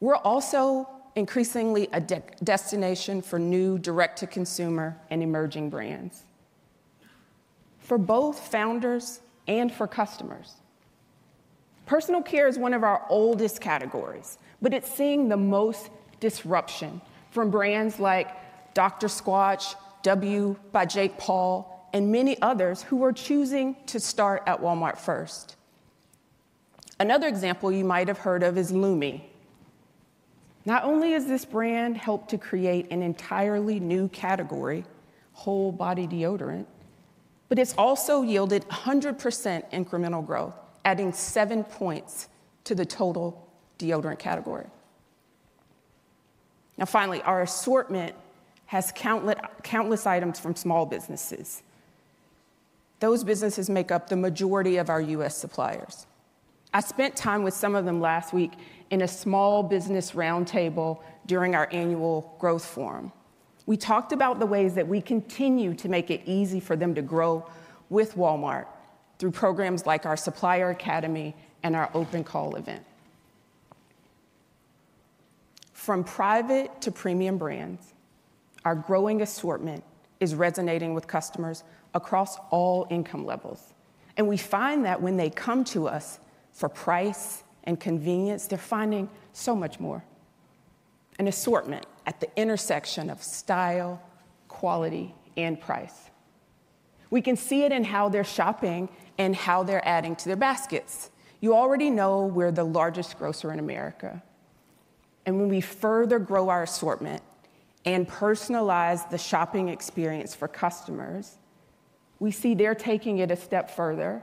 Speaker 15: We're also increasingly a destination for new direct-to-consumer and emerging brands. For both founders and for customers, personal care is one of our oldest categories, but it's seeing the most disruption from brands like Dr. Squatch, W by Jake Paul, and many others who are choosing to start at Walmart first. Another example you might have heard of is Lumi. Not only has this brand helped to create an entirely new category, whole body deodorant, but it's also yielded 100% incremental growth, adding seven points to the total deodorant category. Now, finally, our assortment has countless items from small businesses. Those businesses make up the majority of our U.S. suppliers. I spent time with some of them last week in a small business roundtable during our annual growth forum. We talked about the ways that we continue to make it easy for them to grow with Walmart through programs like our Supplier Academy and our open call event. From private to premium brands, our growing assortment is resonating with customers across all income levels. We find that when they come to us for price and convenience, they're finding so much more. An assortment at the intersection of style, quality, and price. We can see it in how they're shopping and how they're adding to their baskets. You already know we're the largest grocer in America. When we further grow our assortment and personalize the shopping experience for customers, we see they're taking it a step further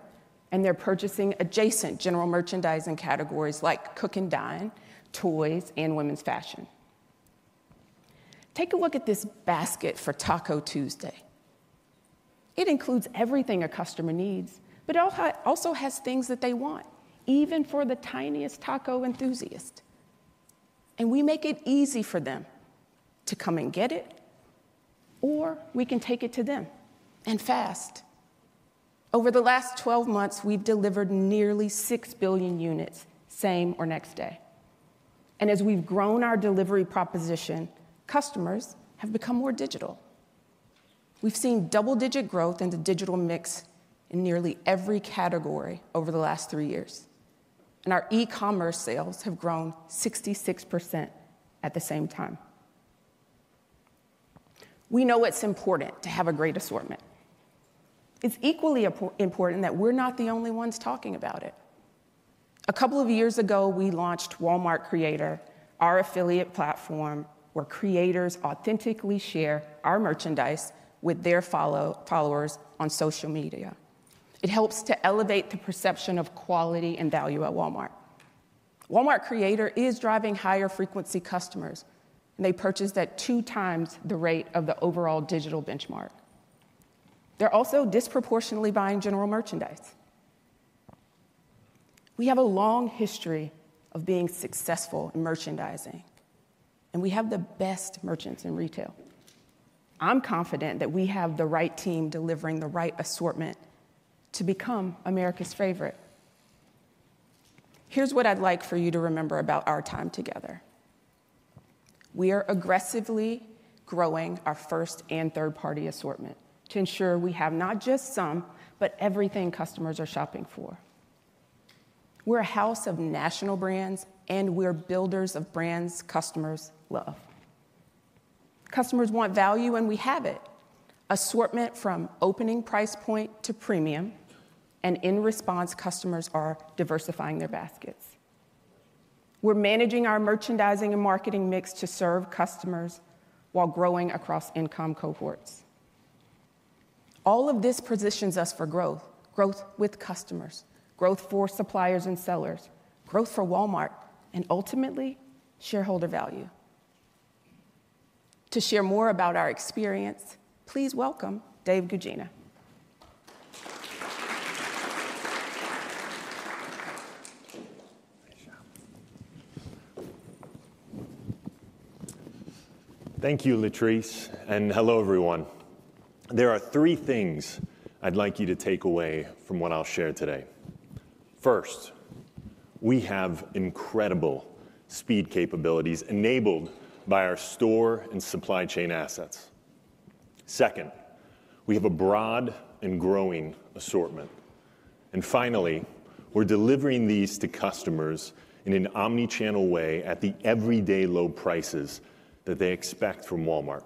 Speaker 15: and they're purchasing adjacent general merchandising categories like cook and dine, toys, and women's fashion. Take a look at this basket for Taco Tuesday. It includes everything a customer needs, but it also has things that they want, even for the tiniest taco enthusiast. We make it easy for them to come and get it, or we can take it to them and fast. Over the last 12 months, we've delivered nearly 6 billion units same or next day. As we've grown our delivery proposition, customers have become more digital. We've seen double-digit growth in the digital mix in nearly every category over the last three years. Our e-commerce sales have grown 66% at the same time. We know it's important to have a great assortment. It's equally important that we're not the only ones talking about it. A couple of years ago, we launched Walmart Creator, our affiliate platform where creators authentically share our merchandise with their followers on social media. It helps to elevate the perception of quality and value at Walmart. Walmart Creator is driving higher frequency customers, and they purchase at two times the rate of the overall digital benchmark. They're also disproportionately buying general merchandise. We have a long history of being successful in merchandising, and we have the best merchants in retail. I'm confident that we have the right team delivering the right assortment to become America's favorite. Here's what I'd like for you to remember about our time together. We are aggressively growing our first and third-party assortment to ensure we have not just some, but everything customers are shopping for. We're a house of national brands, and we're builders of brands customers love. Customers want value, and we have it. Assortment from opening price point to premium, and in response, customers are diversifying their baskets. We're managing our merchandising and marketing mix to serve customers while growing across income cohorts. All of this positions us for growth, growth with customers, growth for suppliers and sellers, growth for Walmart, and ultimately, shareholder value. To share more about our experience, please welcome Dave Guggina.
Speaker 16: Thank you, Latrice. Hello, everyone. There are three things I'd like you to take away from what I'll share today. First, we have incredible speed capabilities enabled by our store and supply chain assets. Second, we have a broad and growing assortment. We are delivering these to customers in an omnichannel way at the everyday low prices that they expect from Walmart.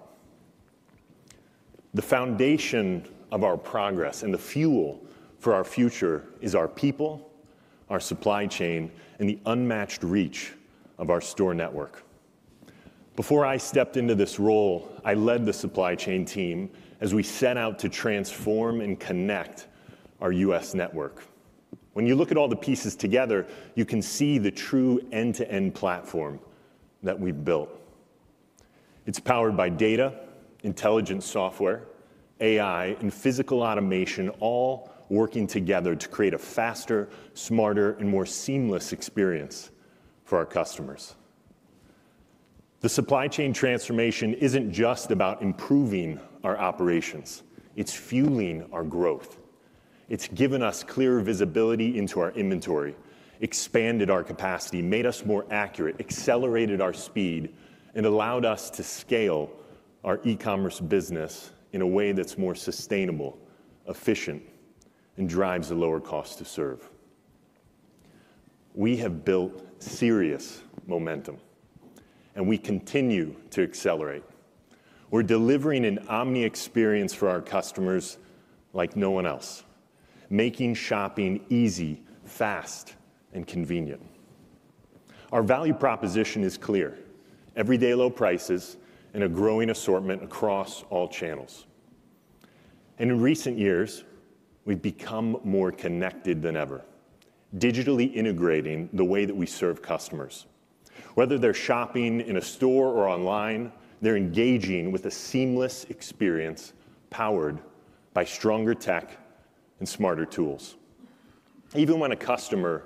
Speaker 16: The foundation of our progress and the fuel for our future is our people, our supply chain, and the unmatched reach of our store network. Before I stepped into this role, I led the supply chain team as we set out to transform and connect our U.S. network. When you look at all the pieces together, you can see the true end-to-end platform that we've built. It's powered by data, intelligent software, AI, and physical automation, all working together to create a faster, smarter, and more seamless experience for our customers. The supply chain transformation isn't just about improving our operations. It's fueling our growth. It's given us clearer visibility into our inventory, expanded our capacity, made us more accurate, accelerated our speed, and allowed us to scale our e-commerce business in a way that's more sustainable, efficient, and drives a lower cost to serve. We have built serious momentum, and we continue to accelerate. We're delivering an omni experience for our customers like no one else, making shopping easy, fast, and convenient. Our value proposition is clear: everyday low prices and a growing assortment across all channels. In recent years, we've become more connected than ever, digitally integrating the way that we serve customers. Whether they're shopping in a store or online, they're engaging with a seamless experience powered by stronger tech and smarter tools. Even when a customer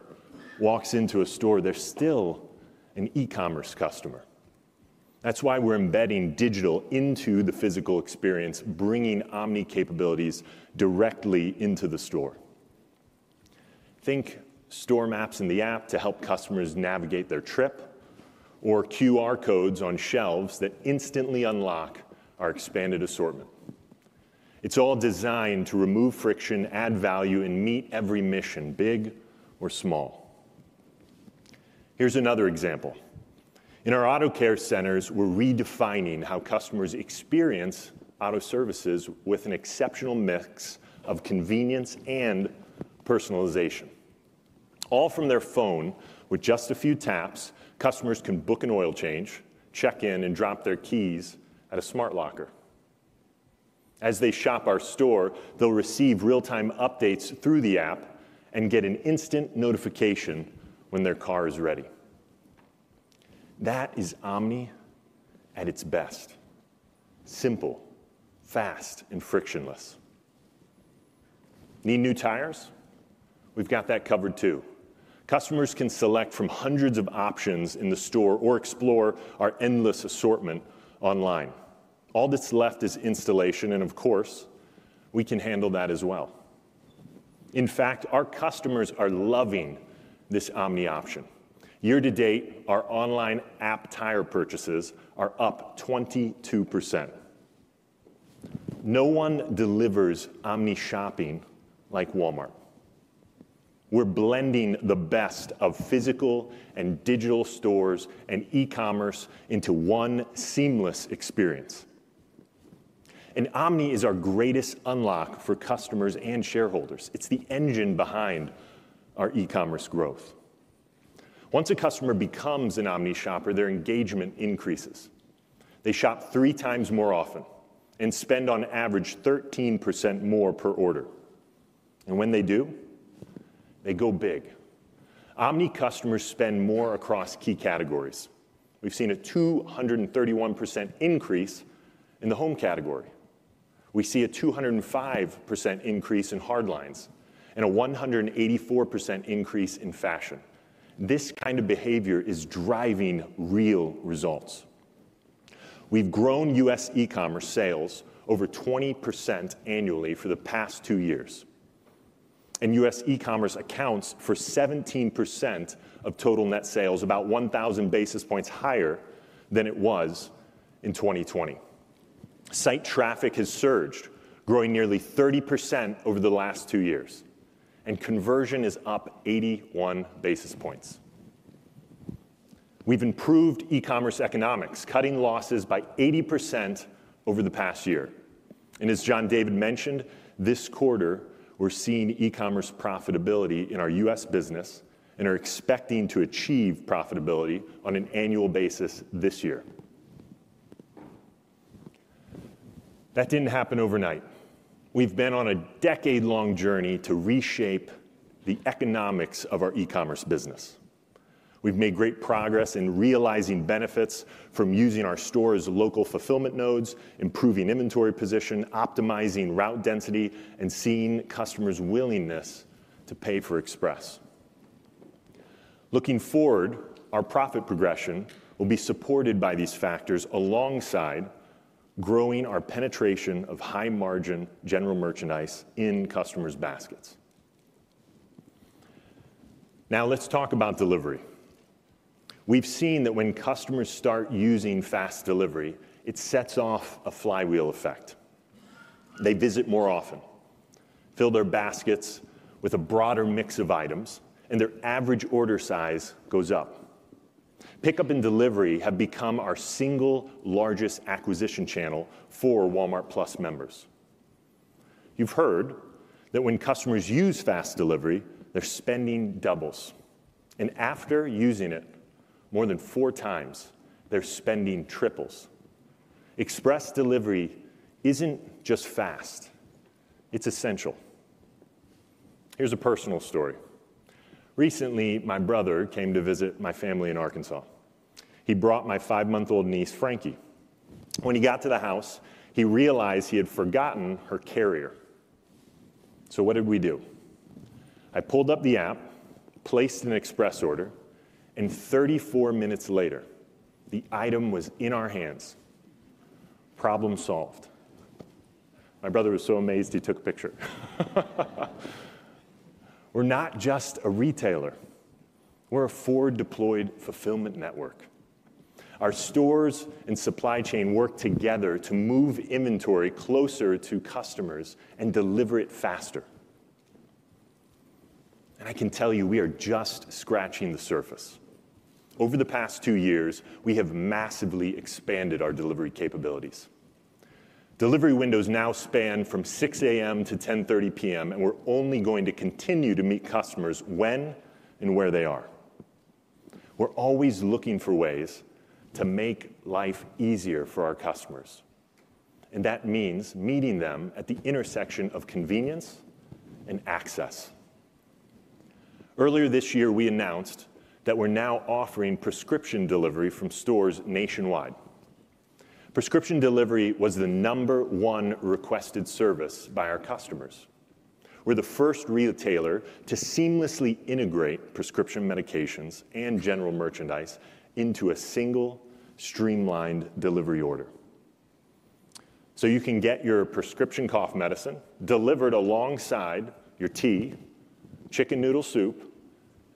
Speaker 16: walks into a store, they're still an e-commerce customer. That's why we're embedding digital into the physical experience, bringing omni capabilities directly into the store. Think store maps in the app to help customers navigate their trip, or QR codes on shelves that instantly unlock our expanded assortment. It's all designed to remove friction, add value, and meet every mission, big or small. Here's another example. In our auto care centers, we're redefining how customers experience auto services with an exceptional mix of convenience and personalization. All from their phone, with just a few taps, customers can book an oil change, check in, and drop their keys at a smart locker. As they shop our store, they'll receive real-time updates through the app and get an instant notification when their car is ready. That is omni at its best: simple, fast, and frictionless. Need new tires? We've got that covered too. Customers can select from hundreds of options in the store or explore our endless assortment online. All that's left is installation, and of course, we can handle that as well. In fact, our customers are loving this omni option. Year to date, our online app tire purchases are up 22%. No one delivers omni shopping like Walmart. We're blending the best of physical and digital stores and e-commerce into one seamless experience. Omni is our greatest unlock for customers and shareholders. It's the engine behind our e-commerce growth. Once a customer becomes an omni shopper, their engagement increases. They shop three times more often and spend on average 13% more per order. When they do, they go big. Omni customers spend more across key categories. We've seen a 231% increase in the home category. We see a 205% increase in hard lines and a 184% increase in fashion. This kind of behavior is driving real results. We've grown U.S. e-commerce sales over 20% annually for the past two years. U.S. e-commerce accounts for 17% of total net sales, about 1,000 basis points higher than it was in 2020. Site traffic has surged, growing nearly 30% over the last two years. Conversion is up 81 basis points. We've improved e-commerce economics, cutting losses by 80% over the past year. As John David mentioned, this quarter, we're seeing e-commerce profitability in our U.S. business and are expecting to achieve profitability on an annual basis this year. That didn't happen overnight. We've been on a decade-long journey to reshape the economics of our e-commerce business. We've made great progress in realizing benefits from using our store as local fulfillment nodes, improving inventory position, optimizing route density, and seeing customers' willingness to pay for express. Looking forward, our profit progression will be supported by these factors alongside growing our penetration of high-margin general merchandise in customers' baskets. Now, let's talk about delivery. We've seen that when customers start using fast delivery, it sets off a flywheel effect. They visit more often, fill their baskets with a broader mix of items, and their average order size goes up. Pickup and delivery have become our single largest acquisition channel for Walmart Plus members. You've heard that when customers use fast delivery, their spending doubles. After using it more than four times, their spending triples. Express delivery isn't just fast. It's essential. Here's a personal story. Recently, my brother came to visit my family in Arkansas. He brought my five-month-old niece, Frankie. When he got to the house, he realized he had forgotten her carrier. What did we do? I pulled up the app, placed an express order, and 34 minutes later, the item was in our hands. Problem solved. My brother was so amazed he took a picture. We're not just a retailer. We're a forward-deployed fulfillment network. Our stores and supply chain work together to move inventory closer to customers and deliver it faster. I can tell you we are just scratching the surface. Over the past two years, we have massively expanded our delivery capabilities. Delivery windows now span from 6:00 A.M. to 10:30 P.M., and we're only going to continue to meet customers when and where they are. We're always looking for ways to make life easier for our customers. That means meeting them at the intersection of convenience and access. Earlier this year, we announced that we're now offering prescription delivery from stores nationwide. Prescription delivery was the number one requested service by our customers. We're the first retailer to seamlessly integrate prescription medications and general merchandise into a single streamlined delivery order. You can get your prescription cough medicine delivered alongside your tea, chicken noodle soup,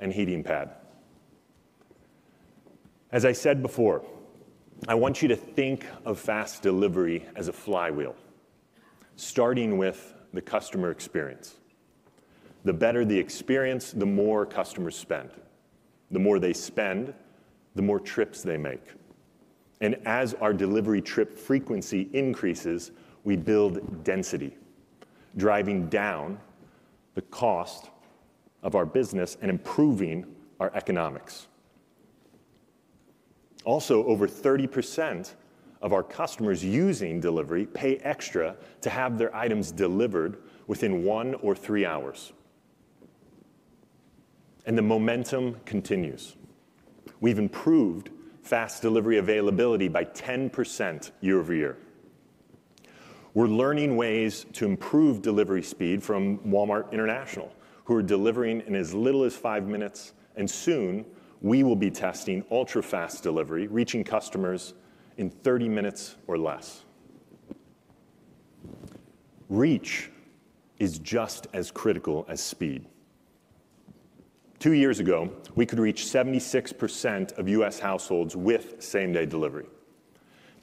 Speaker 16: and heating pad. As I said before, I want you to think of fast delivery as a flywheel, starting with the customer experience. The better the experience, the more customers spend. The more they spend, the more trips they make. As our delivery trip frequency increases, we build density, driving down the cost of our business and improving our economics. Also, over 30% of our customers using delivery pay extra to have their items delivered within one or three hours. The momentum continues. We've improved fast delivery availability by 10% year over year. We're learning ways to improve delivery speed from Walmart International, who are delivering in as little as five minutes. Soon, we will be testing ultra-fast delivery, reaching customers in 30 minutes or less. Reach is just as critical as speed. Two years ago, we could reach 76% of U.S. households with same-day delivery.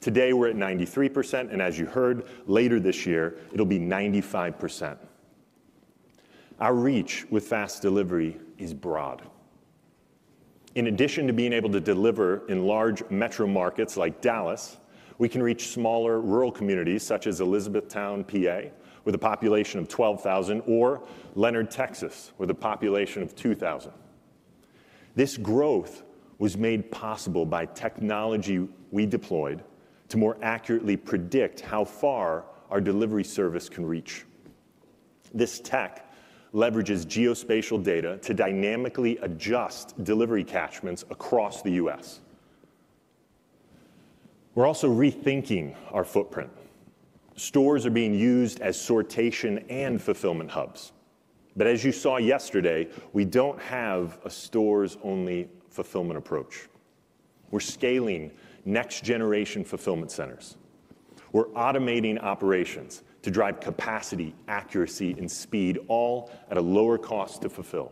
Speaker 16: Today, we're at 93%. As you heard, later this year, it'll be 95%. Our reach with fast delivery is broad. In addition to being able to deliver in large metro markets like Dallas, we can reach smaller rural communities such as Elizabethtown, Pennsylvania, with a population of 12,000, or Leonard, Texas, with a population of 2,000. This growth was made possible by technology we deployed to more accurately predict how far our delivery service can reach. This tech leverages geospatial data to dynamically adjust delivery catchments across the U.S. We're also rethinking our footprint. Stores are being used as sortation and fulfillment hubs. As you saw yesterday, we do not have a stores-only fulfillment approach. We are scaling next-generation fulfillment centers. We are automating operations to drive capacity, accuracy, and speed, all at a lower cost to fulfill.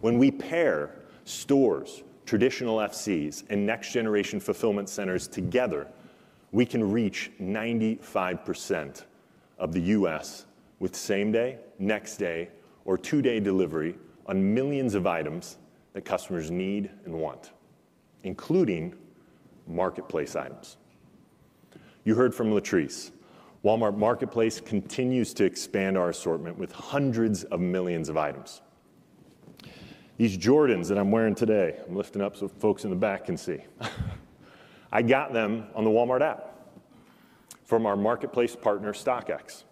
Speaker 16: When we pair stores, traditional FCs, and next-generation fulfillment centers together, we can reach 95% of the U.S. with same-day, next-day, or two-day delivery on millions of items that customers need and want, including marketplace items. You heard from Latrice. Walmart Marketplace continues to expand our assortment with hundreds of millions of items. These Jordans that I am wearing today, I am lifting up so folks in the back can see. I got them on the Walmart app from our marketplace partner, StockX.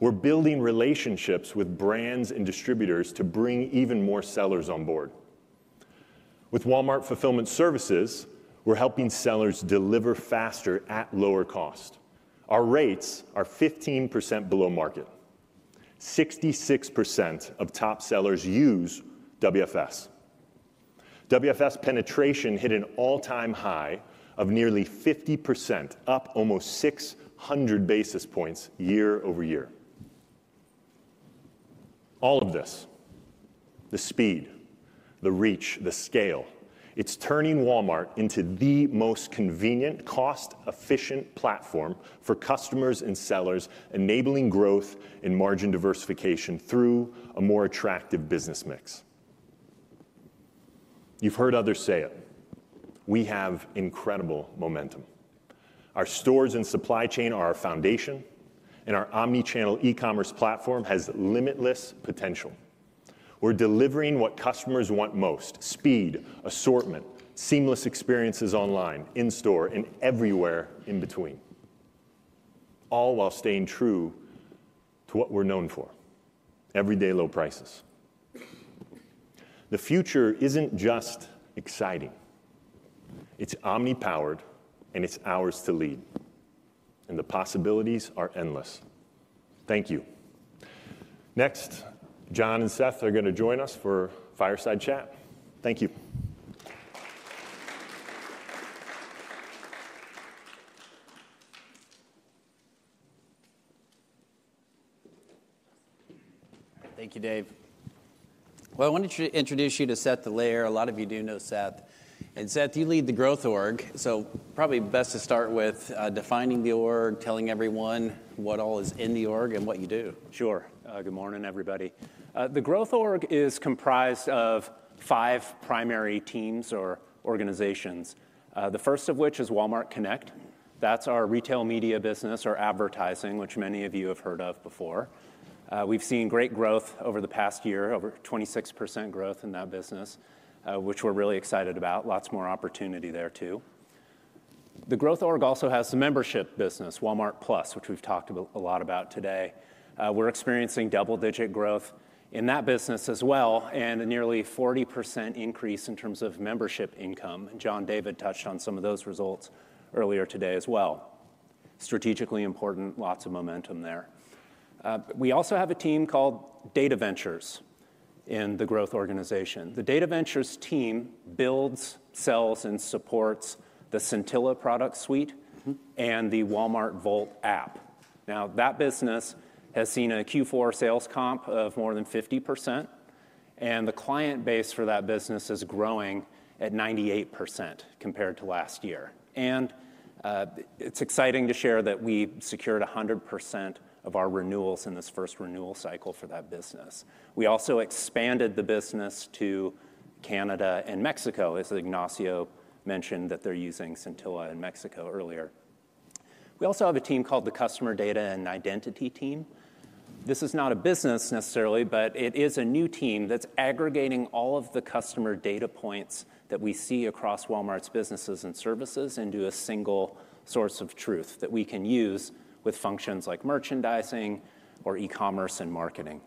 Speaker 16: We are building relationships with brands and distributors to bring even more sellers on board. With Walmart Fulfillment Services, we are helping sellers deliver faster at lower cost. Our rates are 15% below market. 66% of top sellers use WFS. WFS penetration hit an all-time high of nearly 50%, up almost 600 basis points year over year. All of this: the speed, the reach, the scale. It is turning Walmart into the most convenient, cost-efficient platform for customers and sellers, enabling growth and margin diversification through a more attractive business mix. You have heard others say it. We have incredible momentum. Our stores and supply chain are our foundation, and our omnichannel e-commerce platform has limitless potential. We are delivering what customers want most: speed, assortment, seamless experiences online, in-store, and everywhere in between, all while staying true to what we are known for: everyday low prices. The future is not just exciting. It is omni-powered, and it is ours to lead. The possibilities are endless. Thank you. Next, John and Seth are going to join us for a fireside chat. Thank you.
Speaker 14: Thank you, Dave. I wanted to introduce you to Seth Dallaire. A lot of you do know Seth. Seth, you lead the Growth Org. Probably best to start with defining the org, telling everyone what all is in the org and what you do.
Speaker 17: Sure. Good morning, everybody. The Growth Org is comprised of five primary teams or organizations, the first of which is Walmart Connect. That is our retail media business, our advertising, which many of you have heard of before. We have seen great growth over the past year, over 26% growth in that business, which we are really excited about. Lots more opportunity there too. The Growth Org also has a membership business, Walmart Plus, which we have talked a lot about today. We are experiencing double-digit growth in that business as well and a nearly 40% increase in terms of membership income. John David touched on some of those results earlier today as well. Strategically important, lots of momentum there. We also have a team called Data Ventures in the Growth Organization. The Data Ventures team builds, sells, and supports the Sintella product suite and the Walmart Vault app. Now, that business has seen a Q4 sales comp of more than 50%. The client base for that business is growing at 98% compared to last year. It is exciting to share that we secured 100% of our renewals in this first renewal cycle for that business. We also expanded the business to Canada and Mexico, as Ignacio mentioned that they are using Scintilla in Mexico earlier. We also have a team called the Customer Data and Identity Team. This is not a business necessarily, but it is a new team that's aggregating all of the customer data points that we see across Walmart's businesses and services into a single source of truth that we can use with functions like merchandising or e-commerce and marketing.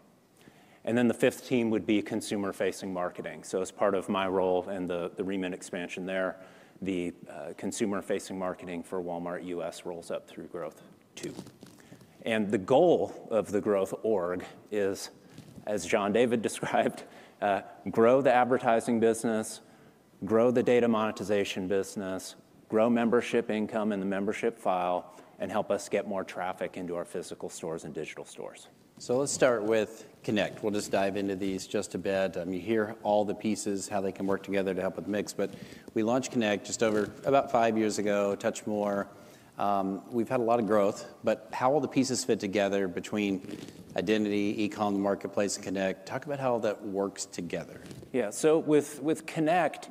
Speaker 17: The fifth team would be consumer-facing marketing. As part of my role and the Riemann expansion there, the consumer-facing marketing for Walmart U.S. rolls up through Growth too.
Speaker 14: The goal of the Growth Org is, as John David described, grow the advertising business, grow the data monetization business, grow membership income in the membership file, and help us get more traffic into our physical stores and digital stores. Let's start with Connect. We'll just dive into these just a bit. You hear all the pieces, how they can work together to help with mix. We launched Connect just over about five years ago, touched more. We've had a lot of growth. How will the pieces fit together between identity, e-com, the marketplace, and Connect? Talk about how that works together.
Speaker 17: Yeah. With Connect,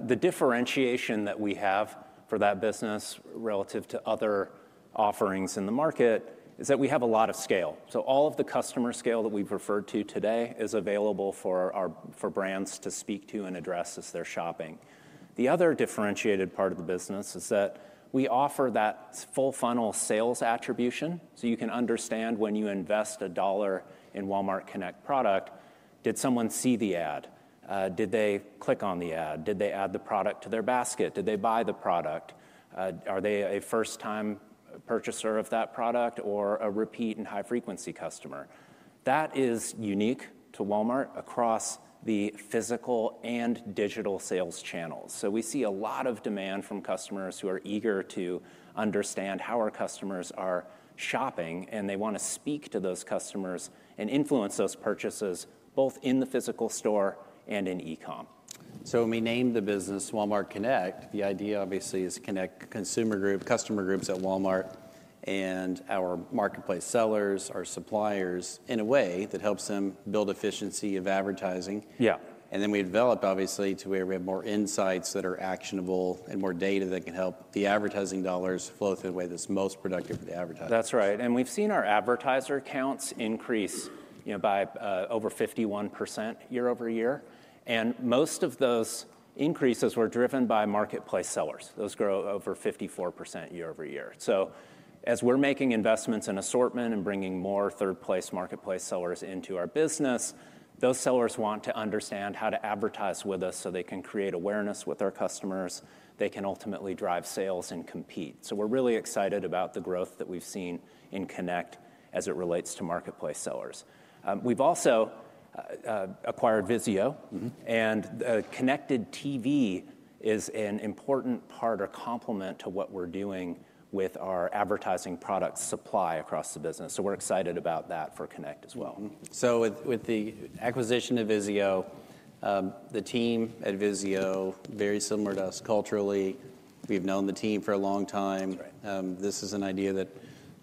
Speaker 17: the differentiation that we have for that business relative to other offerings in the market is that we have a lot of scale. All of the customer scale that we've referred to today is available for brands to speak to and address as they're shopping. The other differentiated part of the business is that we offer that full-funnel sales attribution. You can understand when you invest a dollar in Walmart Connect product, did someone see the ad? Did they click on the ad? Did they add the product to their basket? Did they buy the product? Are they a first-time purchaser of that product or a repeat and high-frequency customer? That is unique to Walmart across the physical and digital sales channels. We see a lot of demand from customers who are eager to understand how our customers are shopping, and they want to speak to those customers and influence those purchases both in the physical store and in e-com.
Speaker 14: We named the business Walmart Connect. The idea, obviously, is to connect consumer groups, customer groups at Walmart, and our marketplace sellers, our suppliers in a way that helps them build efficiency of advertising.
Speaker 17: Yeah.
Speaker 14: We develop, obviously, to where we have more insights that are actionable and more data that can help the advertising dollars flow through the way that's most productive for the advertisers.
Speaker 17: That's right. We have seen our advertiser counts increase by over 51% year over year. Most of those increases were driven by marketplace sellers. Those grow over 54% year over year. As we're making investments in assortment and bringing more third-place marketplace sellers into our business, those sellers want to understand how to advertise with us so they can create awareness with our customers. They can ultimately drive sales and compete. We're really excited about the growth that we've seen in Connect as it relates to marketplace sellers. We've also acquired Vizio. The connected TV is an important part or complement to what we're doing with our advertising product supply across the business. We're excited about that for Connect as well.
Speaker 14: With the acquisition of Vizio, the team at Vizio, very similar to us culturally. We've known the team for a long time. This is an idea that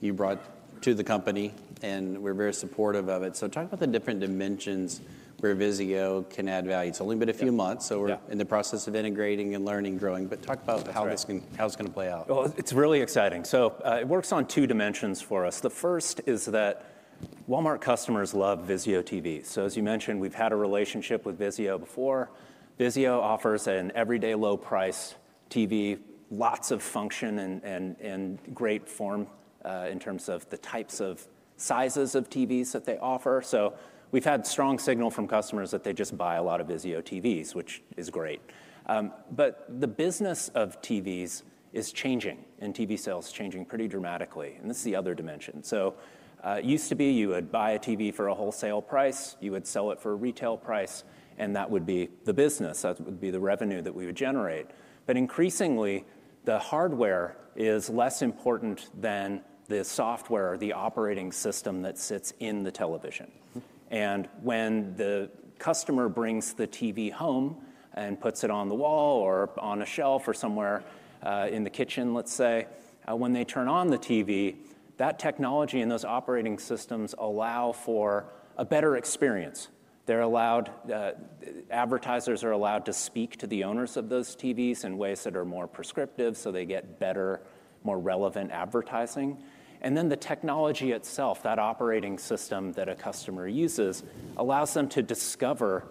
Speaker 14: you brought to the company, and we're very supportive of it. Talk about the different dimensions where Vizio can add value. It's only been a few months, so we're in the process of integrating and learning, growing. Talk about how this is going to play out.
Speaker 17: It's really exciting. It works on two dimensions for us. The first is that Walmart customers love Vizio TV. As you mentioned, we've had a relationship with Vizio before. Vizio offers an everyday low-price TV, lots of function and great form in terms of the types of sizes of TVs that they offer. We've had strong signal from customers that they just buy a lot of Vizio TVs, which is great. The business of TVs is changing, and TV sales are changing pretty dramatically. This is the other dimension. It used to be you would buy a TV for a wholesale price. You would sell it for a retail price, and that would be the business. That would be the revenue that we would generate. Increasingly, the hardware is less important than the software or the operating system that sits in the television. When the customer brings the TV home and puts it on the wall or on a shelf or somewhere in the kitchen, let's say, when they turn on the TV, that technology and those operating systems allow for a better experience. Advertisers are allowed to speak to the owners of those TVs in ways that are more prescriptive, so they get better, more relevant advertising. The technology itself, that operating system that a customer uses, allows them to discover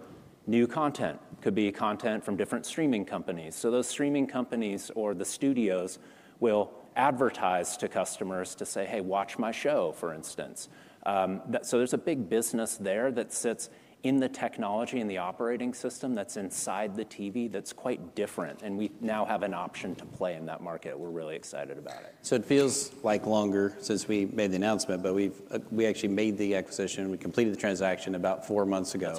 Speaker 17: new content. It could be content from different streaming companies. Those streaming companies or the studios will advertise to customers to say, "Hey, watch my show," for instance. There is a big business there that sits in the technology and the operating system that's inside the TV that's quite different. We now have an option to play in that market. We're really excited about it.
Speaker 14: It feels like longer since we made the announcement, but we actually made the acquisition. We completed the transaction about four months ago.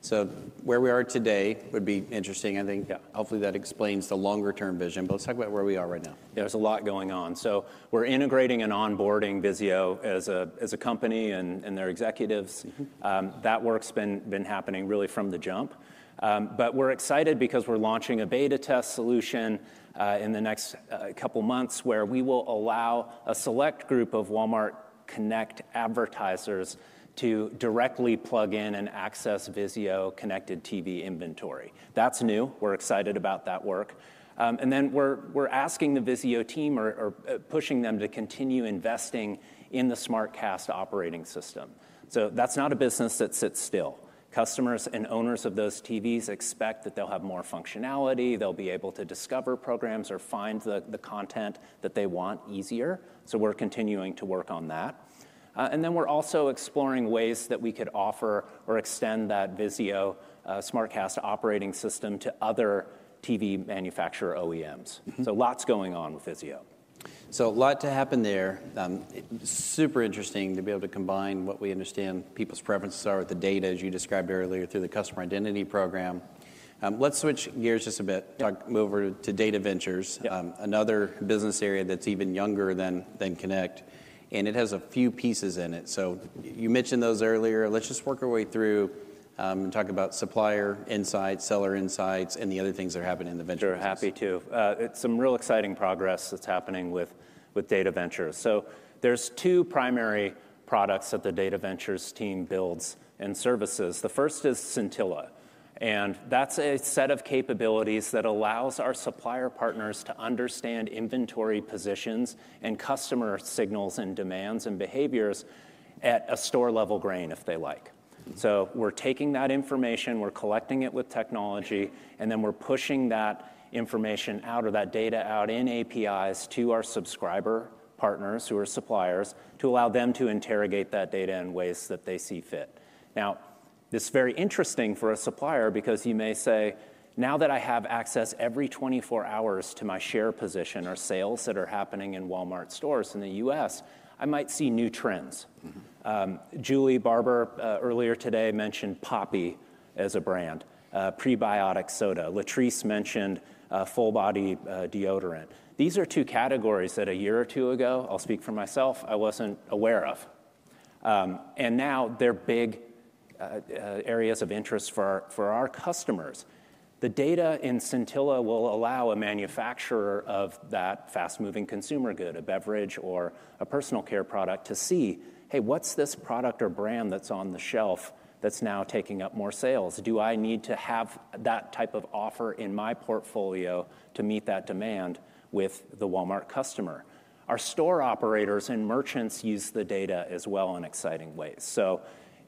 Speaker 14: That's right. Where we are today would be interesting. I think, hopefully, that explains the longer-term vision. Let's talk about where we are right now.
Speaker 17: There's a lot going on. We're integrating and onboarding Vizio as a company and their executives. That work's been happening really from the jump. We're excited because we're launching a beta test solution in the next couple of months where we will allow a select group of Walmart Connect advertisers to directly plug in and access Vizio connected TV inventory.
Speaker 14: That's new.
Speaker 17: We're excited about that work. We're asking the Vizio team or pushing them to continue investing in the SmartCast operating system. That's not a business that sits still. Customers and owners of those TVs expect that they'll have more functionality. They'll be able to discover programs or find the content that they want easier. We're continuing to work on that. We're also exploring ways that we could offer or extend that Vizio SmartCast operating system to other TV manufacturer OEMs. Lots going on with Vizio.
Speaker 14: A lot to happen there. Super interesting to be able to combine what we understand people's preferences are with the data, as you described earlier, through the customer identity program. Let's switch gears just a bit. Move over to Data Ventures, another business area that's even younger than Connect. It has a few pieces in it. You mentioned those earlier. Let's just work our way through and talk about supplier insights, seller insights, and the other things that are happening in the venture.
Speaker 17: Sure. Happy to. It's some real exciting progress that's happening with Data Ventures. There are two primary products that the Data Ventures team builds and services. The first is Scintilla. That's a set of capabilities that allows our supplier partners to understand inventory positions and customer signals and demands and behaviors at a store-level grain, if they like. We're taking that information. We're collecting it with technology. We are pushing that information out or that data out in APIs to our subscriber partners who are suppliers to allow them to interrogate that data in ways that they see fit. This is very interesting for a supplier because you may say, "Now that I have access every 24 hours to my share position or sales that are happening in Walmart stores in the U.S., I might see new trends." Julie Barber earlier today mentioned Poppy as a brand, prebiotic soda. Latrice mentioned full-body deodorant. These are two categories that a year or two ago, I'll speak for myself, I was not aware of. Now they are big areas of interest for our customers. The data in Scintilla will allow a manufacturer of that fast-moving consumer good, a beverage or a personal care product, to see, "Hey, what's this product or brand that's on the shelf that's now taking up more sales? Do I need to have that type of offer in my portfolio to meet that demand with the Walmart customer?" Our store operators and merchants use the data as well in exciting ways.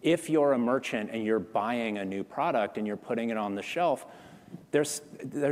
Speaker 17: If you're a merchant and you're buying a new product and you're putting it on the shelf, there's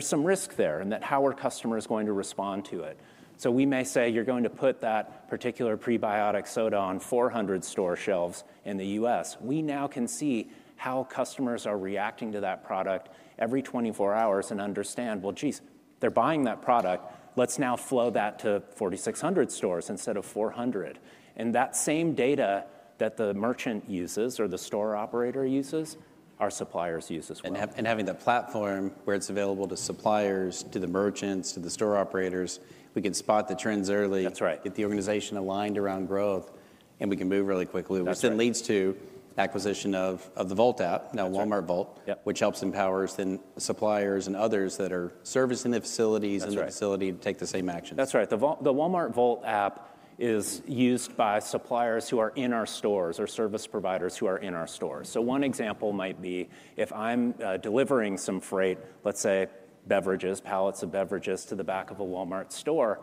Speaker 17: some risk there in how our customer is going to respond to it. We may say, "You're going to put that particular prebiotic soda on 400 store shelves in the U.S." We now can see how customers are reacting to that product every 24 hours and understand, "Well, geez, they're buying that product. Let's now flow that to 4,600 stores instead of 400. That same data that the merchant uses or the store operator uses, our suppliers use as well.
Speaker 14: Having the platform where it's available to suppliers, to the merchants, to the store operators, we can spot the trends early.
Speaker 17: That's right.
Speaker 14: Get the organization aligned around growth, and we can move really quickly.
Speaker 17: That's right.
Speaker 14: Which then leads to acquisition of the Vault app, now Walmart Vault, which helps empower then suppliers and others that are servicing the facilities and the facility to take the same actions.
Speaker 17: That's right. The Walmart Vault app is used by suppliers who are in our stores or service providers who are in our stores. One example might be if I'm delivering some freight, let's say beverages, pallets of beverages to the back of a Walmart store.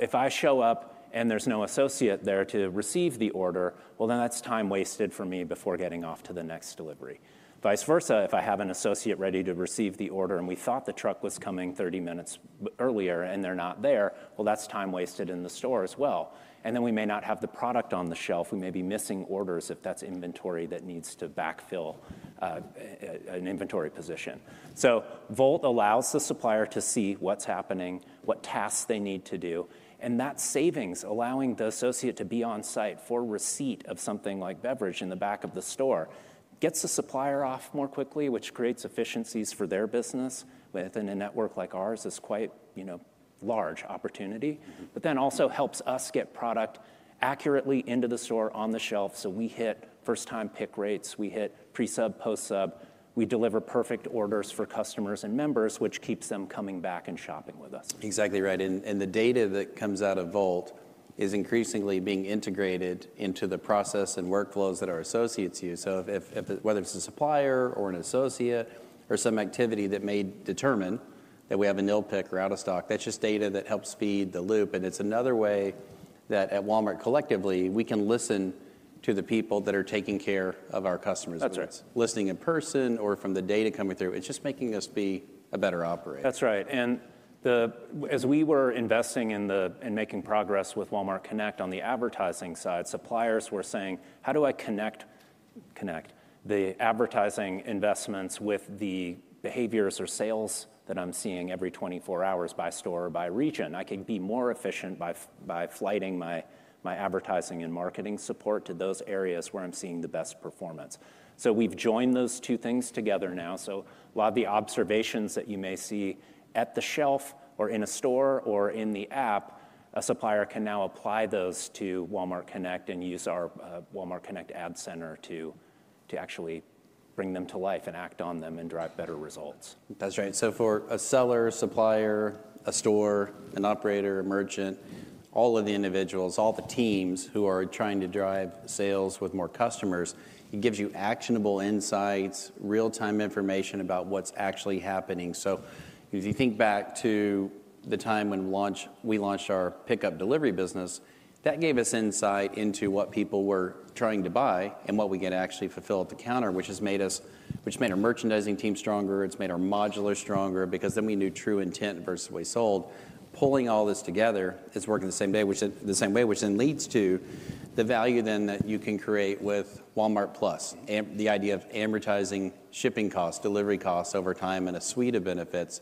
Speaker 17: If I show up and there's no associate there to receive the order, that's time wasted for me before getting off to the next delivery. Vice versa, if I have an associate ready to receive the order and we thought the truck was coming 30 minutes earlier and they're not there, that's time wasted in the store as well. We may not have the product on the shelf. We may be missing orders if that's inventory that needs to backfill an inventory position. Vault allows the supplier to see what's happening, what tasks they need to do. That savings, allowing the associate to be on site for receipt of something like beverage in the back of the store, gets the supplier off more quickly, which creates efficiencies for their business. Within a network like ours, it's quite a large opportunity. Then also helps us get product accurately into the store on the shelf. We hit first-time pick rates. We hit pre-sub, post-sub. We deliver perfect orders for customers and members, which keeps them coming back and shopping with us.
Speaker 14: Exactly right. The data that comes out of Vault is increasingly being integrated into the process and workflows that our associates use. Whether it is a supplier or an associate or some activity that may determine that we have a nil pick or out of stock, that is just data that helps feed the loop. It is another way that at Walmart collectively, we can listen to the people that are taking care of our customers.
Speaker 17: That is right.
Speaker 14: Listening in person or from the data coming through. It is just making us be a better operator.
Speaker 17: That is right. As we were investing in making progress with Walmart Connect on the advertising side, suppliers were saying, "How do I connect the advertising investments with the behaviors or sales that I'm seeing every 24 hours by store or by region? I can be more efficient by flighting my advertising and marketing support to those areas where I'm seeing the best performance." We have joined those two things together now. A lot of the observations that you may see at the shelf or in a store or in the app, a supplier can now apply those to Walmart Connect and use our Walmart Connect Ad Center to actually bring them to life and act on them and drive better results.
Speaker 14: That's right. For a seller, supplier, a store, an operator, a merchant, all of the individuals, all the teams who are trying to drive sales with more customers, it gives you actionable insights, real-time information about what's actually happening. If you think back to the time when we launched our pickup delivery business, that gave us insight into what people were trying to buy and what we could actually fulfill at the counter, which made our merchandising team stronger. It's made our modular stronger because then we knew true intent versus we sold. Pulling all this together is working the same way, which then leads to the value then that you can create with Walmart Plus, the idea of amortizing shipping costs, delivery costs over time, and a suite of benefits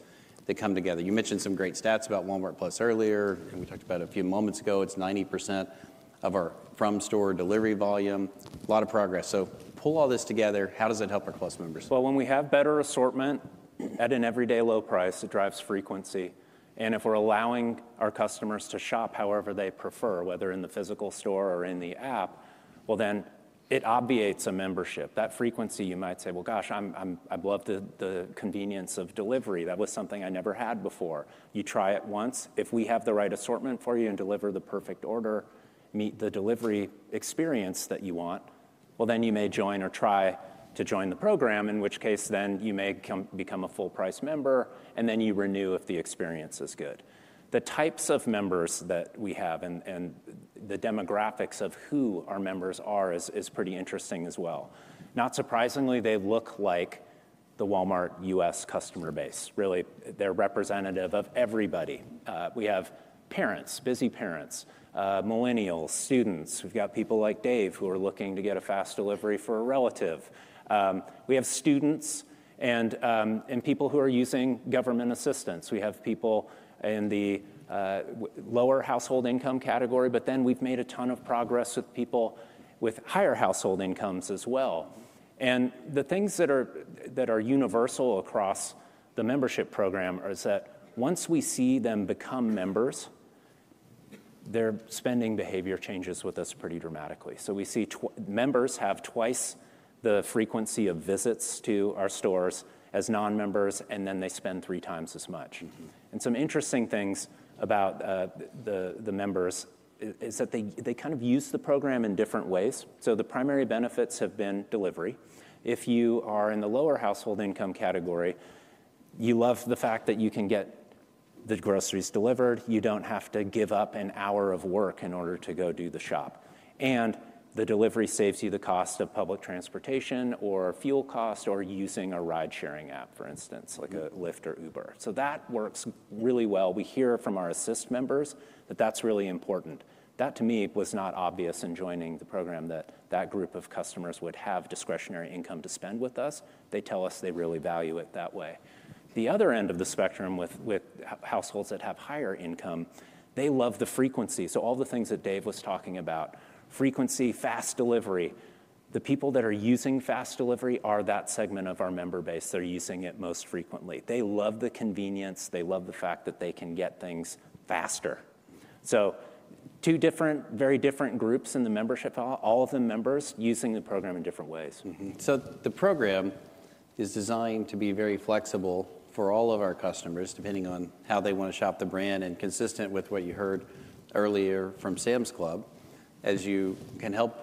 Speaker 14: that come together. You mentioned some great stats about Walmart Plus earlier, and we talked about it a few moments ago. It's 90% of our from-store delivery volume. A lot of progress. Pull all this together. How does it help our Plus members?
Speaker 17: When we have better assortment at an everyday low price, it drives frequency. If we're allowing our customers to shop however they prefer, whether in the physical store or in the app, then it obviates a membership. That frequency, you might say, "Gosh, I'd love the convenience of delivery. That was something I never had before." You try it once. If we have the right assortment for you and deliver the perfect order, meet the delivery experience that you want, you may join or try to join the program, in which case you may become a full-price member, and you renew if the experience is good. The types of members that we have and the demographics of who our members are is pretty interesting as well. Not surprisingly, they look like the Walmart U.S. customer base. Really, they're representative of everybody. We have parents, busy parents, millennials, students. We've got people like Dave who are looking to get a fast delivery for a relative. We have students and people who are using government assistance. We have people in the lower household income category, but we've made a ton of progress with people with higher household incomes as well. The things that are universal across the membership program are that once we see them become members, their spending behavior changes with us pretty dramatically. We see members have twice the frequency of visits to our stores as non-members, and they spend three times as much. Some interesting things about the members is that they kind of use the program in different ways. The primary benefits have been delivery. If you are in the lower household income category, you love the fact that you can get the groceries delivered. You do not have to give up an hour of work in order to go do the shop. The delivery saves you the cost of public transportation or fuel cost or using a ride-sharing app, for instance, like a Lyft or Uber. That works really well. We hear from our assist members that that's really important. That, to me, was not obvious in joining the program that that group of customers would have discretionary income to spend with us. They tell us they really value it that way. The other end of the spectrum with households that have higher income, they love the frequency. All the things that Dave was talking about, frequency, fast delivery. The people that are using fast delivery are that segment of our member base that are using it most frequently. They love the convenience. They love the fact that they can get things faster. Two very different groups in the membership, all of the members using the program in different ways.
Speaker 14: The program is designed to be very flexible for all of our customers depending on how they want to shop the brand and consistent with what you heard earlier from Sam's Club, as you can help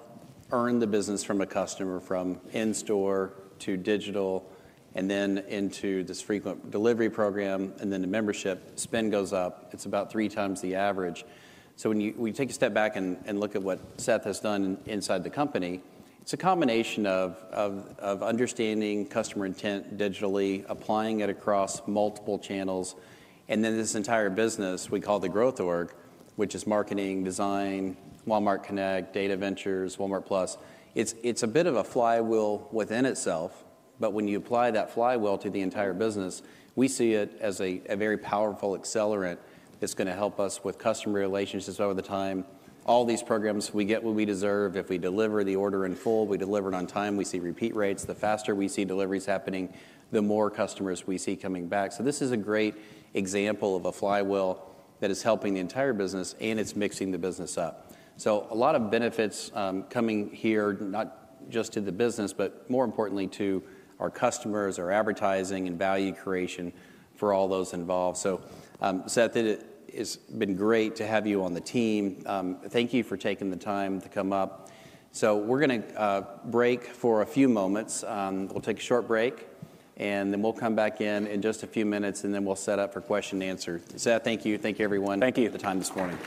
Speaker 14: earn the business from a customer from in-store to digital and then into this frequent delivery program and then the membership, spend goes up. It's about three times the average. When we take a step back and look at what Seth has done inside the company, it's a combination of understanding customer intent digitally, applying it across multiple channels, and then this entire business we call the Growth Org, which is marketing, design, Walmart Connect, Data Ventures, Walmart Plus. It's a bit of a flywheel within itself, but when you apply that flywheel to the entire business, we see it as a very powerful accelerant that's going to help us with customer relationships over the time. All these programs, we get what we deserve. If we deliver the order in full, we deliver it on time. We see repeat rates. The faster we see deliveries happening, the more customers we see coming back. This is a great example of a flywheel that is helping the entire business, and it's mixing the business up. A lot of benefits coming here, not just to the business, but more importantly to our customers, our advertising, and value creation for all those involved. Seth, it has been great to have you on the team. Thank you for taking the time to come up. We're going to break for a few moments. We'll take a short break, and then we'll come back in just a few minutes, and then we'll set up for question and answer. Seth, thank you. Thank you, everyone.
Speaker 17: Thank you
Speaker 14: for the time this morning.